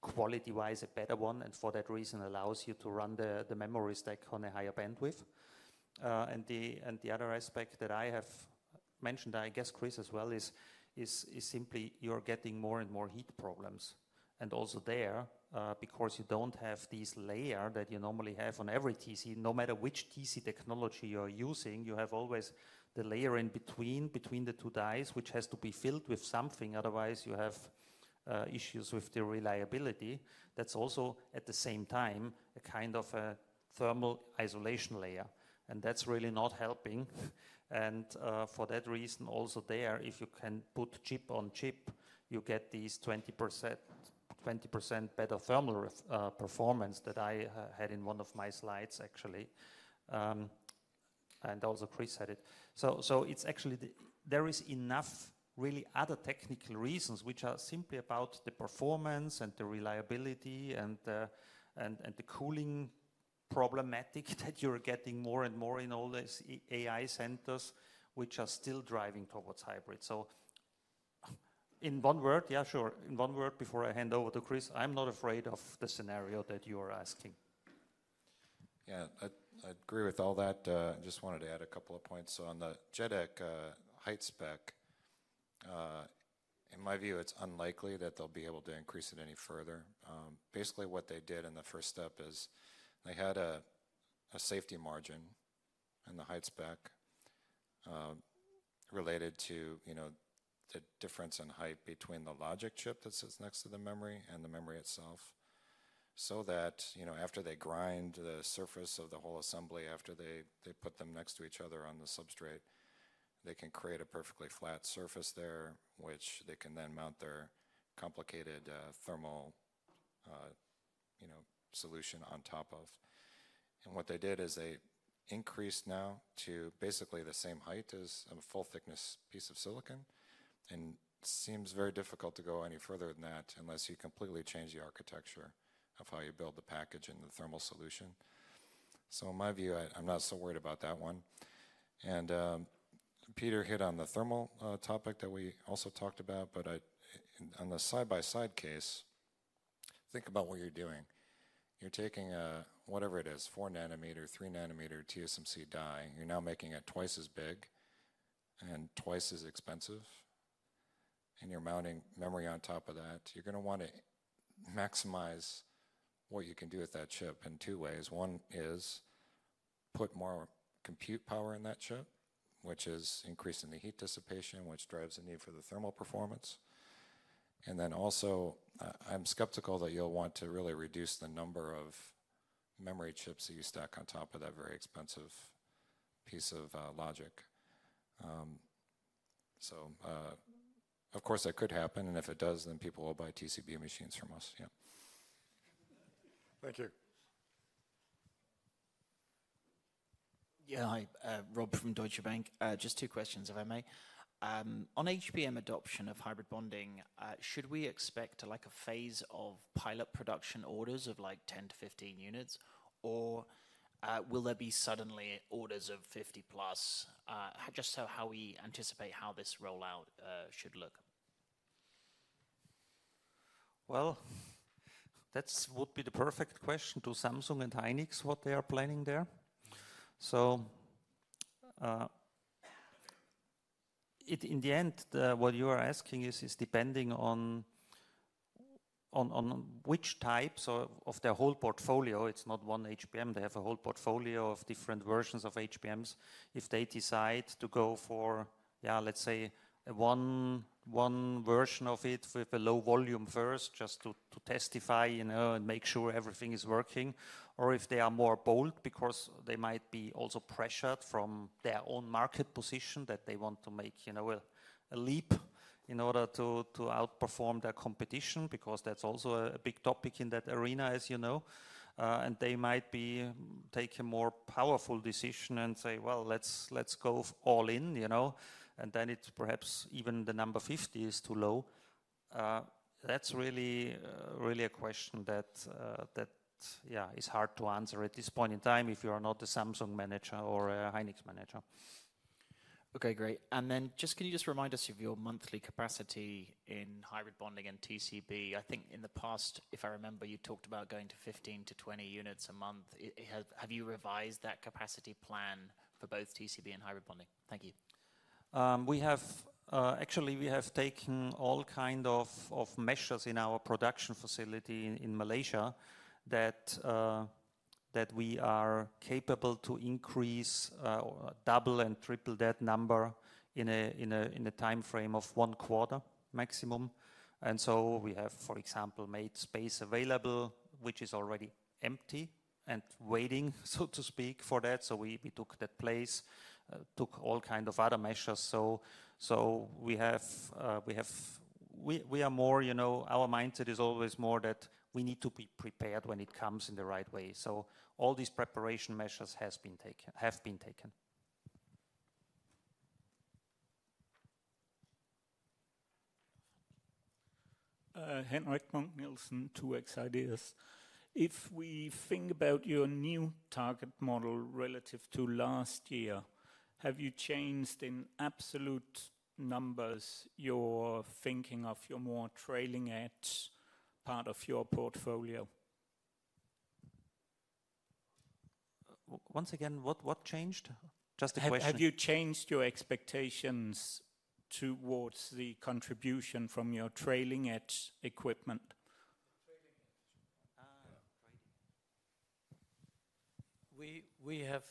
quality-wise a better one. For that reason, it allows you to run the memory stack on a higher bandwidth. The other aspect that I have mentioned, I guess Chris as well, is simply you're getting more and more heat problems. Also there, because you don't have this layer that you normally have on every TC, no matter which TC technology you're using, you have always the layer in between the two dies, which has to be filled with something. Otherwise, you have issues with the reliability. That's also at the same time a kind of a thermal isolation layer. That's really not helping. For that reason also there, if you can put chip on chip, you get these 20% better thermal performance that I had in one of my slides actually. Also Chris had it. There is enough really other technical reasons which are simply about the performance and the reliability and the cooling problematic that you're getting more and more in all these AI centers which are still driving towards hybrid. In one word, yeah, sure. In one word before I hand over to Chris, I'm not afraid of the scenario that you are asking. Yeah, I agree with all that. I just wanted to add a couple of points. On the JEDEC height spec, in my view, it's unlikely that they'll be able to increase it any further. Basically, what they did in the first step is they had a safety margin in the height spec related to the difference in height between the logic chip that sits next to the memory and the memory itself. So that after they grind the surface of the whole assembly, after they put them next to each other on the substrate, they can create a perfectly flat surface there, which they can then mount their complicated thermal solution on top of. And what they did is they increased now to basically the same height as a full-thickness piece of silicon. And it seems very difficult to go any further than that unless you completely change the architecture of how you build the package and the thermal solution. So in my view, I'm not so worried about that one. Peter hit on the thermal topic that we also talked about, but on the side-by-side case, think about what you're doing. You're taking whatever it is, 4 nanometer, 3 nanometer TSMC die. You're now making it twice as big and twice as expensive. And you're mounting memory on top of that. You're going to want to maximize what you can do with that chip in two ways. One is put more compute power in that chip, which is increasing the heat dissipation, which drives the need for the thermal performance. And then also, I'm skeptical that you'll want to really reduce the number of memory chips that you stack on top of that very expensive piece of logic. So of course, that could happen. And if it does, then people will buy TCB machines from us, yeah. Thank you. Yeah, Rob from Deutsche Bank. Just two questions, if I may. On HBM adoption of hybrid bonding, should we expect a phase of pilot production orders of like 10-15 units, or will there be suddenly orders of 50+? Just how we anticipate how this rollout should look? Well, that would be the perfect question to Samsung and SK Hynix what they are planning there. So in the end, what you are asking is depending on which types of their whole portfolio. It's not one HBM. They have a whole portfolio of different versions of HBMs. If they decide to go for, yeah, let's say one version of it with a low volume first just to test it and make sure everything is working, or if they are more bold because they might be also pressured from their own market position that they want to make a leap in order to outperform their competition because that's also a big topic in that arena, as you know. And they might take a more powerful decision and say, "Well, let's go all in." And then it's perhaps even the number 50 is too low. That's really a question that, yeah, is hard to answer at this point in time if you are not a Samsung manager or a Hynix manager. Okay, great. And then can you just remind us of your monthly capacity in hybrid bonding and TCB? I think in the past, if I remember, you talked about going to 15-20 units a month. Have you revised that capacity plan for both TCB and hybrid bonding? Thank you. Actually, we have taken all kinds of measures in our production facility in Malaysia that we are capable to increase or double and triple that number in a timeframe of one quarter maximum. And so we have, for example, made space available, which is already empty and waiting, so to speak, for that. So we took that place, took all kinds of other measures. So we are more, our mindset is always more that we need to be prepared when it comes in the right way. So all these preparation measures have been taken. Henrik Munk Nielsen, 2Xideas. If we think about your new target model relative to last year, have you changed in absolute numbers your thinking of your more trailing edge part of your portfolio? Once again, what changed? Just a question. Have you changed your expectations towards the contribution from your trailing edge equipment? We have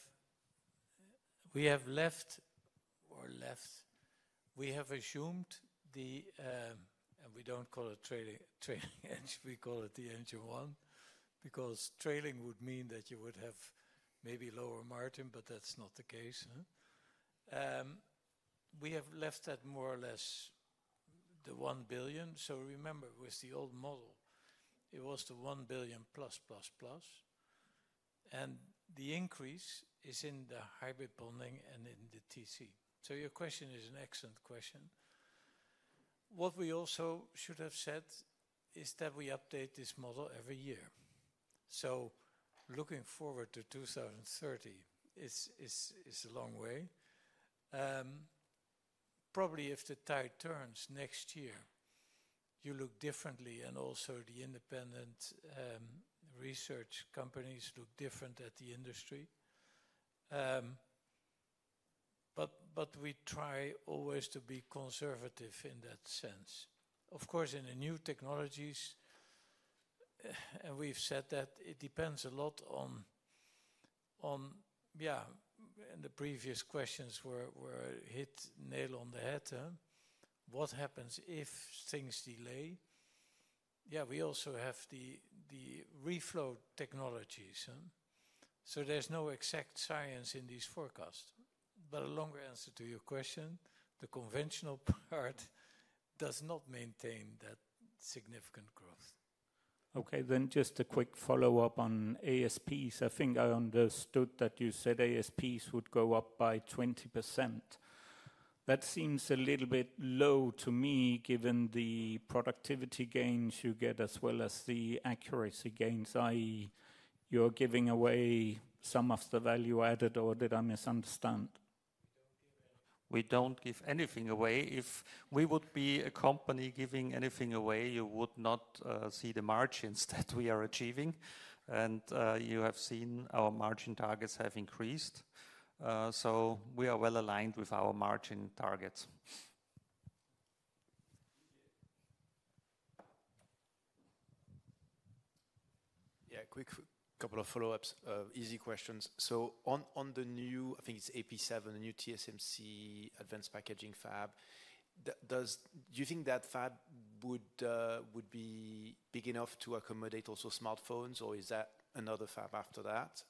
left, we have assumed the, and we don't call it trailing edge, we call it the engine one, because trailing would mean that you would have maybe lower margin, but that's not the case. We have left at more or less 1 billion. So remember, with the old model, it was 1 billion+++, and the increase is in the hybrid bonding and in the TC, so your question is an excellent question. What we also should have said is that we update this model every year. So looking forward to 2030 is a long way. Probably if the tide turns next year, you look differently and also the independent research companies look differently at the industry. But we try always to be conservative in that sense. Of course, in the new technologies, and we've said that it depends a lot on, yeah, and the previous questions hit the nail on the head. What happens if things delay? Yeah, we also have the reflow technologies. So there's no exact science in these forecasts. But a longer answer to your question, the conventional part does not maintain that significant growth. Okay, then just a quick follow-up on ASPs. I think I understood that you said ASPs would go up by 20%. That seems a little bit low to me given the productivity gains you get as well as the accuracy gains. I.e., you're giving away some of the value added or did I misunderstand? We don't give anything away. If we would be a company giving anything away, you would not see the margins that we are achieving. And you have seen our margin targets have increased. So we are well aligned with our margin targets. Yeah, quick couple of follow-ups, easy questions. So on the new, I think it's AP7, the new TSMC advanced packaging fab, do you think that fab would be big enough to accommodate also smartphones or is that another fab after that?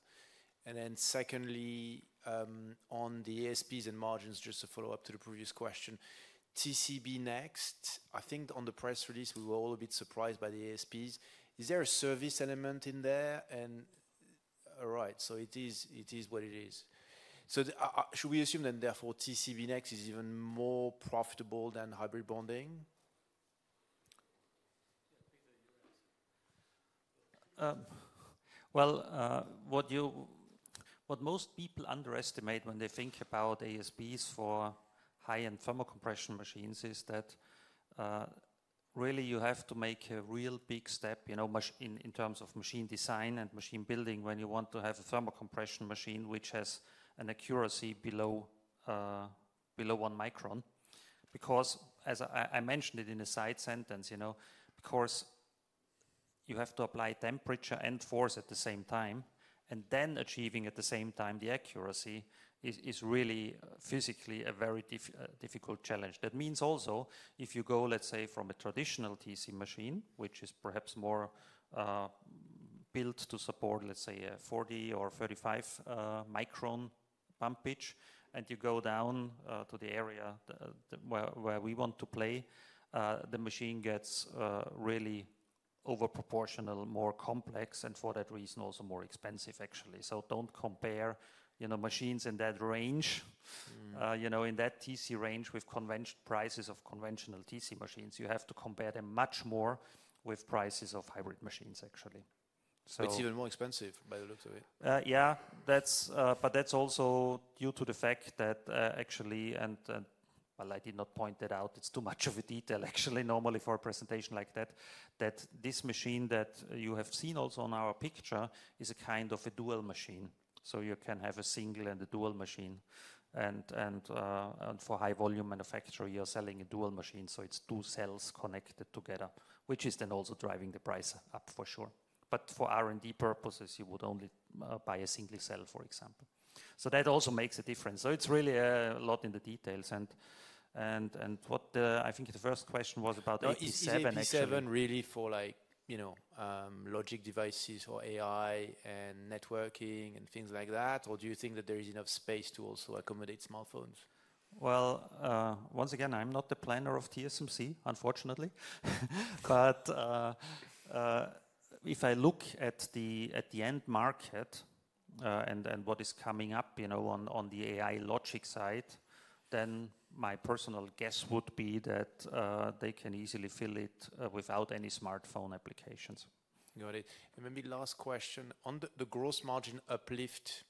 And then secondly, on the ASPs and margins, just to follow up to the previous question, TC Next, I think on the press release, we were all a bit surprised by the ASPs. Is there a service element in there? And all right, so it is what it is. So should we assume then therefore TC Next is even more profitable than hybrid bonding? Well, what most people underestimate when they think about apps for high-end thermal compression machines is that really you have to make a real big step in terms of machine design and machine building when you want to have a thermal compression machine which has an accuracy below one micron. Because as I mentioned it in a side sentence, because you have to apply temperature and force at the same time, and then achieving at the same time the accuracy is really physically a very difficult challenge. That means also if you go, let's say, from a traditional TC machine, which is perhaps more built to support, let's say, a 40 or 35 micron bump pitch, and you go down to the area where we want to play, the machine gets really disproportionately more complex, and for that reason also more expensive actually. So don't compare machines in that range, in that TC range with prices of conventional TC machines. You have to compare them much more with prices of hybrid machines actually. It's even more expensive by the looks of it. Yeah, but that's also due to the fact that actually, and well, I did not point that out, it's too much of a detail actually normally for a presentation like that, that this machine that you have seen also on our picture is a kind of a dual machine. You can have a single and a dual machine. For high volume manufacturing, you are selling a dual machine. It is two cells connected together, which is then also driving the price up for sure. But for R&D purposes, you would only buy a single cell, for example. That also makes a difference. It is really a lot in the details. I think the first question was about 87 actually. Is 87 really for logic devices or AI and networking and things like that? Or do you think that there is enough space to also accommodate smartphones? Well, once again, I am not the planner of TSMC, unfortunately. But if I look at the end market and what is coming up on the AI logic side, then my personal guess would be that they can easily fill it without any smartphone applications. Got it. Maybe last question. On the gross margin uplift,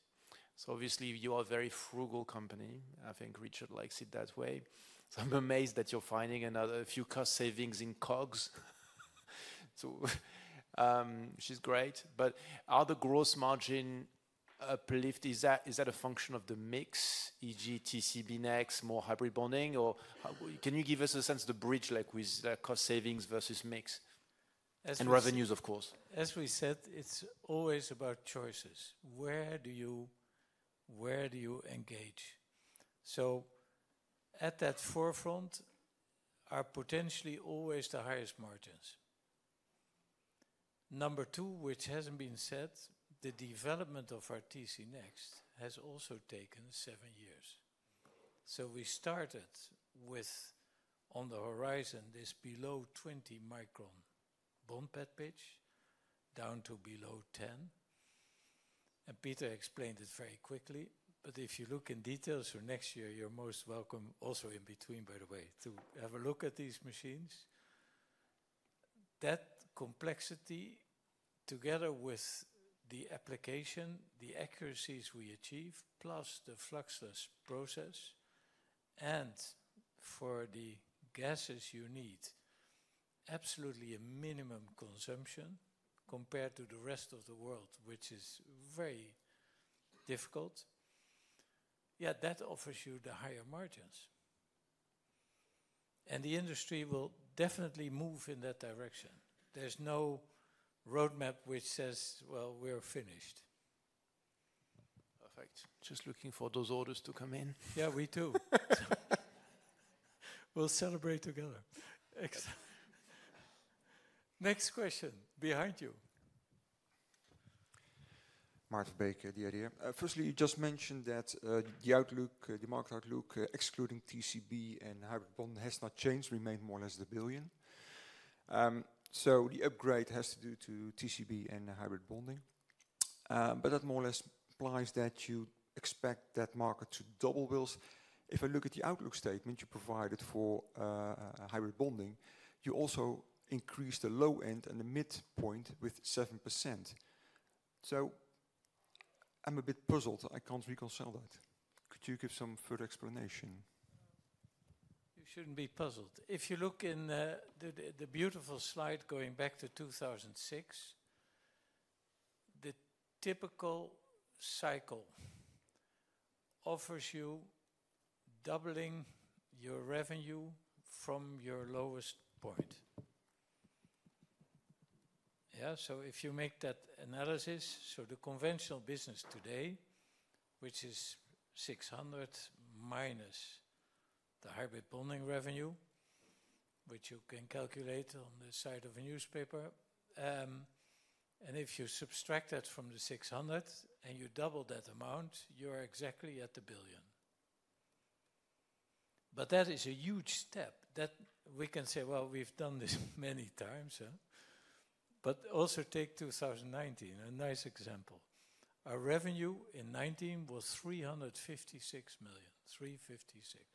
so obviously you are a very frugal company. I think Richard likes it that way, so I'm amazed that you're finding a few cost savings in COGS. She's great. But are the gross margin uplift? Is that a function of the mix, e.g., TC Next, more hybrid bonding? Or can you give us a sense of the bridge with cost savings versus mix? And revenues, of course. As we said, it's always about choices. Where do you engage, so at that forefront, are potentially always the highest margins. Number two, which hasn't been said, the development of our TC Next has also taken seven years, so we started with, on the horizon, this below 20-micron bond pad pitch, down to below 10, and Peter explained it very quickly. But if you look in detail, so next year, you're most welcome also in between, by the way, to have a look at these machines. That complexity, together with the application, the accuracies we achieve, plus the fluxless process, and for the gases you need, absolutely a minimum consumption compared to the rest of the world, which is very difficult. Yeah, that offers you the higher margins. And the industry will definitely move in that direction. There's no roadmap which says, "Well, we're finished." Perfect. Just looking for those orders to come in. Yeah, we too. We'll celebrate together. Next question behind you. Marta Bruska, 2Xideas. Firstly, you just mentioned that the outlook, the market outlook excluding TCB and hybrid bonding has not changed, remained more or less 1 billion. So the upgrade has to do with TCB and hybrid bonding. But that more or less implies that you expect that market to double in size. If I look at the outlook statement you provided for hybrid bonding, you also increased the low end and the midpoint with 7%. So I'm a bit puzzled. I can't reconcile that. Could you give some further explanation? You shouldn't be puzzled. If you look in the beautiful slide going back to 2006, the typical cycle offers you doubling your revenue from your lowest point. Yeah, so if you make that analysis, so the conventional business today, which is 600 million minus the hybrid bonding revenue, which you can calculate on the back of a napkin, and if you subtract that from the 600 million and you double that amount, you're exactly at the 1 billion. But that is a huge step. We can say, "Well, we've done this many times." But also take 2019, a nice example. Our revenue in 2019 was 356 million, 356.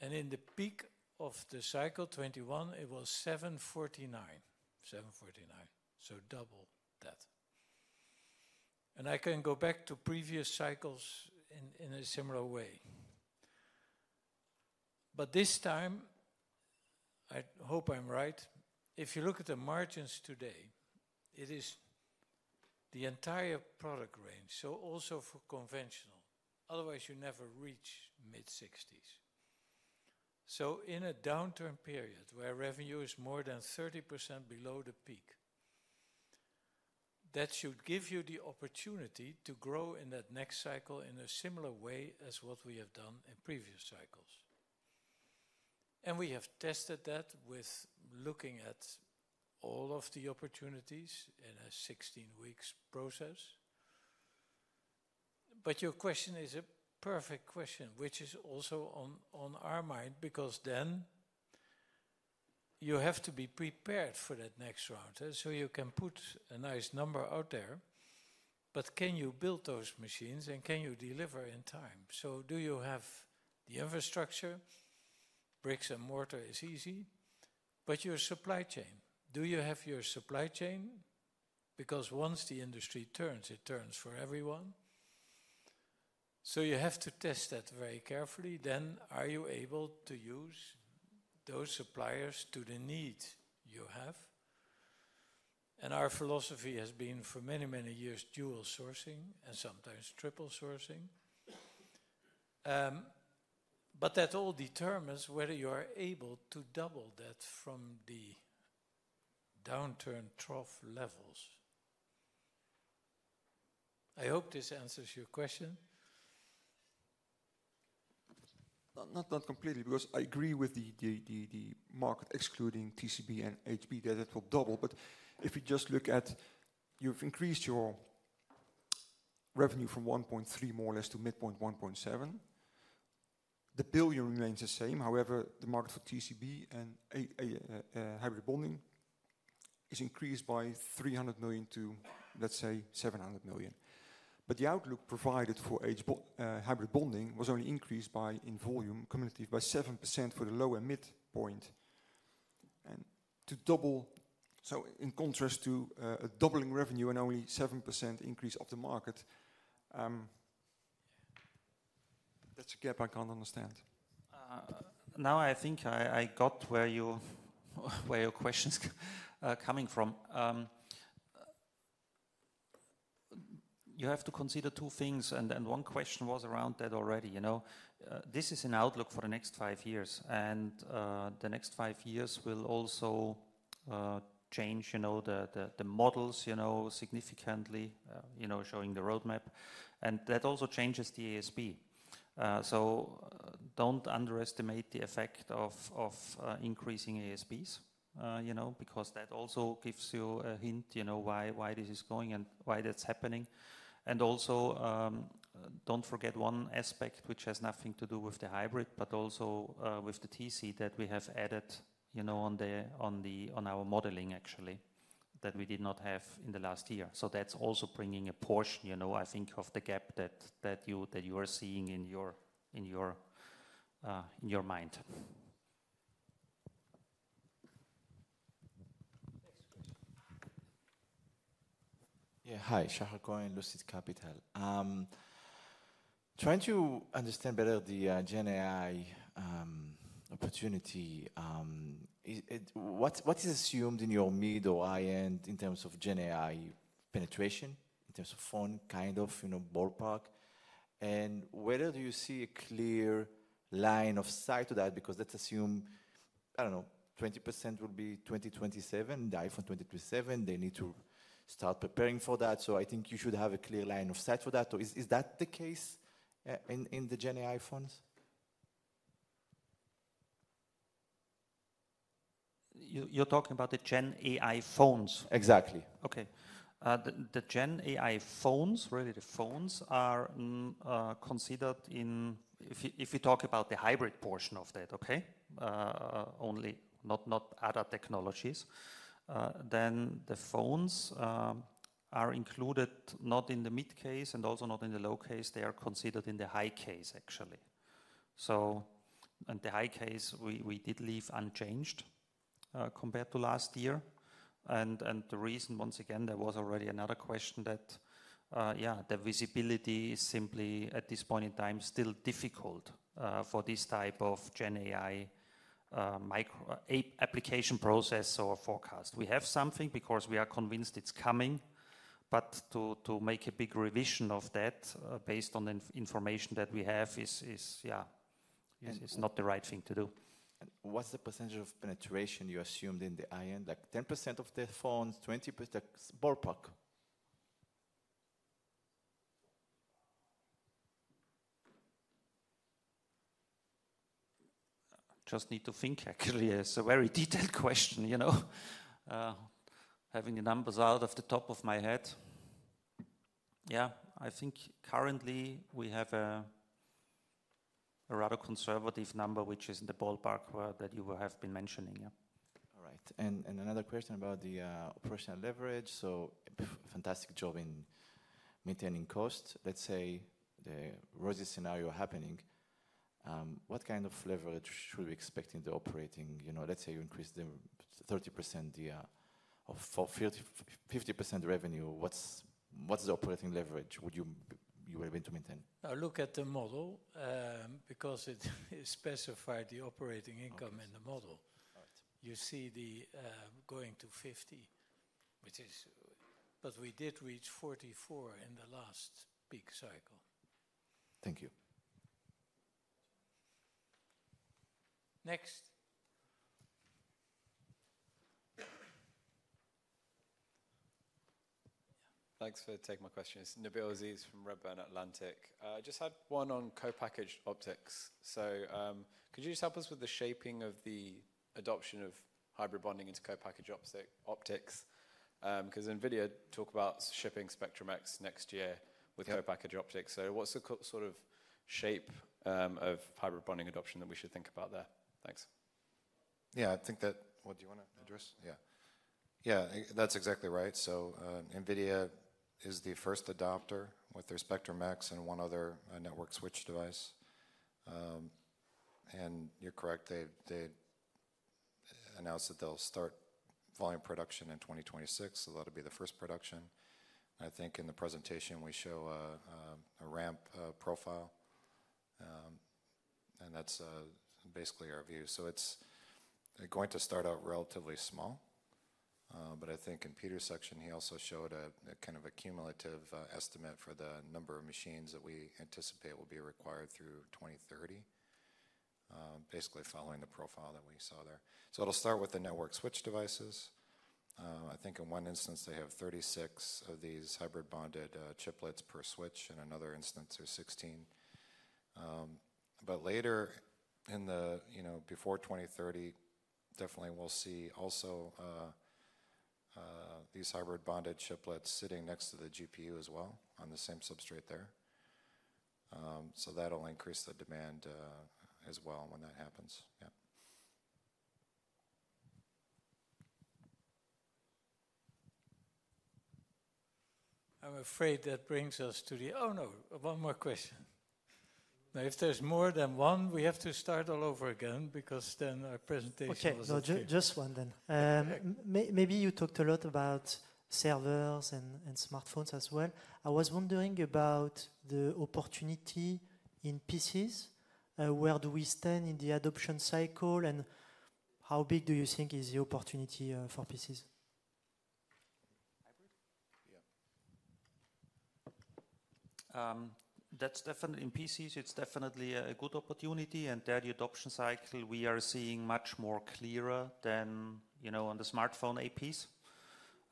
And in the peak of the cycle 2021, it was 749 million, 749. So double that. And I can go back to previous cycles in a similar way. But this time, I hope I'm right, if you look at the margins today, it is the entire product range, so also for conventional. Otherwise, you never reach mid-60s. So in a downturn period where revenue is more than 30% below the peak, that should give you the opportunity to grow in that next cycle in a similar way as what we have done in previous cycles. And we have tested that with looking at all of the opportunities in a 16-week process. But your question is a perfect question, which is also on our mind because then you have to be prepared for that next round so you can put a nice number out there. But can you build those machines and can you deliver in time? So do you have the infrastructure? Bricks and mortar is easy. But your supply chain, do you have your supply chain? Because once the industry turns, it turns for everyone. So you have to test that very carefully. Then are you able to use those suppliers to the need you have? And our philosophy has been for many, many years dual sourcing and sometimes triple sourcing. But that all determines whether you are able to double that from the downturn trough levels. I hope this answers your question. Not completely because I agree with the market excluding TCB and HP that it will double. But if you just look at, you've increased your revenue from 1.3 billion more or less to midpoint 1.7 billion, the billion remains the same. However, the market for TCB and hybrid bonding is increased by 300 million to, let's say, 700 million. But the outlook provided for hybrid bonding was only increased by in volume cumulative by 7% for the low and midpoint. And to double, so in contrast to a doubling revenue and only 7% increase of the market, that's a gap I can't understand. Now I think I got where your question's coming from. You have to consider two things, and one question was around that already. This is an outlook for the next five years, and the next five years will also change the models significantly, showing the roadmap. And that also changes the ASP. Don't underestimate the effect of increasing ASPs because that also gives you a hint why this is going and why that's happening. And also don't forget one aspect which has nothing to do with the hybrid, but also with the TC that we have added on our modeling actually that we did not have in the last year. That's also bringing a portion, I think, of the gap that you are seeing in your mind. Yeah, hi, Shahar Cohen and Lucid Capital. Trying to understand better the GenAI opportunity. What is assumed in your mid or high end in terms of GenAI penetration, in terms of phone kind of ballpark? And whether do you see a clear line of sight to that? Because let's assume, I don't know, 20% will be 2027, the iPhone 2027, they need to start preparing for that. So, I think you should have a clear line of sight for that. Is that the case in the GenAI phones? You're talking about the GenAI phones? Exactly. Okay. The GenAI phones, really the phones are considered in, if you talk about the hybrid portion of that, okay, only not other technologies, then the phones are included not in the mid case and also not in the low case. They are considered in the high case actually. And the high case we did leave unchanged compared to last year. And the reason, once again, there was already another question that, yeah, the visibility is simply at this point in time still difficult for this type of GenAI application process or forecast. We have something because we are convinced it's coming. But to make a big revision of that based on the information that we have is, yeah, it's not the right thing to do. What's the percentage of penetration you assumed in the high end? Like 10% of the phones, 20% ballpark? Just need to think actually. It's a very detailed question. I don't have the numbers off the top of my head. Yeah, I think currently we have a rather conservative number, which is in the ballpark that you have been mentioning. All right. And another question about the operational leverage. So fantastic job in maintaining cost. Let's say the rosy scenario happening. What kind of leverage should we expect in the operating? Let's say you increase the 30% of 50% revenue. What's the operating leverage you will have to maintain? Look at the model because it specified the operating income in the model. You see, it's going to 50, which is. But we did reach 44 in the last big cycle. Thank you. Next. Thanks for taking my questions. Nabeel Aziz is from Redburn Atlantic. I just had one on co-packaged optics. So could you just help us with the shaping of the adoption of hybrid bonding into co-packaged optics? Because NVIDIA talked about shipping Spectrum-X next year with co-packaged optics. So what's the sort of shape of hybrid bonding adoption that we should think about there? Thanks. Yeah, I think that's what you want to address. Yeah. Yeah, that's exactly right. So NVIDIA is the first adopter with their Spectrum-X and one other network switch device. And you're correct. They announced that they'll start volume production in 2026. So that'll be the first production. I think in the presentation, we show a ramp profile. And that's basically our view. So it's going to start out relatively small. But I think in Peter's section, he also showed a kind of a cumulative estimate for the number of machines that we anticipate will be required through 2030, basically following the profile that we saw there. So it'll start with the network switch devices. I think in one instance, they have 36 of these hybrid bonded chiplets per switch, and another instance or 16. But later on, before 2030, definitely we'll see also these hybrid bonded chiplets sitting next to the GPU as well on the same substrate there. So that'll increase the demand as well when that happens. Yeah. I'm afraid that brings us to the, oh no, one more question. Now, if there's more than one, we have to start all over again because then our presentation was just one. Maybe you talked a lot about servers and smartphones as well. I was wondering about the opportunity in PCs. Where do we stand in the adoption cycle? And how big do you think is the opportunity for PCs? Yeah. That's definitely in PCs. It's definitely a good opportunity. And there the adoption cycle, we are seeing much more clearer than on the smartphone APs.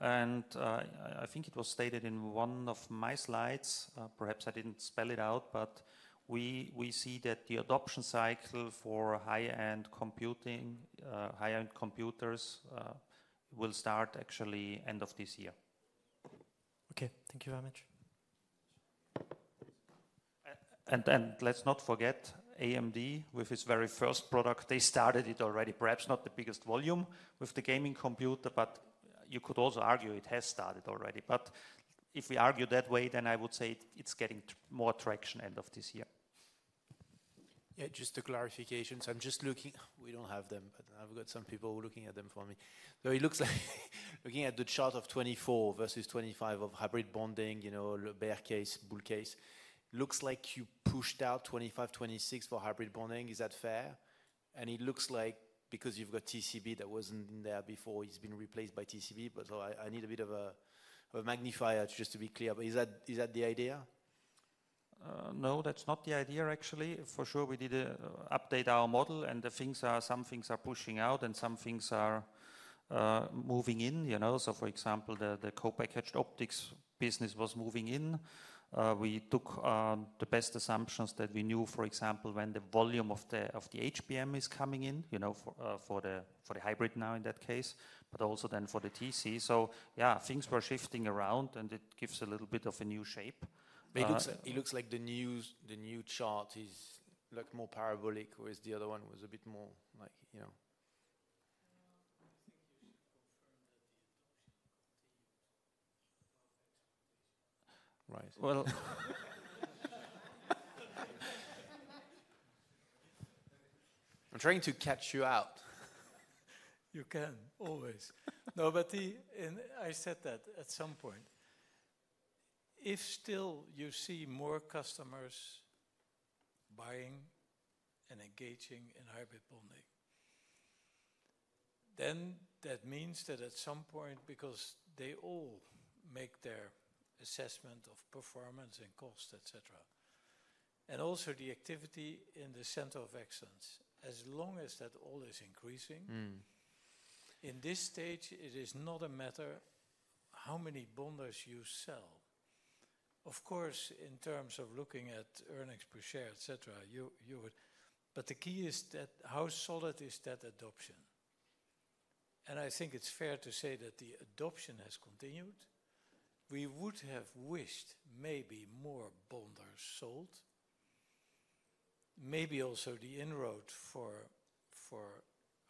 And I think it was stated in one of my slides. Perhaps I didn't spell it out, but we see that the adoption cycle for high-end computing, high-end computers will start actually end of this year. Okay, thank you very much. And let's not forget AMD with its very first product. They started it already. Perhaps not the biggest volume with the gaming computer, but you could also argue it has started already. But if we argue that way, then I would say it's getting more traction end of this year. Yeah, just a clarification. So I'm just looking, we don't have them, but I've got some people looking at them for me. So it looks like looking at the chart of 2024 versus 2025 of hybrid bonding, base case, bull case, looks like you pushed out 2025, 2026 for hybrid bonding. Is that fair? And it looks like because you've got TCB that wasn't in there before, it's been replaced by TCB. But I need a bit of a magnifier just to be clear. Is that the idea? No, that's not the idea actually. For sure, we did update our model and some things are pushing out and some things are moving in. So for example, the co-packaged optics business was moving in. We took the best assumptions that we knew, for example, when the volume of the HBM is coming in for the hybrid now in that case, but also then for the TC. So yeah, things were shifting around and it gives a little bit of a new shape. It looks like the new chart is like more parabolic or is the other one was a bit more like. I think you should confirm that the adoption continued above expectation. Right. Well. I'm trying to catch you out. You can always. No, but I said that at some point. If still you see more customers buying and engaging in hybrid bonding, then that means that at some point, because they all make their assessment of performance and cost, etc., and also the activity in the center of excellence, as long as that all is increasing, in this stage, it is not a matter how many bonders you sell. Of course, in terms of looking at earnings per share, etc., but the key is that how solid is that adoption? And I think it's fair to say that the adoption has continued. We would have wished maybe more bonders sold, maybe also the inroad for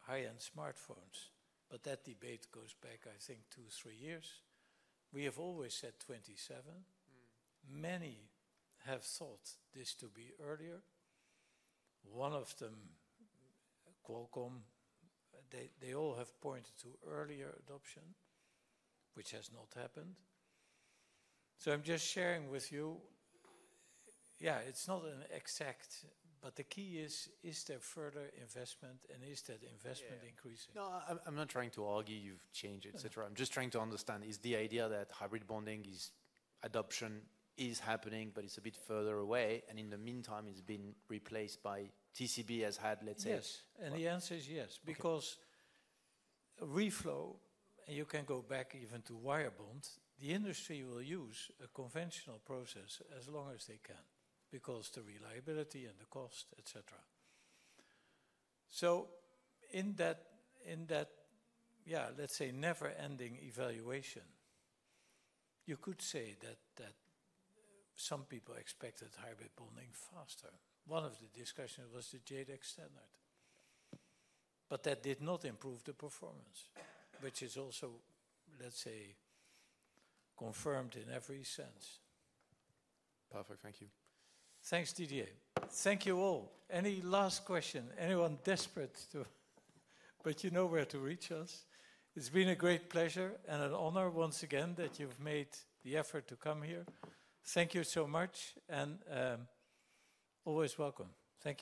high-end smartphones. But that debate goes back, I think, two, three years. We have always said 27. Many have thought this to be earlier. One of them, Qualcomm, they all have pointed to earlier adoption, which has not happened. So I'm just sharing with you. Yeah, it's not an exact, but the key is, is there further investment and is that investment increasing? No, I'm not trying to argue you've changed, etc. I'm just trying to understand is the idea that hybrid bonding adoption is happening, but it's a bit further away. And in the meantime, it's been replaced by TCB has had, let's say. Yes. And the answer is yes, because reflow, and you can go back even to wire bond, the industry will use a conventional process as long as they can because of the reliability and the cost, etc. So in that, yeah, let's say never-ending evaluation, you could say that some people expected hybrid bonding faster. One of the discussions was the JEDEC standard. But that did not improve the performance, which is also, let's say, confirmed in every sense. Perfect. Thank you. Thanks, DDA. Thank you all. Any last question? Anyone desperate to, but you know where to reach us? It's been a great pleasure and an honor once again that you've made the effort to come here. Thank you so much and always welcome. Thank you.